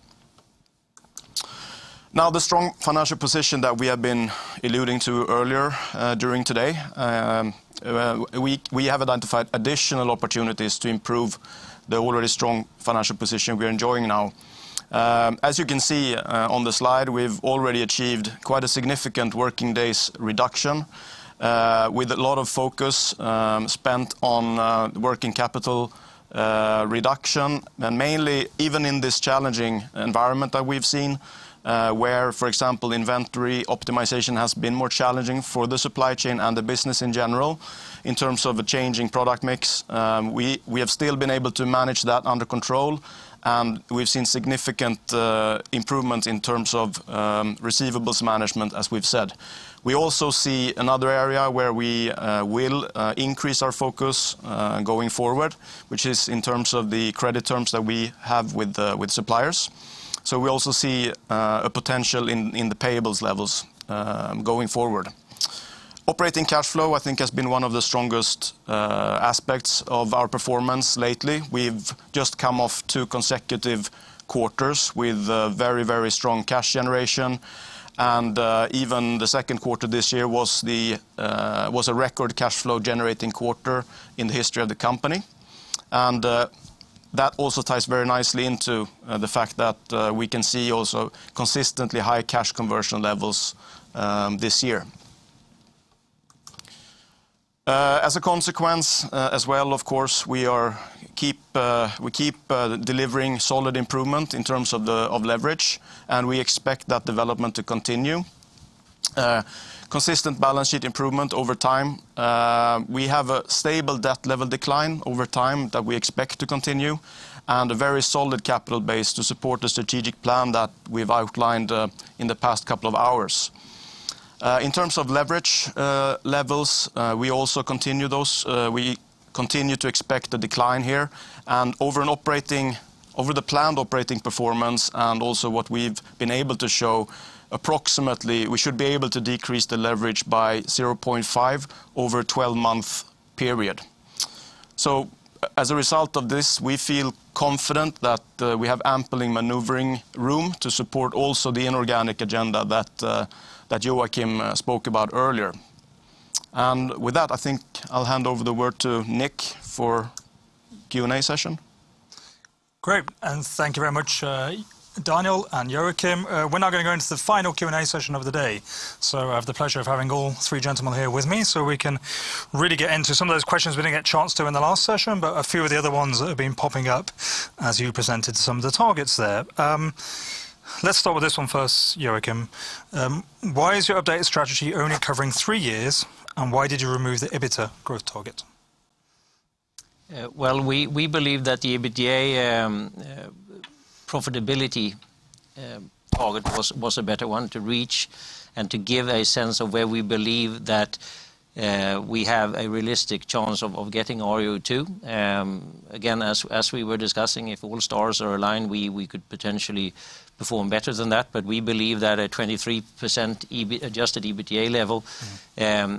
Now, the strong financial position that we have been alluding to earlier during today. We have identified additional opportunities to improve the already strong financial position we're enjoying now. As you can see on the slide, we've already achieved quite a significant working days reduction, with a lot of focus spent on working capital reduction. Mainly even in this challenging environment that we've seen, where, for example, inventory optimization has been more challenging for the supply chain and the business in general in terms of a changing product mix. We have still been able to manage that under control, and we've seen significant improvements in terms of receivables management, as we've said. We also see another area where we will increase our focus going forward, which is in terms of the credit terms that we have with suppliers. We also see a potential in the payables levels going forward. Operating cash flow, I think, has been one of the strongest aspects of our performance lately. We've just come off two consecutive quarters with very strong cash generation. Even the second quarter of this year was a record cash flow generating quarter in the history of the company. That also ties very nicely into the fact that we can see also consistently high cash conversion levels this year. As a consequence as well, of course, we keep delivering solid improvement in terms of leverage, and we expect that development to continue. Consistent balance sheet improvement over time. We have a stable debt level decline over time that we expect to continue, and a very solid capital base to support the strategic plan that we've outlined in the past couple of hours. In terms of leverage levels, we also continue those. We continue to expect a decline here. Over the planned operating performance and also what we've been able to show, approximately, we should be able to decrease the leverage by 0.5 over a 12-month period. As a result of this, we feel confident that we have ample maneuvering room to support also the inorganic agenda that Joacim spoke about earlier. With that, I think I'll hand over the word to Nick for Q&A session. Great, thank you very much, Daniel and Joacim. We're now going to go into the final Q&A session of the day. I have the pleasure of having all three gentlemen here with me so we can really get into some of those questions we didn't get a chance to in the last session, but a few of the other ones that have been popping up as you presented some of the targets there. Let's start with this one first, Joacim. Why is your updated strategy only covering three years, why did you remove the EBITDA growth target? Well, we believe that the EBITDA profitability target was a better one to reach and to give a sense of where we believe that we have a realistic chance of getting Arjo to. As we were discussing, if all stars are aligned, we could potentially perform better than that. We believe that a 23% adjusted EBITDA level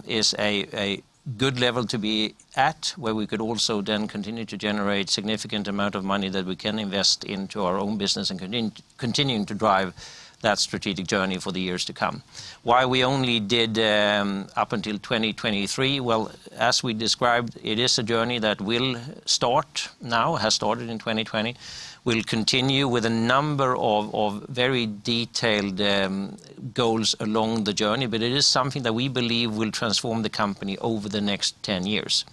is a good level to be at, where we could also then continue to generate significant amount of money that we can invest into our own business and continuing to drive that strategic journey for the years to come. Why we only did up until 2023? Well, as we described, it is a journey that will start now, has started in 2020, will continue with a number of very detailed goals along the journey. It is something that we believe will transform the company over the next 10 years.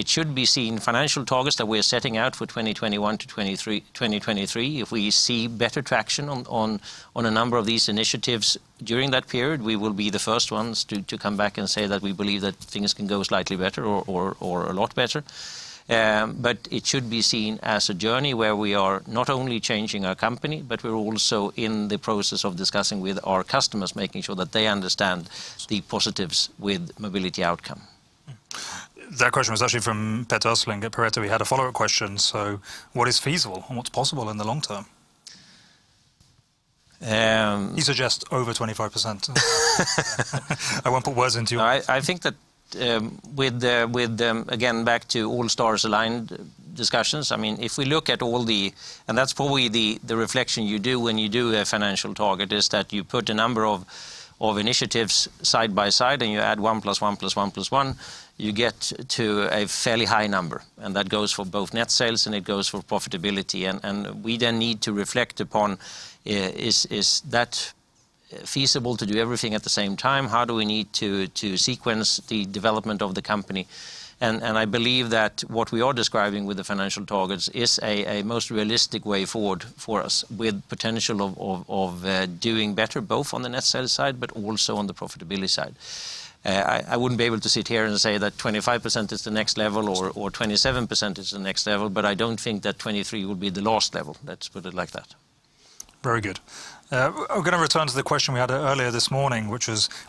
It should be seen, financial targets that we're setting out for 2021 to 2023. If we see better traction on a number of these initiatives during that period, we will be the first ones to come back and say that we believe that things can go slightly better or a lot better. It should be seen as a journey where we are not only changing our company, but we're also in the process of discussing with our customers, making sure that they understand the positives with mobility outcome. That question was actually from Pat Östling at Pareto. We had a follow-up question. What is feasible and what's possible in the long term? Um- These are just over 25%. I won't put words into your mouth. I think that with, again, back to all stars aligned discussions. That's probably the reflection you do when you do a financial target, is that you put a number of initiatives side by side, and you add one plus one plus one plus one, you get to a fairly high number. That goes for both net sales, and it goes for profitability. We then need to reflect upon, is that feasible to do everything at the same time? How do we need to sequence the development of the company? I believe that what we are describing with the financial targets is a most realistic way forward for us, with potential of doing better, both on the net sales side, but also on the profitability side. I wouldn't be able to sit here and say that 25% is the next level or 27% is the next level, but I don't think that 23 would be the last level. Let's put it like that. Very good. We're going to return to the question we had earlier this morning, which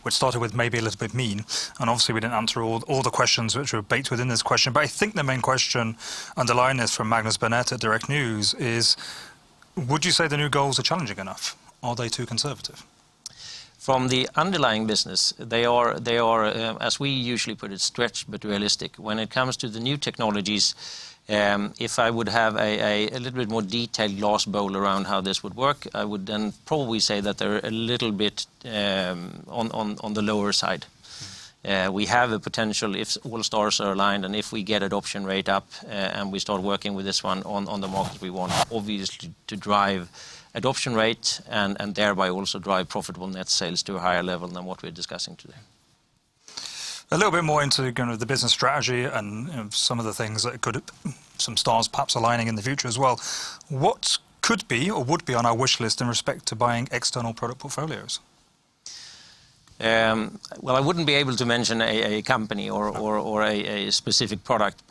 started with maybe a little bit mean, and obviously we didn't answer all the questions which were baked within this question. I think the main question underlying this from Magnus Bernet at Direkt is: Would you say the new goals are challenging enough? Are they too conservative? From the underlying business, they are, as we usually put it, stretched but realistic. When it comes to the new technologies, if I would have a little bit more detailed glass bowl around how this would work, I would then probably say that they're a little bit on the lower side. We have the potential if all stars are aligned, and if we get adoption rate up, and we start working with this one on the markets we want, obviously, to drive adoption rates and thereby also drive profitable net sales to a higher level than what we're discussing today. A little bit more into kind of the business strategy and some of the things that could, some stars perhaps aligning in the future as well. What could be or would be on our wish list in respect to buying external product portfolios? Well, I wouldn't be able to mention a company or a specific product.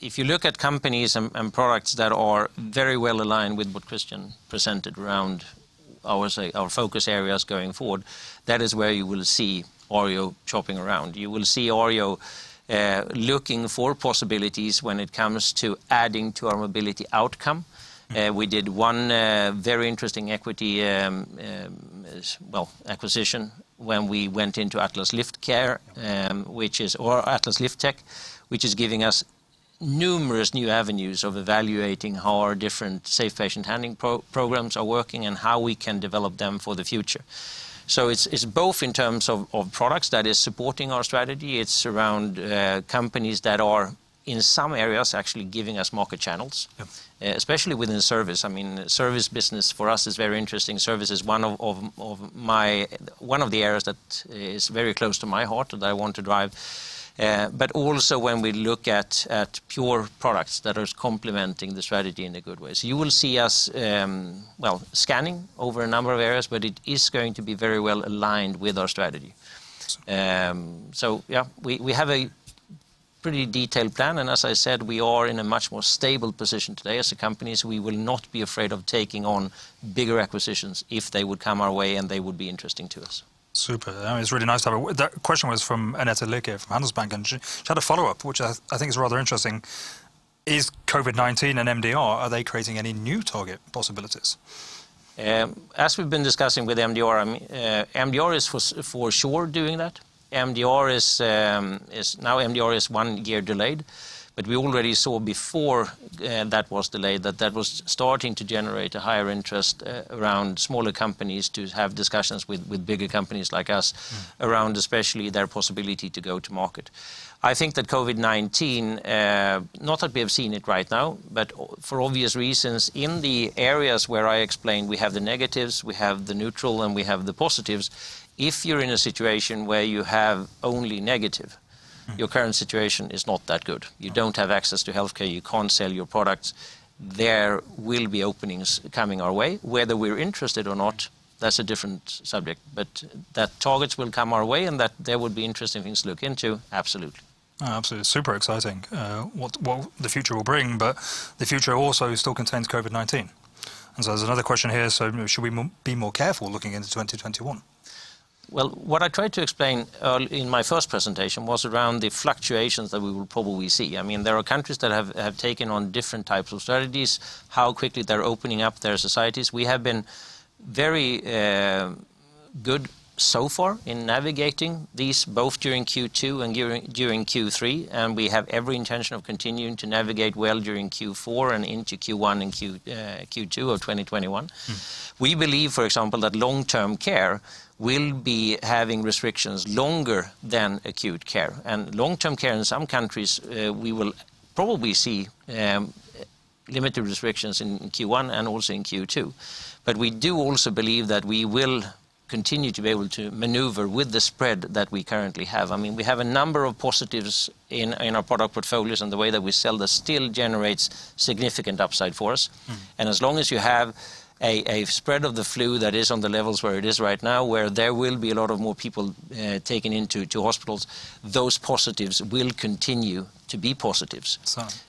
If you look at companies and products that are very well aligned with what Christian presented around our focus areas going forward, that is where you will see Arjo shopping around. You will see Arjo looking for possibilities when it comes to adding to our mobility outcome. We did one very interesting equity, well, acquisition when we went into Atlas Lift Tech, or Atlas Lift Tech, which is giving us numerous new avenues of evaluating how our different safe patient handling programs are working and how we can develop them for the future. It's both in terms of products that is supporting our strategy. It's around companies that are, in some areas, actually giving us market channels. Yeah. Especially within service. Service business for us is very interesting. Service is one of the areas that is very close to my heart that I want to drive. Also when we look at pure products that is complementing the strategy in a good way. You will see us scanning over a number of areas, but it is going to be very well-aligned with our strategy. Yes. Yeah, we have a pretty detailed plan, and as I said, we are in a much more stable position today as a company, so we will not be afraid of taking on bigger acquisitions if they would come our way and they would be interesting to us. Super. The question was from Annette Lykke from Handelsbanken. She had a follow-up, which I think is rather interesting. Is COVID-19 and MDR, are they creating any new target possibilities? As we've been discussing with MDR is for sure doing that. Now MDR is one year delayed, but we already saw before that was delayed that that was starting to generate a higher interest around smaller companies to have discussions with bigger companies like us. around especially their possibility to go to market. I think that COVID-19, not that we have seen it right now, but for obvious reasons, in the areas where I explained we have the negatives, we have the neutral, and we have the positives, if you're in a situation where you have only negative- Your current situation is not that good. You don't have access to healthcare. You can't sell your products. There will be openings coming our way. Whether we're interested or not, that's a different subject. That targets will come our way, and that there would be interesting things to look into, absolutely. Absolutely. Super exciting what the future will bring. The future also still contains COVID-19. There's another question here. Should we be more careful looking into 2021? Well, what I tried to explain early in my first presentation was around the fluctuations that we will probably see. There are countries that have taken on different types of strategies, how quickly they're opening up their societies. We have been very good so far in navigating these, both during Q2 and during Q3, and we have every intention of continuing to navigate well during Q4 and into Q1 and Q2 of 2021. We believe, for example, that long-term care will be having restrictions longer than acute care. Long-term care in some countries, we will probably see limited restrictions in Q1 and also in Q2. We do also believe that we will continue to be able to maneuver with the spread that we currently have. We have a number of positives in our product portfolios, and the way that we sell this still generates significant upside for us. As long as you have a spread of the flu that is on the levels where it is right now, where there will be a lot of more people taken into hospitals, those positives will continue to be positives.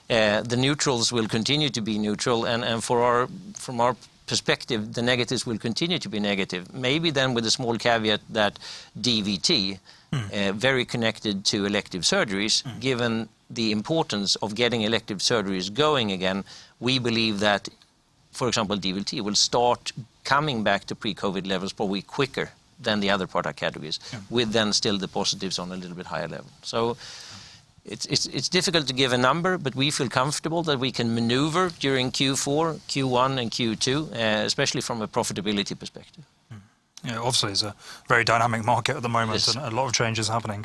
Yes. The neutrals will continue to be neutral, and from our perspective, the negatives will continue to be negative. Maybe then with a small caveat that DVT. very connected to elective surgeries. Given the importance of getting elective surgeries going again, we believe that, for example, DVT will start coming back to pre-COVID levels probably quicker than the other product categories. Yeah. Still the positives on a little bit higher level. It's difficult to give a number, but we feel comfortable that we can maneuver during Q4, Q1, and Q2, especially from a profitability perspective. Mm-hmm. Yeah, obviously, it's a very dynamic market at the moment. It is. A lot of changes happening.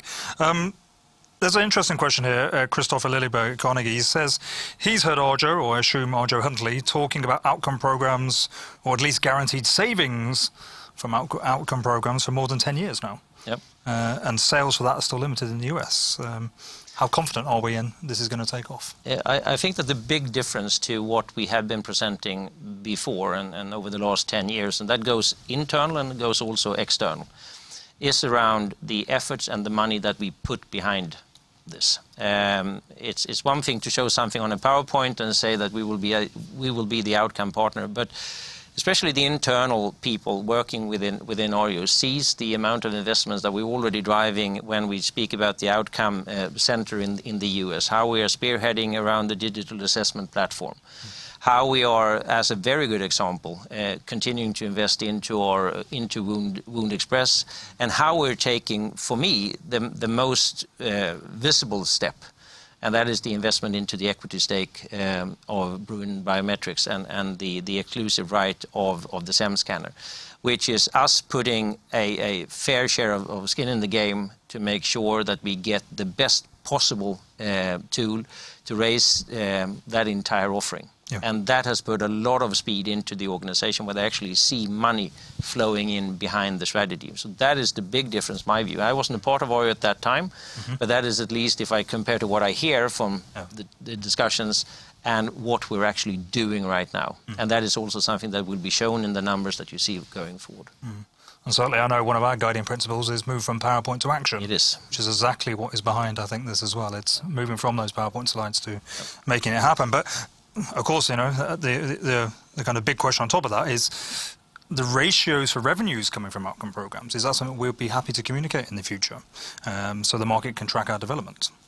There's an interesting question here. Kristofer Liljeberg from Carnegie says he's heard Arjo, or I assume ArjoHuntleigh, talking about outcome programs, or at least guaranteed savings from outcome programs for more than 10 years now. Yep. Sales for that are still limited in the U.S. How confident are we in this is going to take off? I think that the big difference to what we have been presenting before and over the last 10 years, and that goes internal and goes also external, is around the efforts and the money that we put behind this. It's one thing to show something on a PowerPoint and say that we will be the outcome partner. Especially the internal people working within Arjo sees the amount of investments that we're already driving when we speak about the outcome center in the U.S., how we are spearheading around the digital assessment platform. How we are, as a very good example, continuing to invest into WoundExpress, and how we're taking, for me, the most visible step, and that is the investment into the equity stake of Bruin Biometrics and the exclusive right of the SEM Scanner, which is us putting a fair share of skin in the game to make sure that we get the best possible tool to raise that entire offering. Yeah. That has put a lot of speed into the organization where they actually see money flowing in behind the strategy. That is the big difference, in my view. I wasn't a part of Arjo at that time. That is at least if I compare to what I hear from. Yeah the discussions and what we're actually doing right now. That is also something that will be shown in the numbers that you see going forward. Certainly, I know one of our guiding principles is move from PowerPoint to action. It is. Which is exactly what is behind, I think, this as well. It's moving from those PowerPoint slides to making it happen. Of course, the kind of big question on top of that is the ratios for revenues coming from outcome programs. Is that something we'll be happy to communicate in the future, so the market can track our development? We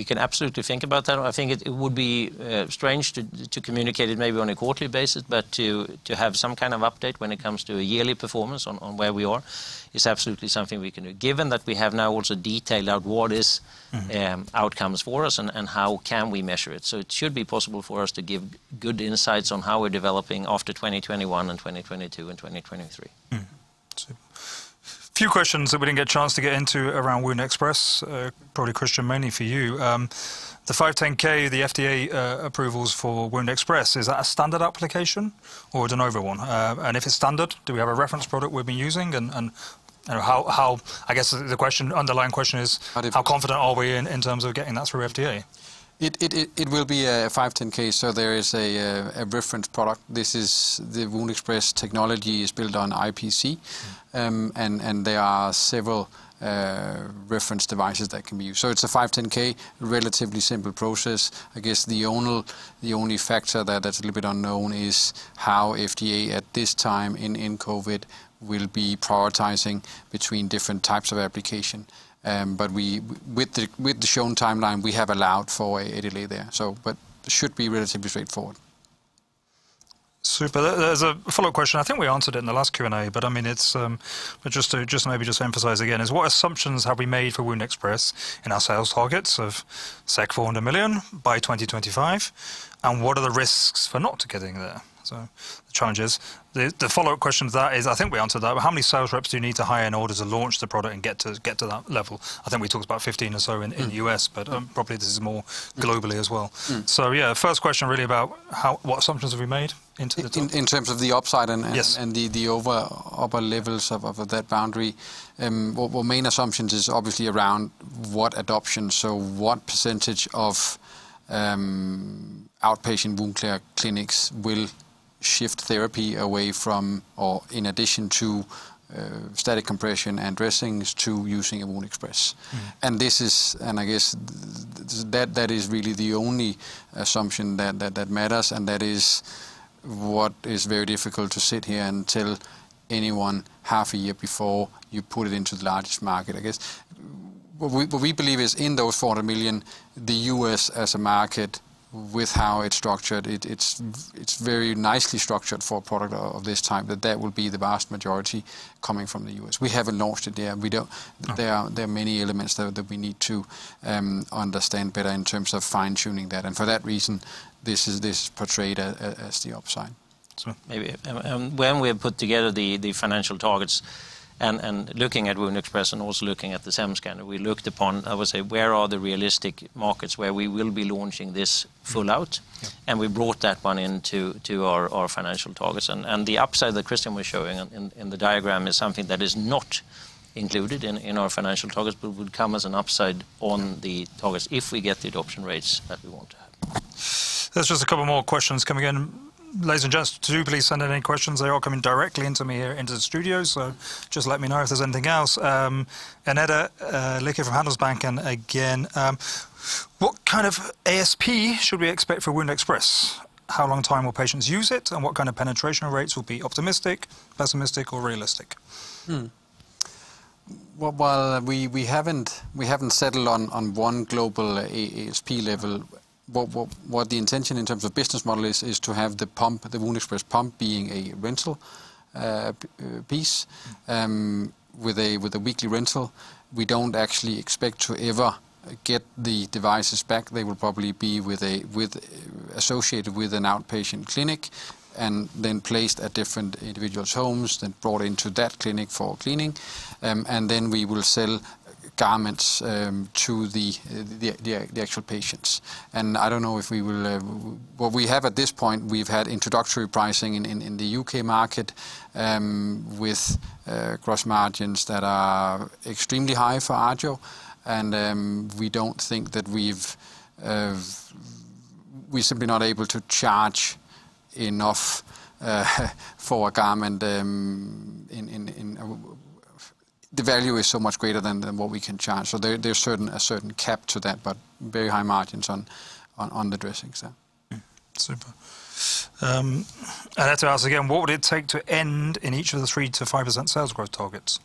can absolutely think about that. I think it would be strange to communicate it maybe on a quarterly basis, but to have some kind of update when it comes to a yearly performance on where we are is absolutely something we can do, given that we have now also detailed out what is outcomes for us and how can we measure it. It should be possible for us to give good insights on how we're developing after 2021 and 2022 and 2023. Mm-hmm. Super. Few questions that we didn't get a chance to get into around WoundExpress. Probably Christian, mainly for you. The 510(k), the FDA approvals for WoundExpress, is that a standard application or a De Novo one? If it's standard, do we have a reference product we've been using? I guess the underlying question is how confident are we in terms of getting that through FDA? It will be a 510(k), there is a reference product. The WoundExpress technology is built on IPC, there are several reference devices that can be used. It's a 510(k), relatively simple process. I guess the only factor that's a little bit unknown is how FDA at this time in COVID will be prioritizing between different types of application. With the shown timeline, we have allowed for a delay there. It should be relatively straightforward. Super. There's a follow-up question. I think we answered it in the last Q&A, but just to maybe just emphasize again is what assumptions have we made for WoundExpress in our sales targets of 400 million by 2025, and what are the risks for not getting there? The challenges. The follow-up question to that is, I think we answered that, but how many sales reps do you need to hire in order to launch the product and get to that level? I think we talked about 15 or so in U.S., but probably this is more globally as well. Yeah, first question really about what assumptions have we made into the. In terms of the upside and- Yes The upper levels of that boundary. Our main assumptions is obviously around what adoption, what percentage of outpatient wound care clinics will shift therapy away from or in addition to static compression and dressings to using a WoundExpress. I guess that is really the only assumption that matters, and that is what is very difficult to sit here and tell anyone half a year before you put it into the largest market. I guess what we believe is in those 400 million, the U.S. as a market with how it's structured, it's very nicely structured for a product of this type, that that will be the vast majority coming from the U.S. We haven't launched it yet. There are many elements that we need to understand better in terms of fine-tuning that. For that reason, this is portrayed as the upside. Super. Maybe, when we have put together the financial targets and looking at WoundExpress and also looking at the SEM Scanner, we looked upon, I would say, where are the realistic markets where we will be launching this full out. Yep. We brought that one into our financial targets. The upside that Christian was showing in the diagram is something that is not included in our financial targets but would come as an upside on the targets if we get the adoption rates that we want to have. There's just a couple more questions coming in. Ladies and gents, do please send in any questions. They're all coming directly into me here into the studio, so just let me know if there's anything else. Annette Lykke from Handelsbanken again. What kind of ASP should we expect for WoundExpress? How long time will patients use it, and what kind of penetration rates will be optimistic, pessimistic, or realistic? While we haven't settled on one global ASP level, what the intention in terms of business model is to have the WoundExpress pump being a rental piece with a weekly rental. We don't actually expect to ever get the devices back. They will probably be associated with an outpatient clinic and then placed at different individuals' homes, then brought into that clinic for cleaning. We will sell garments to the actual patients. What we have at this point, we've had introductory pricing in the U.K. market, with gross margins that are extremely high for Arjo. We don't think that We're simply not able to charge enough for a garment in The value is so much greater than what we can charge. There's a certain cap to that, but very high margins on the dressings. Yeah. Super. Annette asks again, what would it take to end in each of the 3%-5% sales growth targets?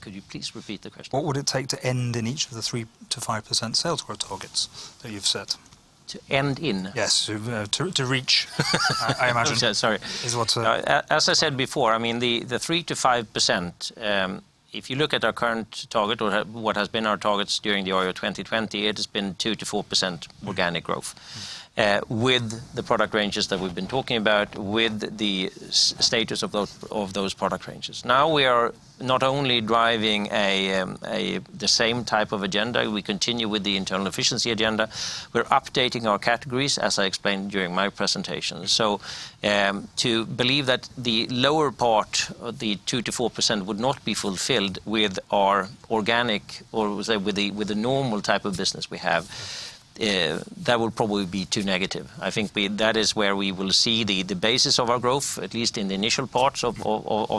Could you please repeat the question? What would it take to end in each of the 3%-5% sales growth targets that you've set? To end in? Yes. To reach, I imagine. Sorry is what- As I said before, the 3%-5%, if you look at our current target or what has been our targets during the year 2020, it has been 2%-4% organic growth, with the product ranges that we've been talking about, with the status of those product ranges. Now we are not only driving the same type of agenda. We continue with the internal efficiency agenda. We're updating our categories, as I explained during my presentation. To believe that the lower part of the 2%-4% would not be fulfilled with our organic, or with the normal type of business we have. That will probably be too negative. I think that is where we will see the basis of our growth, at least in the initial parts of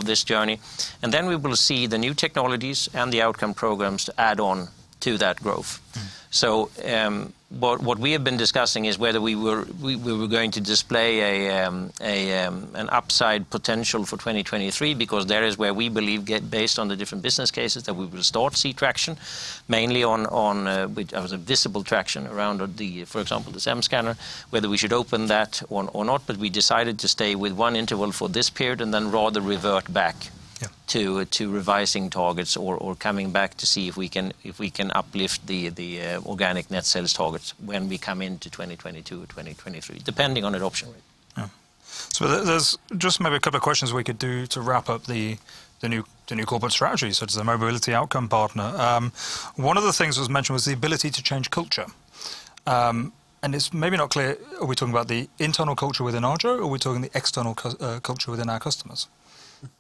this journey. Then we will see the new technologies and the outcome programs add on to that growth. What we have been discussing is whether we were going to display an upside potential for 2023. There is where we believe, based on the different business cases, that we will start to see traction. Mainly on visible traction around, for example, the SEM Scanner, whether we should open that or not. We decided to stay with one interval for this period and then rather revert back. Yeah to revising targets or coming back to see if we can uplift the organic net sales targets when we come into 2022, 2023, depending on adoption rate. Yeah. There's just maybe a couple of questions we could do to wrap up the new corporate strategy. It's the mobility outcome partner. One of the things that was mentioned was the ability to change culture. It's maybe not clear, are we talking about the internal culture within Arjo, or are we talking the external culture within our customers?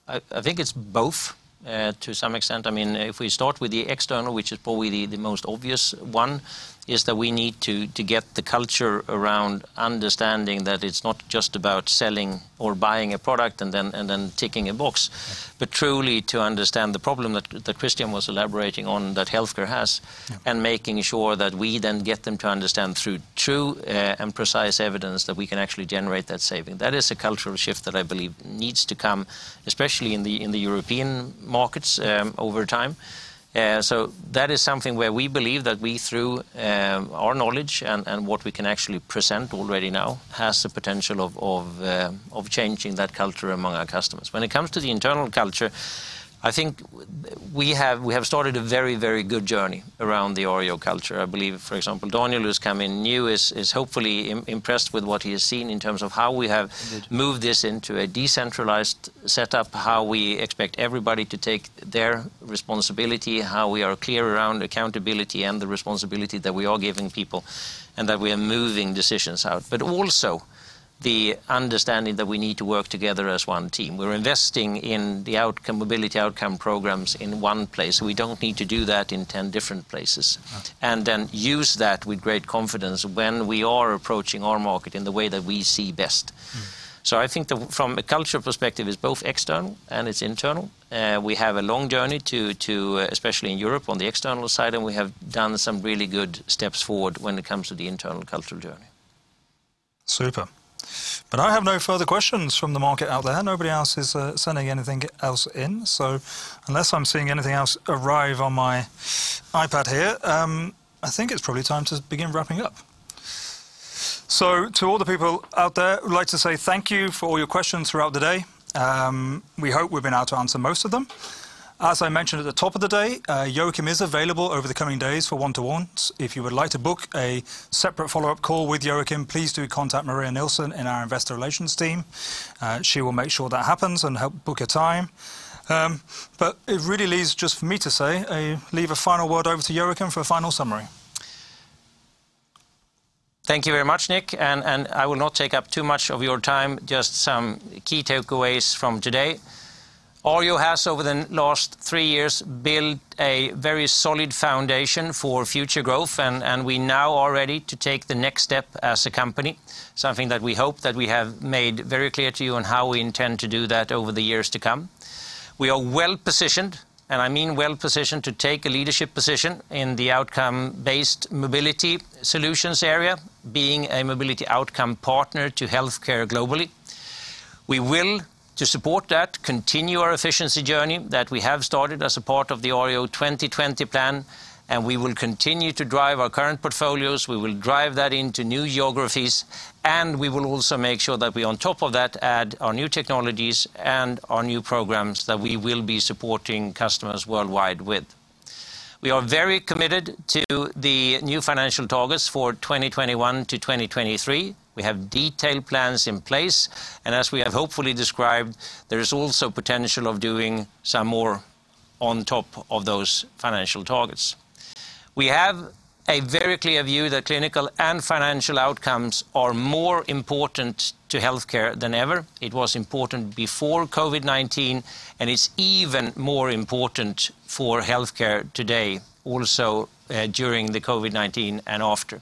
I think it's both, to some extent. If we start with the external, which is probably the most obvious one, is that we need to get the culture around understanding that it's not just about selling or buying a product and then ticking a box. Right. truly to understand the problem that Christian was elaborating on that healthcare has. Yeah Making sure that we then get them to understand through true and precise evidence that we can actually generate that saving. That is a cultural shift that I believe needs to come, especially in the European markets over time. That is something where we believe that we, through our knowledge and what we can actually present already now, has the potential of changing that culture among our customers. When it comes to the internal culture, I think we have started a very good journey around the Arjo culture. I believe, for example, Daniel, who's come in new, is hopefully impressed with what he has seen in terms of how we have. Good moved this into a decentralized setup, how we expect everybody to take their responsibility, how we are clear around accountability and the responsibility that we are giving people, and that we are moving decisions out. Also the understanding that we need to work together as one team. We're investing in the mobility outcome programs in one place. We don't need to do that in 10 different places. Right. Use that with great confidence when we are approaching our market in the way that we see best. I think from a culture perspective, it's both external and it's internal. We have a long journey to, especially in Europe on the external side, and we have done some really good steps forward when it comes to the internal cultural journey. Super. I have no further questions from the market out there. Nobody else is sending anything else in. Unless I'm seeing anything else arrive on my iPad here, I think it's probably time to begin wrapping up. To all the people out there, I would like to say thank you for all your questions throughout the day. We hope we've been able to answer most of them. As I mentioned at the top of the day, Joacim is available over the coming days for one-to-ones. If you would like to book a separate follow-up call with Joacim, please do contact Maria Nilsson in our investor relations team. She will make sure that happens and help book a time. It really leaves just for me to say, I leave a final word over to Joacim for a final summary. Thank you very much, Nick, and I will not take up too much of your time, just some key takeaways from today. Arjo has, over the last three years, built a very solid foundation for future growth, and we now are ready to take the next step as a company. Something that we hope that we have made very clear to you on how we intend to do that over the years to come. We are well-positioned, and I mean well-positioned to take a leadership position in the outcome-based mobility solutions area, being a mobility outcome partner to healthcare globally. We will, to support that, continue our efficiency journey that we have started as a part of the Arjo 2020 plan, and we will continue to drive our current portfolios. We will drive that into new geographies. We will also make sure that we, on top of that, add our new technologies and our new programs that we will be supporting customers worldwide with. We are very committed to the new financial targets for 2021 to 2023. We have detailed plans in place. As we have hopefully described, there is also potential of doing some more on top of those financial targets. We have a very clear view that clinical and financial outcomes are more important to healthcare than ever. It was important before COVID-19. It's even more important for healthcare today, also during the COVID-19 and after.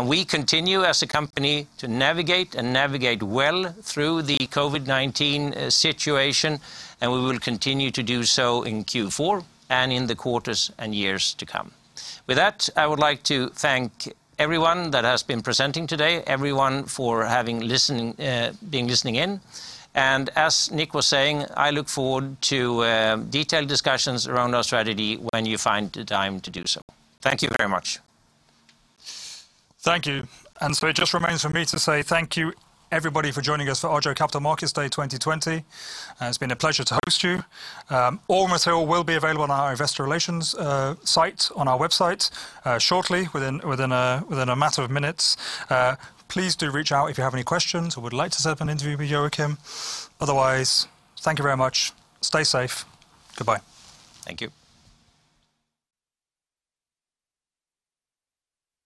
We continue as a company to navigate and navigate well through the COVID-19 situation. We will continue to do so in Q4 and in the quarters and years to come. With that, I would like to thank everyone that has been presenting today, everyone for having been listening in. As Nick was saying, I look forward to detailed discussions around our strategy when you find the time to do so. Thank you very much. Thank you. It just remains for me to say thank you, everybody, for joining us for Arjo Capital Markets Day 2020. It's been a pleasure to host you. All material will be available on our investor relations site on our website shortly, within a matter of minutes. Please do reach out if you have any questions or would like to set up an interview with Joacim. Otherwise, thank you very much. Stay safe. Goodbye. Thank you.